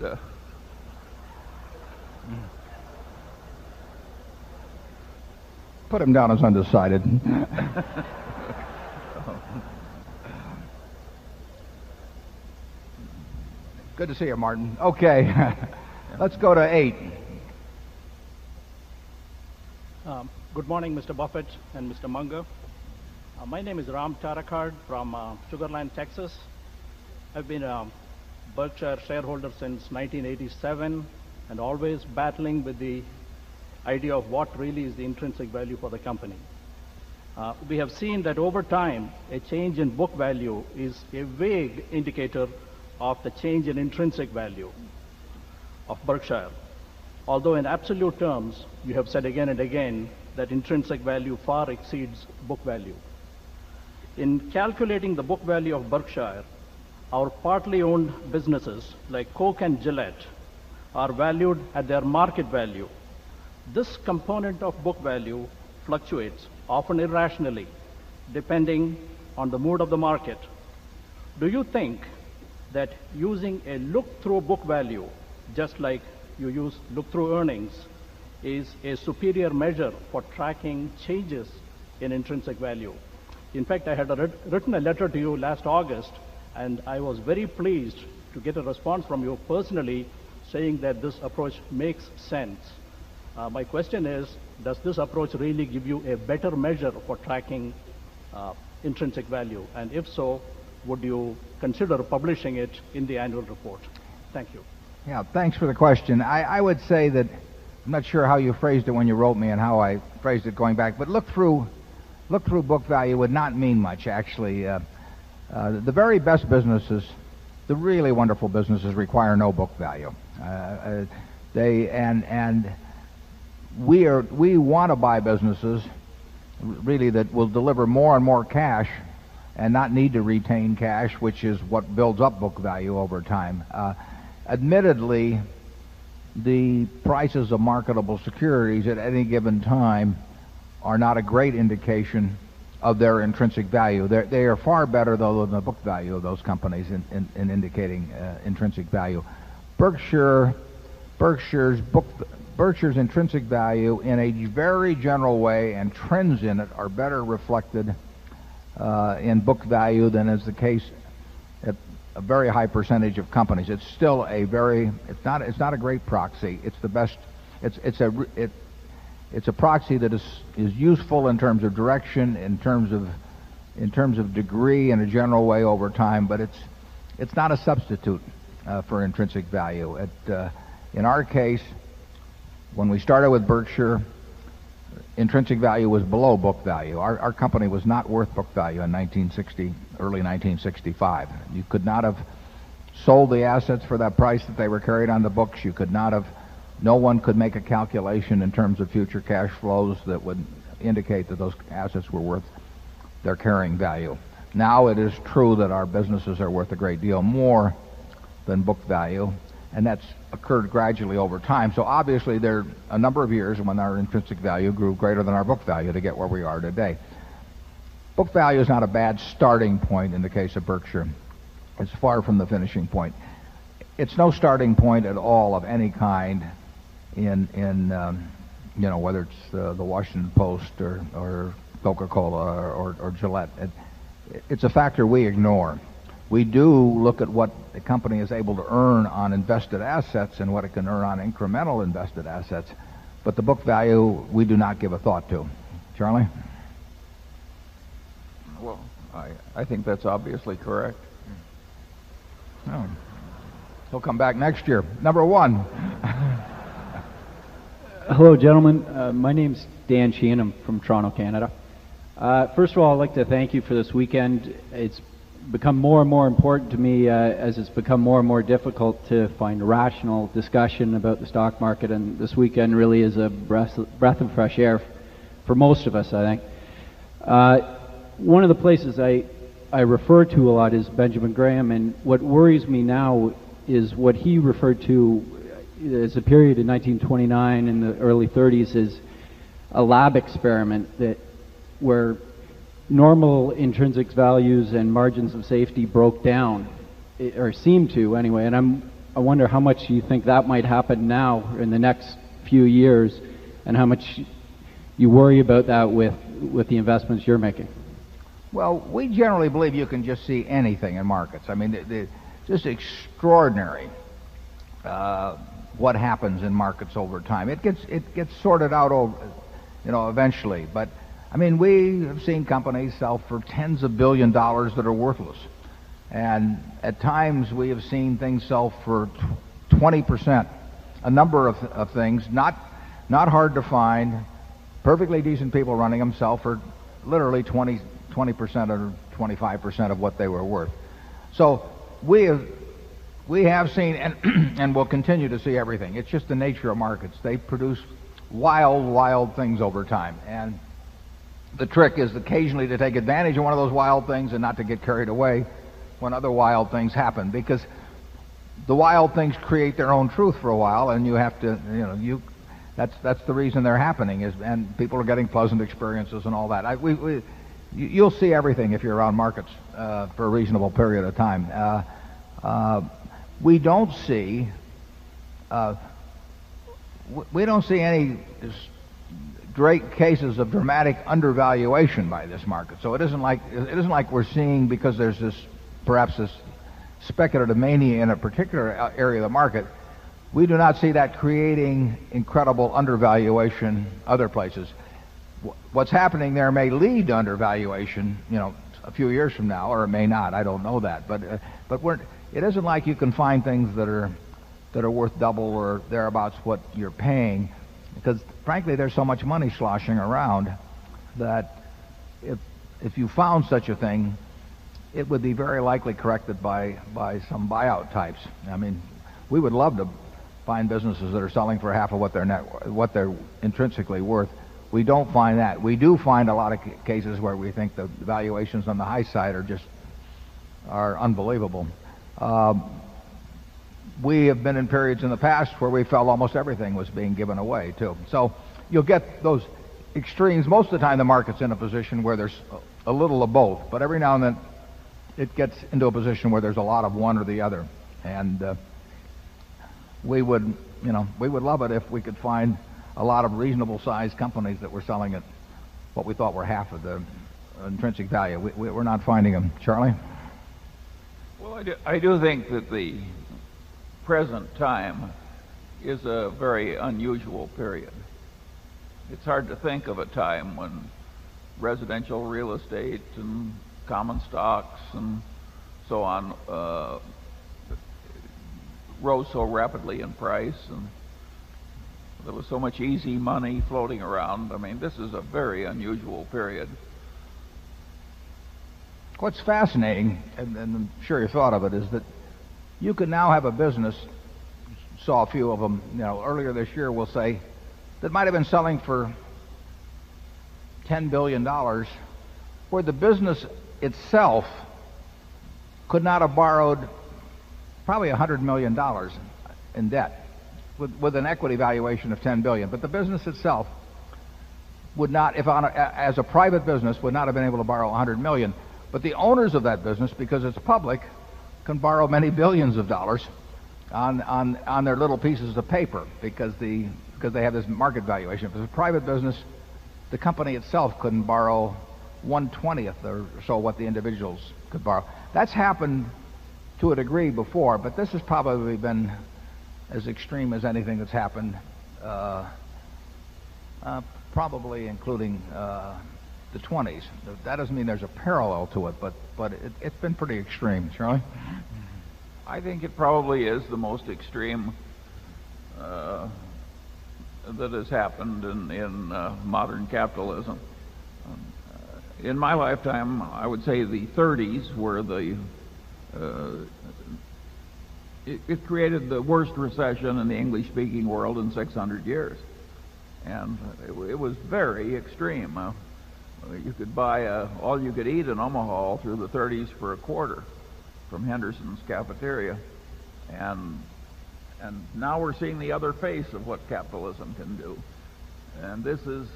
put him down as undecided. Good to see you, Martin. Okay. Let's go to 8. Good morning, Mr. Buffet and Mr. Munger. My name is Ram Tarakkar from Sugar Land, Texas. I've been a Berkshire shareholder since 1987 and always battling with the idea of what really is the intrinsic value for the company. We have seen that over time a change in book value is a vague indicator of the change in intrinsic value of Berkshire. Although in absolute terms, we have said again and again that intrinsic value far exceeds book value. In calculating the book value of Berkshire, our partly owned businesses like Coke and Gillette are valued at their market value. This component of book value fluctuates often irrationally depending on the mood of the market. Do you think that using a look through book value just like you use look through earnings is a superior measure for tracking changes in intrinsic value? In fact, had written a letter to you last August and I was very pleased to get a response from you personally saying that this approach makes sense. My question is, does this approach really give you a better measure for tracking intrinsic value? And if so, would you consider publishing it in the annual report? Thank you. Yes. Thanks for the question. I would say that I'm not sure how you phrased it when you wrote me and how I phrased it going back. But look through look through book value would not mean much actually. The very best businesses, the really wonderful businesses require no book value. They and and we are we want to buy businesses really that will deliver more and more cash and not need to retain cash which is what builds up book value over time Admittedly, the prices of marketable securities at any given time are not a great indication of their intrinsic value that they are far better though than the book value of those companies and indicating intrinsic value. Berkshire Berkshire's intrinsic value in a very general way and trends in it are better reflected in book value than is the case at a very high percentage of companies. It's still a very it's not it's not a great proxy. It's the best it's a it's a proxy that is useful in terms of direction, in terms of in terms of degree in a general way over time, but it's it's not a substitute for intrinsic value. In our case, when we started with Berkshire, intrinsic value was below book value. Our company was not worth book value in 1960 early 1965. You could not have sold the assets for that price that they were carried on the books. You could not have no one could make a calculation in terms of future cash flows that would indicate that those assets were worth their carrying value. Now it is true that our businesses are worth a great deal more than book value and that's occurred gradually over time. So obviously there are a number of years when our intrinsic value grew greater than our book value to get where we are today. Book value is not a bad starting point in the case of Berkshire. It's far from the finishing point. It's no starting point at all of any kind in in, you know, whether it's the Washington Post or or Coca Cola or Gillette. It's a factor we ignore. We do look at what the company is able to earn on invested assets and what it can earn on incremental invested assets. But the book value, we do not give a thought to. Charlie? Well, I think that's obviously correct. He'll come back next year. Number 1. Hello, gentlemen. My name is Dan Sheehan. I'm from Toronto, Canada. First of all, I'd like to thank you for this weekend. It's become more and more important to me as it's become more and more difficult to find rational discussion about the stock market and this weekend really is a breath and fresh air for most of us I think. One of the places I refer to a lot is Benjamin Graham and what worries me now is what he referred to as a period in 1929 in the early thirties is a lab experiment that where normal intrinsic values and margins of safety broke down or seem to anyway and I wonder how much you think that might happen now in the next few years and how much you worry about that with the investments you're making? Well, we generally believe you can just see anything in markets. I mean, the the just extraordinary, what happens in markets over time. It gets it gets sorted out over, you know, eventually. But I mean, we have seen companies sell for tens of $1,000,000,000 that are worthless. And at times, we have seen things sell for 20%. A number of things. Not not hard to find. Perfectly decent people running themselves for literally 20 20 percent or 25 percent of what they were worth. So we have we have seen and and will continue to see everything. It's just the nature of markets. They produce wild, wild things over time. And the trick is occasionally to take advantage of one of those wild things and not to get carried away when other wild things happen. Because the wild things create their own truth for a while and you have to, you know, you that's that's the reason they're happening is and people are getting pleasant experiences and all that. You'll see everything if you're around markets, for a reasonable period of time. We don't see any great cases of dramatic undervaluation by this market. So it isn't like it isn't like we're seeing because there's this perhaps this speculative mania in a particular area of the market. We do not see that creating incredible undervaluation other places. What's happening there may lead undervaluation, you know, a few years from now or may not. I don't know that. But but it isn't like you can find things that are that are worth double or thereabouts what you're paying because frankly, there's so much money sloshing around that if if you found such a thing, it would be very likely corrected by by some buyout types. I mean, we would love to find businesses that are selling for half of what their net what they're intrinsically worth. We don't find that. We do find a lot of cases where we think the valuations on the high side are just are unbelievable. We have been in periods in the past where we felt almost everything was being given away too. So you'll get those extremes. Most of the time, the market's in a position where there's a little of both. But every now and then, it gets into a position where there's a lot of 1 or the other. And we would, you know, we would love it if we could find a lot of reasonable sized companies that were selling at what we thought were half of the intrinsic value. We we're not finding them. Charlie? Well, I I do think that the present time is a very unusual period. It's hard to think of a time when residential real estate and common stocks and so on, rose so rapidly in price and there was so much easy money floating around. I mean, this is a very unusual period. What's fascinating and then I'm sure you thought of it is that you could now have a business, saw a few of them now earlier this year, we'll say that might have been selling for $10,000,000,000 where the business itself could not have borrowed probably $100,000,000 in debt with with an equity valuation of $10,000,000,000 But the business itself would not if on a as a private business, would not have been able to borrow 100,000,000. But the owners of that business, because it's public, can borrow many 1,000,000,000 of dollars on on on their little pieces of paper because the because they have this market valuation. If it's a private business, the company itself couldn't borrow 1 20th or so what the individuals could borrow. That's happened to a degree before, but this has probably been as extreme as anything that's happened, probably including the twenties. That doesn't mean there's a parallel to it, but but it's been pretty extreme. I think it probably is the most extreme that has happened in in modern capitalism. In my lifetime, I would say the thirties were the it created the worst recession in the English speaking world in 600 years and it was very extreme. You could buy all you could eat in Omaha through the thirties for a quarter from Henderson's cafeteria. And and now we're seeing the other face of what capitalism can do. And this is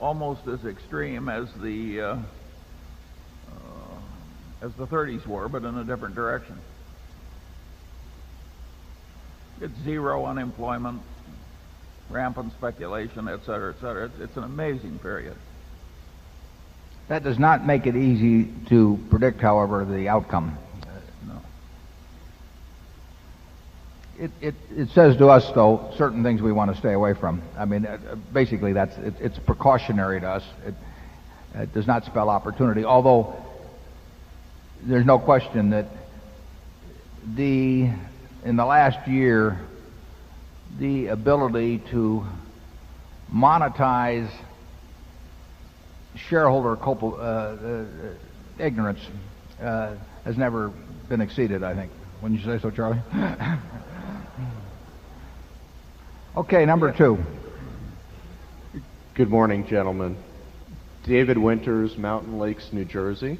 almost as extreme as the as the thirties were, but in a different direction. It's 0 unemployment, rampant speculation, etcetera, etcetera. It's an amazing period. That does not make it easy to predict, however, the outcome. It it says to us, though, certain things we want to stay away from. I mean, basically, that's it's precautionary to us. It does not spell opportunity. Although, there's no question that the in the last year, the ability to monetize shareholder ignorance has never been exceeded, I think. Wouldn't you say so, Charlie? Okay. Number 2. Good morning, gentlemen. David Winters, Mountain Lakes, New Jersey.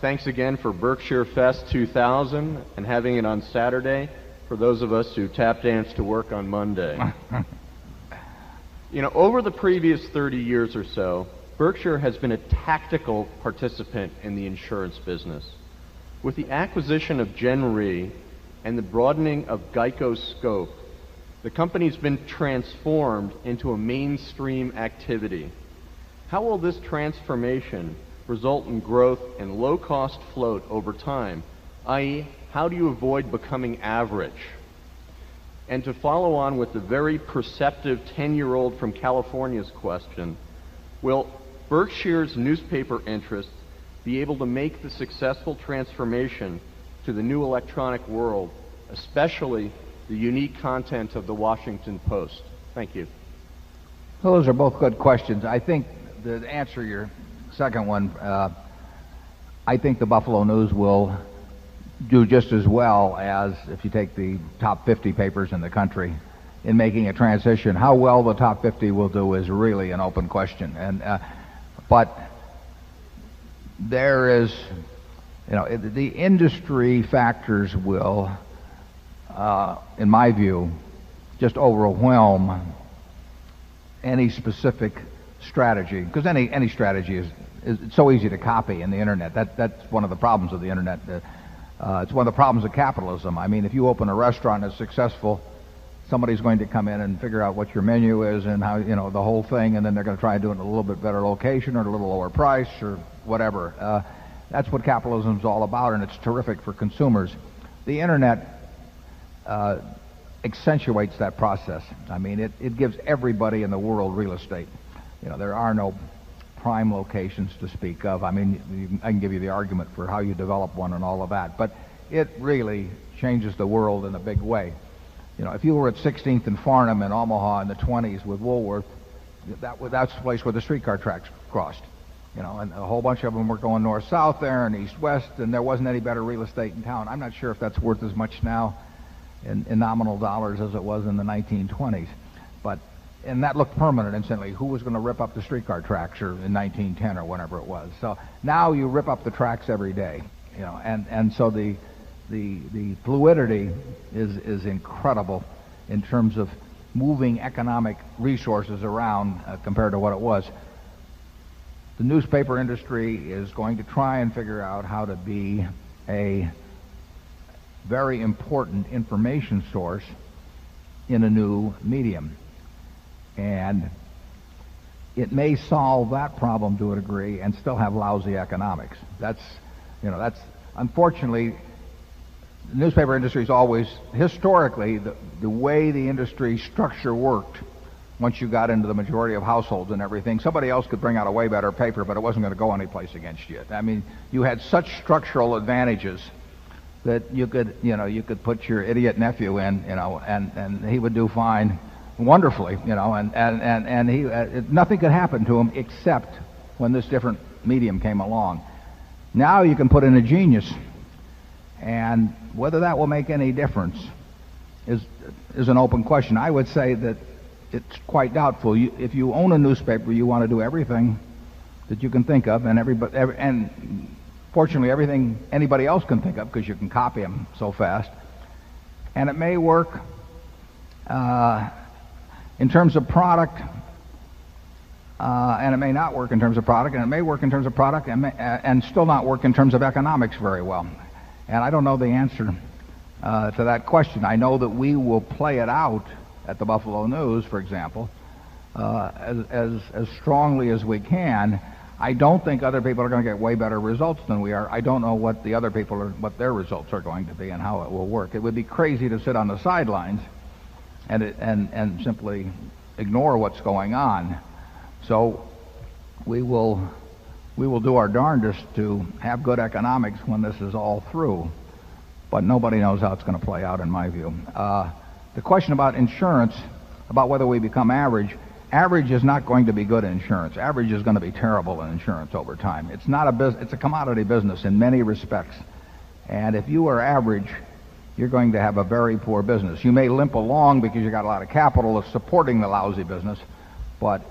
Thanks again for Berkshire Fest 2000 and having it on Saturday for those of us who tap dance to work on Monday. Over the previous 30 years or so, Berkshire has been a tactical participant in the insurance business. With the acquisition of GenRe and the broadening of GEICO scope, the company has been transformed into a mainstream activity. How will this transformation result in growth in low cost float over time, I. E, how do you avoid becoming average? And to follow on with the very perceptive 10 year old from California's question, will especially the unique content of the Washington Post? Thank you. Those are both good questions. I think to answer your second one, I think the Buffalo News will do just as well as if you take the top 50 papers in the country in making a transition, how well the top 50 will do is really an open question. And, but there is, you know, the industry factors will, in my view, just overwhelm any specific strategy. Because any any strategy is so easy to copy in the Internet. That that's one of the problems of the Internet. It's one of the problems of capitalism. I mean, if you open a restaurant that's successful, somebody's going to come in and figure out what your menu is and how, you know, the whole thing and then they're going to try and do it in a little better location or a little lower price or whatever. That's what capitalism is all about. And it's terrific for consumers. The Internet accentuates that process. I mean, it it gives everybody in the world real estate. You know, there are no prime locations to speak of. I mean, I can give you the argument for how you develop 1 and all of that. But it really changes the world in a big way. You know, if you were at 16th and Farnham in Omaha in the 20s with Woolworth, that was that's the place where the street car tracks crossed. And a whole bunch of them were going north south there and east west and there wasn't any better real estate in town. I'm not sure if that's worth as much now in nominal dollars as it was in the 1920s. But and that looked permanent instantly. Who was going to rip up the street car tractor in 1910 or whenever it was. So now you rip up the tracks every day, you know. And and so the the the fluidity is is incredible in terms of moving economic resources around, compared to what it was. The newspaper industry is going to try and figure out how to be a very important information source in a new medium and it may solve that problem to a degree and still have lousy economics. That's, you know, that's unfortunately newspaper industry is always historically the way the industry structure worked. Once you got into the majority of households and everything, somebody else could bring out a way better paper, but it wasn't going to go any place against you. I mean, you had such structural advantages that you could, you know, you could put your idiot nephew in, you know, and and he would do fine wonderfully, you know. And and and and he nothing could happen to him except when this different medium came along. Now you can put in a genius. And whether that will make any difference is is an open question. I would say that it's quite doubtful. If you own a newspaper, you want to do everything that you can think of and everybody ever and fortunately, everything anybody can think of because you can copy them so fast. And it may work in terms of product, And it may not work in terms of product and it may work in terms of product and may and still not work in terms of economics very well. And I don't know the answer to that question. I know that we will play it out at the Buffalo News, for example, as as as strongly as we can. I don't think other people are going to get way better results than we are. I don't know what the other people are what their results are going to be and how it will work. It would be crazy to sit on the sidelines and and and simply ignore what's going on. So we will we will do our darndest to have good economics when this is all through. But nobody knows how it's going to play out in my view. The question about insurance, about whether we become average, Average is not going to be good insurance. Average is going to be terrible in insurance over time. It's not a business it's a commodity business in many respects. And if you are average, you're going to have a very poor business. You may limp along because you got a lot of capital supporting the lousy business. But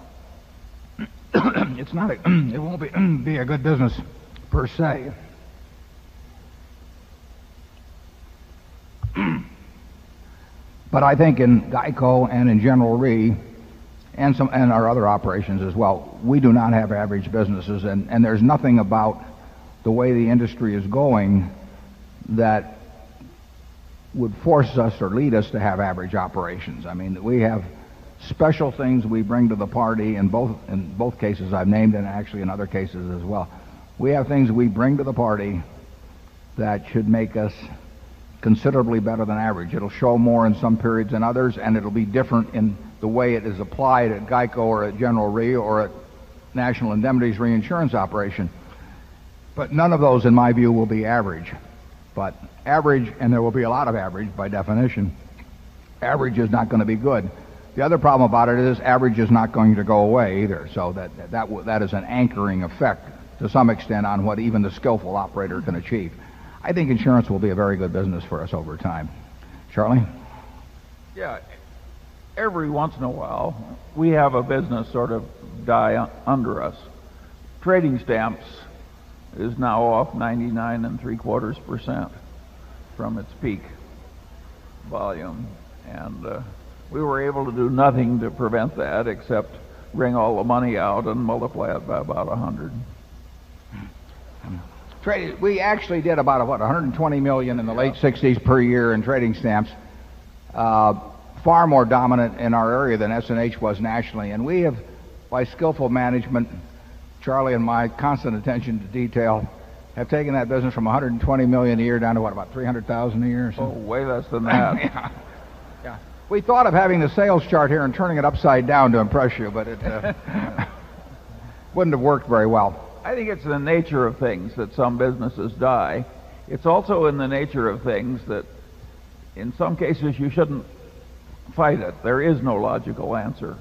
it's not a it won't be be a good business per se. But I think in GEICO and in General Re and some and our other operations as well, we do not have average businesses and and there's nothing about the way the industry is going that would force us or lead us to have average operations. I mean, we have special things we bring to the party in both in both cases I've named and actually in other cases as well. We have things we bring to the party that should make us considerably better than average. It'll show more in some periods than others and it'll be different in the way it is applied at GEICO or at General Re or at National Indemnity's reinsurance operation. But none of those, in my view, will be average. But average and there will be a lot of average by definition average is not going to be good. The other problem about it is average is not going to go away either. So that that that is an anchoring effect to some extent on what even the skillful operator can achieve. I think insurance will be a very good business for us over time. Charlie? Yeah. Every once in a while, we have a business sort of die under us. Trading stamps is now off 99 3 quarters percent from its peak volume and, we were able to do nothing to prevent that except bring all the money out and multiply it by about 100. Trade we actually did about, what, a 120,000,000 in the late sixties per year in trading stamps. Far more dominant in our area than SNH was nationally. And we have, by skillful management, Charlie and my constant attention to detail, have taken that business from $120,000,000 a year down to, what, about 300,000 a year? Oh, way less than that. Yeah. Yeah. We thought of having the sales chart here and turning it upside down to impress you, but it wouldn't have worked very well. I think it's the nature of things that some businesses die. It's also in the nature of things that in some cases, you shouldn't fight it. There is no logical answer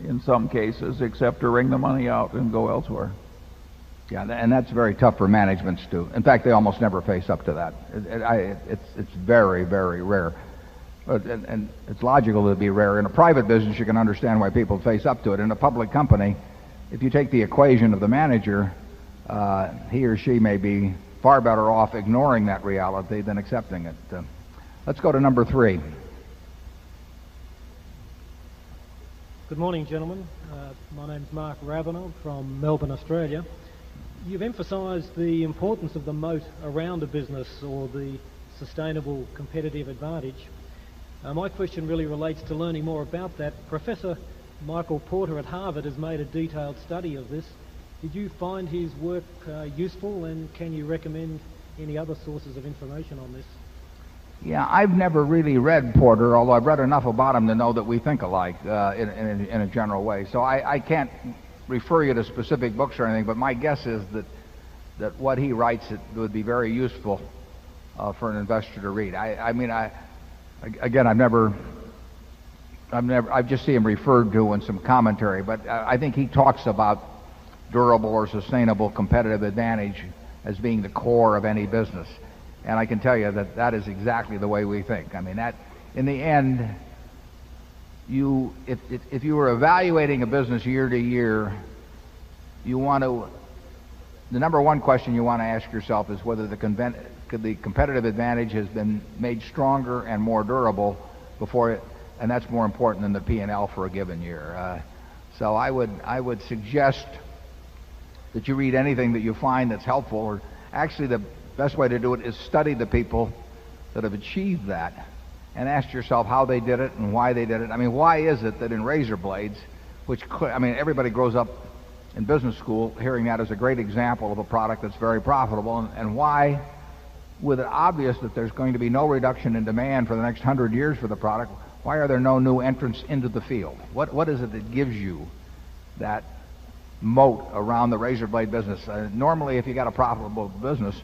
in some cases except to wring the money out and go elsewhere. Yeah. And that's very tough for managements too. In fact, they almost never face up to that. And I it's it's very, very rare. But and and it's logical that it'd be rare. In a private business, you can understand why people face up to it. In a public company, if you take the equation of the manager, he or she may be far better off ignoring that reality than accepting it. Let's go to number 3. Good morning, gentlemen. My name is Mark Ravanagh from Melbourne, Australia. You've emphasized the importance of the moat around the business or the sustainable competitive advantage. My question really relates to learning more about that. Professor Michael Porter at Harvard has made a detailed study of this. Did you find his work useful and can you recommend any other sources of information on this? Yeah. I've never really read Porter, although I've read enough about him to know that we think alike, in in in a general way. So I I can't refer you to specific books or anything, but my guess is that that what he writes, it would be very useful, for an investor to read. I I mean, I again, I've never I've never I've just seen him referred to in some commentary. But, I think he talks about durable or sustainable competitive advantage as being the core of any business. And I can tell you that that is exactly the way we think. I mean, that in the end, you if if you were evaluating a business year to year, you want to the number one question you want to ask yourself is whether the could the competitive advantage has been made stronger and more durable before it and that's more important than the P and L for a given year. So I would I would suggest that you read anything that you find that's helpful. Or actually, the best way to do it is study the people that have achieved that. And ask yourself how they did it and why they did it. I mean, why is it that in razor blades, which could I mean, everybody grows up in business school hearing that as a great example of a product that's very profitable. And why with it obvious that there's going to be no reduction in demand for the next 100 years for the product, why are there no new entrants into the field? What what is it that gives you that moat around the razorblade business? Normally, if you got a profitable business,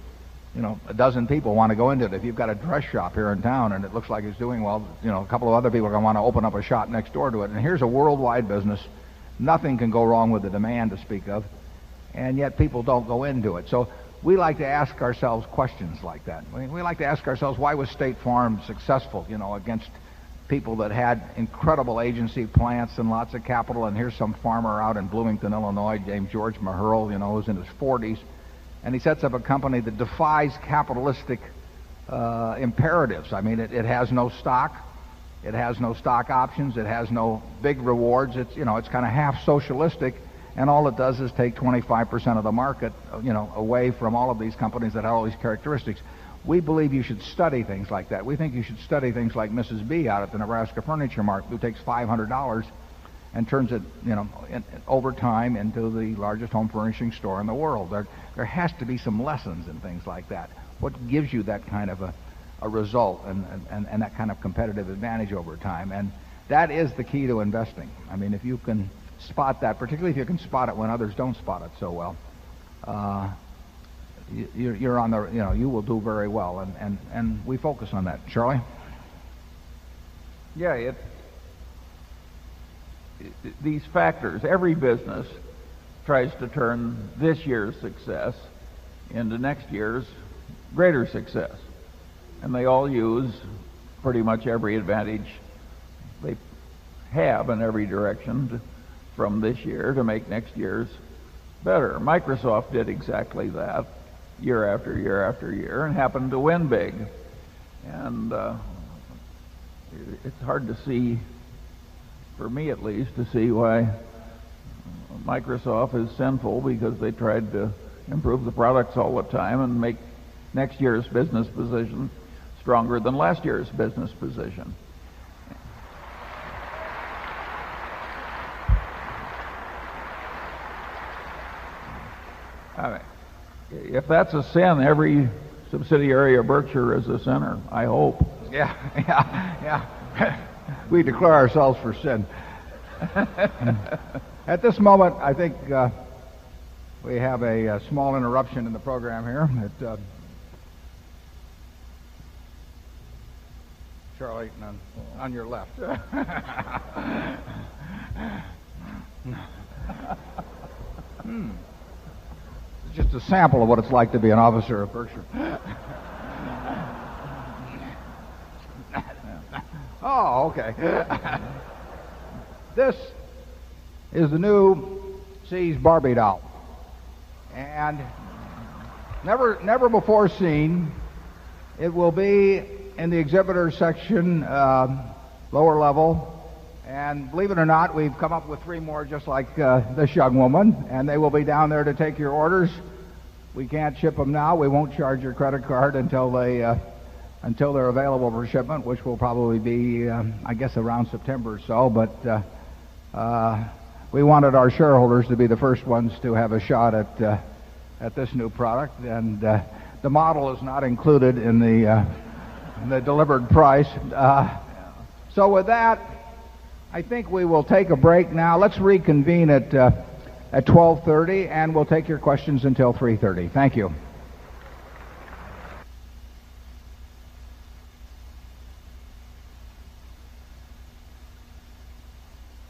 you know, a dozen people want to go into it. If you've got a dress shop here in town and it looks like it's doing well, you know, a couple of other people are going to want to open up a shop next door to it. And here's a worldwide business. Nothing can go wrong with the demand to speak of. And yet people don't go into it. So we like to ask ourselves questions like that. We like to ask ourselves why was State Farm successful, And he sets up a company that defies capitalistic, And he sets up a company that defies capitalistic, imperatives. I mean, it it has no stock. It has no stock options. It has no big rewards. It's, you know, it's kind of half socialistic. And all it does is take 25% of the market, you know, away from all of these companies that have all these characteristics. We believe you should study things like that. We think you should study things like Mrs. B out at the Nebraska Furniture Mart, who takes $500 and turns it, you know, over time into the largest home furnishing store in the world. There has to be some lessons and things like that. What gives you that kind of a result and that kind of competitive advantage over time? And that is the key to investing. I mean, if you can spot that, particularly if you can spot it when others don't spot it so well, You're you're on the you know, you will do very well and and and we focus on that. Charlie? Yeah. These factors, every business tries to turn this year's success into next year's greater success, and they all use pretty much every advantage they have in every direction from this year to make next year's better. Microsoft did exactly that year after year after year and happened to win big. And, it's hard to see, for me at least, to see why Microsoft is sinful because they tried to improve the products all the time and make next year's business If that's a sin, every subsidiary of Berkshire is a sinner, I hope. Yeah. Yeah. Yeah. We declare ourselves for sin. At this moment, I think, we have a small interruption in the program here. It's just a sample of what it's like to be an officer of Berkshire. Oh, okay. This is the new Sees Barbie doll. And never never before seen, it will be in the exhibitor section, lower level. And believe it or not, we've come up with 3 more just like, this young woman and they will be down there to take your orders. We can't ship them now. We won't charge your credit card until they, until they're available for shipment, which will probably be, I guess, around September or so. But, we wanted our shareholders to be the 1st ones to have a shot at at this new product. And the model is not included in the the delivered price. So with that, I think we will take a break now. Let's reconvene at 12:30 and we'll take your questions until 3:30. Thank you.